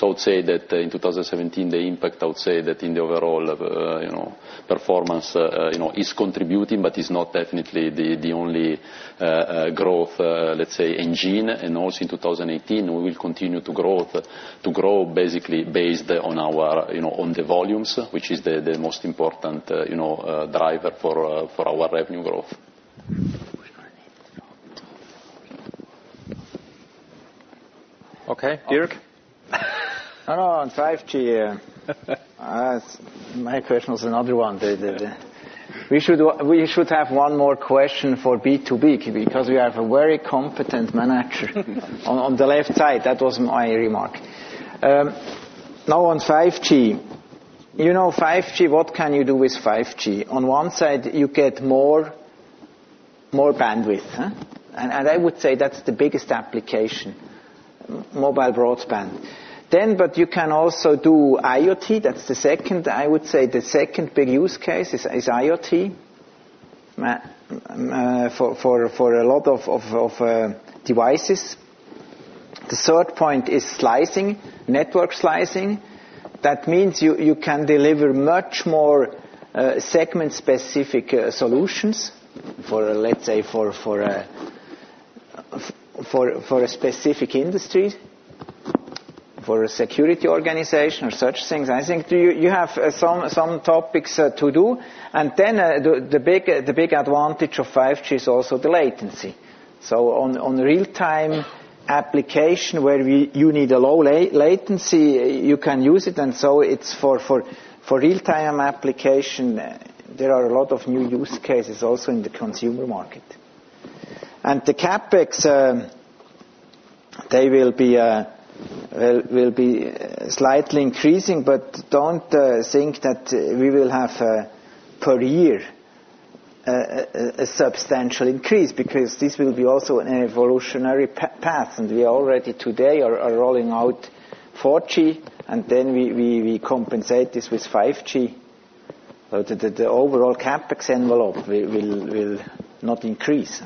I would say that in 2017, the impact, I would say that in the overall performance, is contributing but is not definitely the only growth, let's say, engine. Also in 2018, we will continue to grow basically based on the volumes, which is the most important driver for our revenue growth. Okay, Dirk? On 5G. My question was another one. Yeah. We should have one more question for B2B, because we have a very competent manager on the left side. That was my remark. On 5G. 5G, what can you do with 5G? On one side, you get more bandwidth. I would say that's the biggest application, mobile broadband. You can also do IoT. That's the second, I would say, the second big use case is IoT for a lot of devices. The third point is slicing, network slicing. That means you can deliver much more segment-specific solutions for, let's say, for a specific industry, for a security organization or such things. I think you have some topics to do. The big advantage of 5G is also the latency. On real-time application where you need a low latency, you can use it. It's for real-time application, there are a lot of new use cases also in the consumer market. The CapEx, they will be slightly increasing, but don't think that we will have per year a substantial increase, because this will be also an evolutionary path and we already today are rolling out 4G, and then we compensate this with 5G. The overall CapEx envelope will not increase.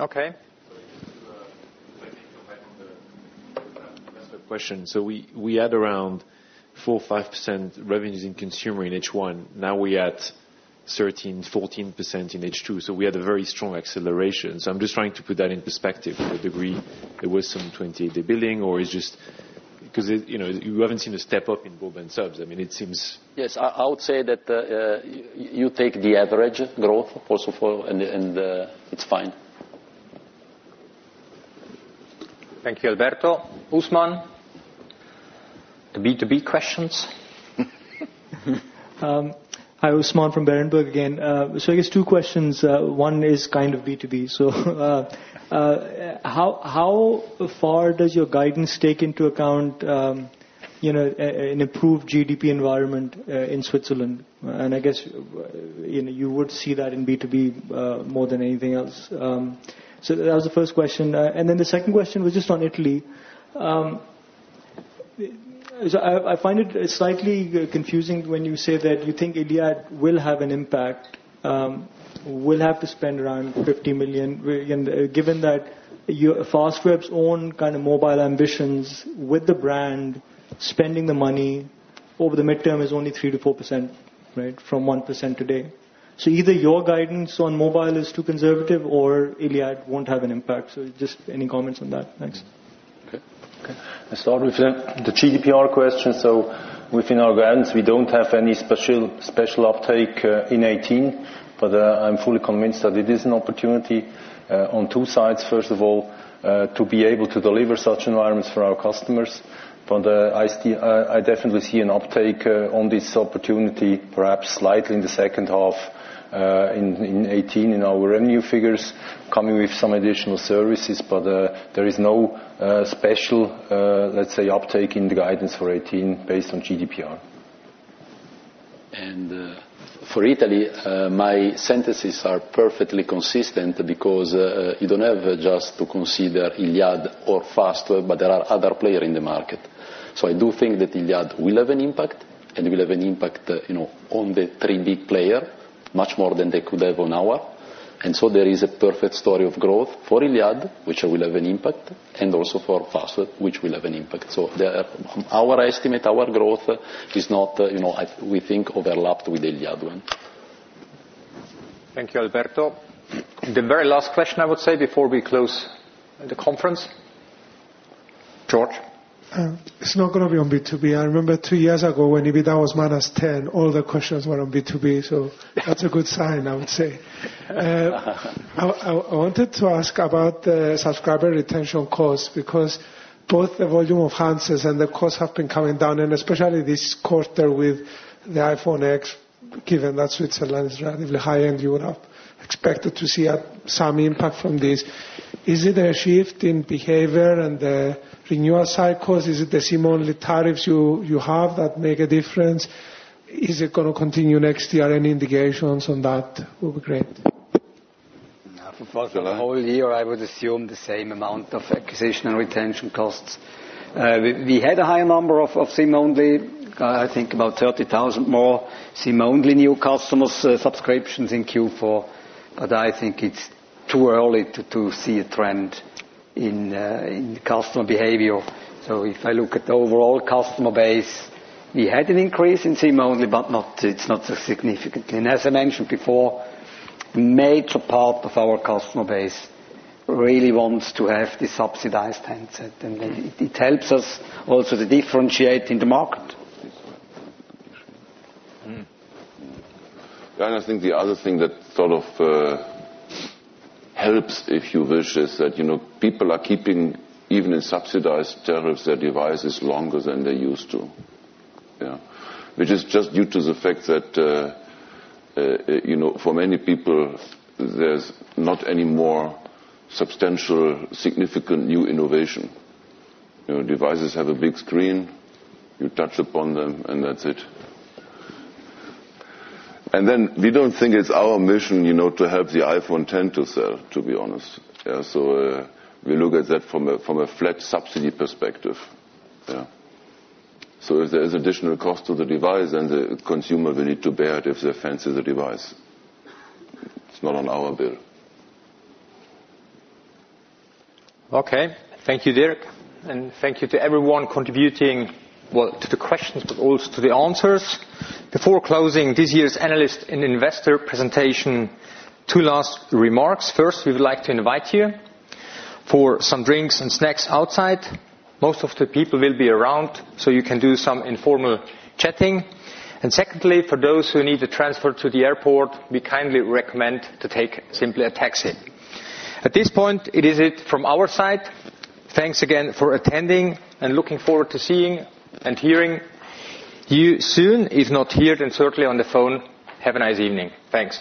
Okay. Maybe to ride on the investor question. We had around 4%, 5% revenues in consumer in H1. We at 13%, 14% in H2, we had a very strong acceleration. I'm just trying to put that in perspective with the degree there was some 28-day billing or it's just Because we haven't seen a step-up in broadband subs. Yes. I would say that you take the average growth also for, it's fine. Thank you, Alberto. Usman? The B2B questions. Hi. Usman from Berenberg again. I guess two questions. One is kind of B2B. How far does your guidance take into account an improved GDP environment in Switzerland? I guess you would see that in B2B more than anything else. That was the first question. The second question was just on Italy. I find it slightly confusing when you say that you think Iliad will have an impact, will have to spend around 50 million, given that Fastweb's own mobile ambitions with the brand, spending the money over the midterm is only 3%-4% from 1% today. Either your guidance on mobile is too conservative or Iliad won't have an impact. Just any comments on that? Thanks. Okay. I start with the GDPR question. Within our guidance, we don't have any special uptake in 2018, I'm fully convinced that it is an opportunity on two sides. First of all, to be able to deliver such environments for our customers. I definitely see an uptake on this opportunity, perhaps slightly in the second half in 2018 in our revenue figures, coming with some additional services. There is no special, let's say, uptake in the guidance for 2018 based on GDPR. For Italy, my sentences are perfectly consistent because you don't have just to consider Iliad or Fastweb, there are other players in the market. I do think that Iliad will have an impact, it will have an impact on the three big players, much more than they could have on ours. There is a perfect story of growth for Iliad, which will have an impact, also for Fastweb, which will have an impact. Our estimate, our growth is not, we think, overlapped with the Iliad one. Thank you, Alberto. The very last question, I would say, before we close the conference. George? It's not going to be on B2B. I remember 2 years ago when EBITDA was -10, all the questions were on B2B. That's a good sign, I would say. I wanted to ask about the subscriber retention costs, because both the volume of answers and the costs have been coming down, and especially this quarter with the iPhone X, given that Switzerland is relatively high-end, you would have expected to see some impact from this. Is it a shift in behavior and the renewal cycles? Is it the SIM-only tariffs you have that make a difference? Is it going to continue next year? Any indications on that will be great. For Fastweb, all year I would assume the same amount of acquisition and retention costs. We had a high number of SIM-only, I think about 30,000 more SIM-only new customers subscriptions in Q4. I think it's too early to see a trend in customer behavior. If I look at the overall customer base, we had an increase in SIM-only, but it's not so significant. As I mentioned before, major part of our customer base really wants to have the subsidized handset, and it helps us also to differentiate in the market. I think the other thing that sort of helps, if you wish, is that people are keeping even in subsidized tariffs, their devices longer than they used to. Which is just due to the fact that for many people, there's not any more substantial, significant new innovation. Devices have a big screen, you touch upon them, and that's it. We don't think it's our mission to have the iPhone X to sell, to be honest. We look at that from a flat subsidy perspective. Yeah. If there is additional cost to the device, then the consumer will need to bear it if they fancy the device. It's not on our bill. Okay. Thank you, Dirk. Thank you to everyone contributing to the questions, but also to the answers. Before closing this year's analyst and investor presentation, two last remarks. First, we would like to invite you for some drinks and snacks outside. Most of the people will be around, so you can do some informal chatting. Secondly, for those who need a transfer to the airport, we kindly recommend to take simply a taxi. At this point, it is from our side. Thanks again for attending, and looking forward to seeing and hearing you soon. If not here, then certainly on the phone. Have a nice evening. Thanks.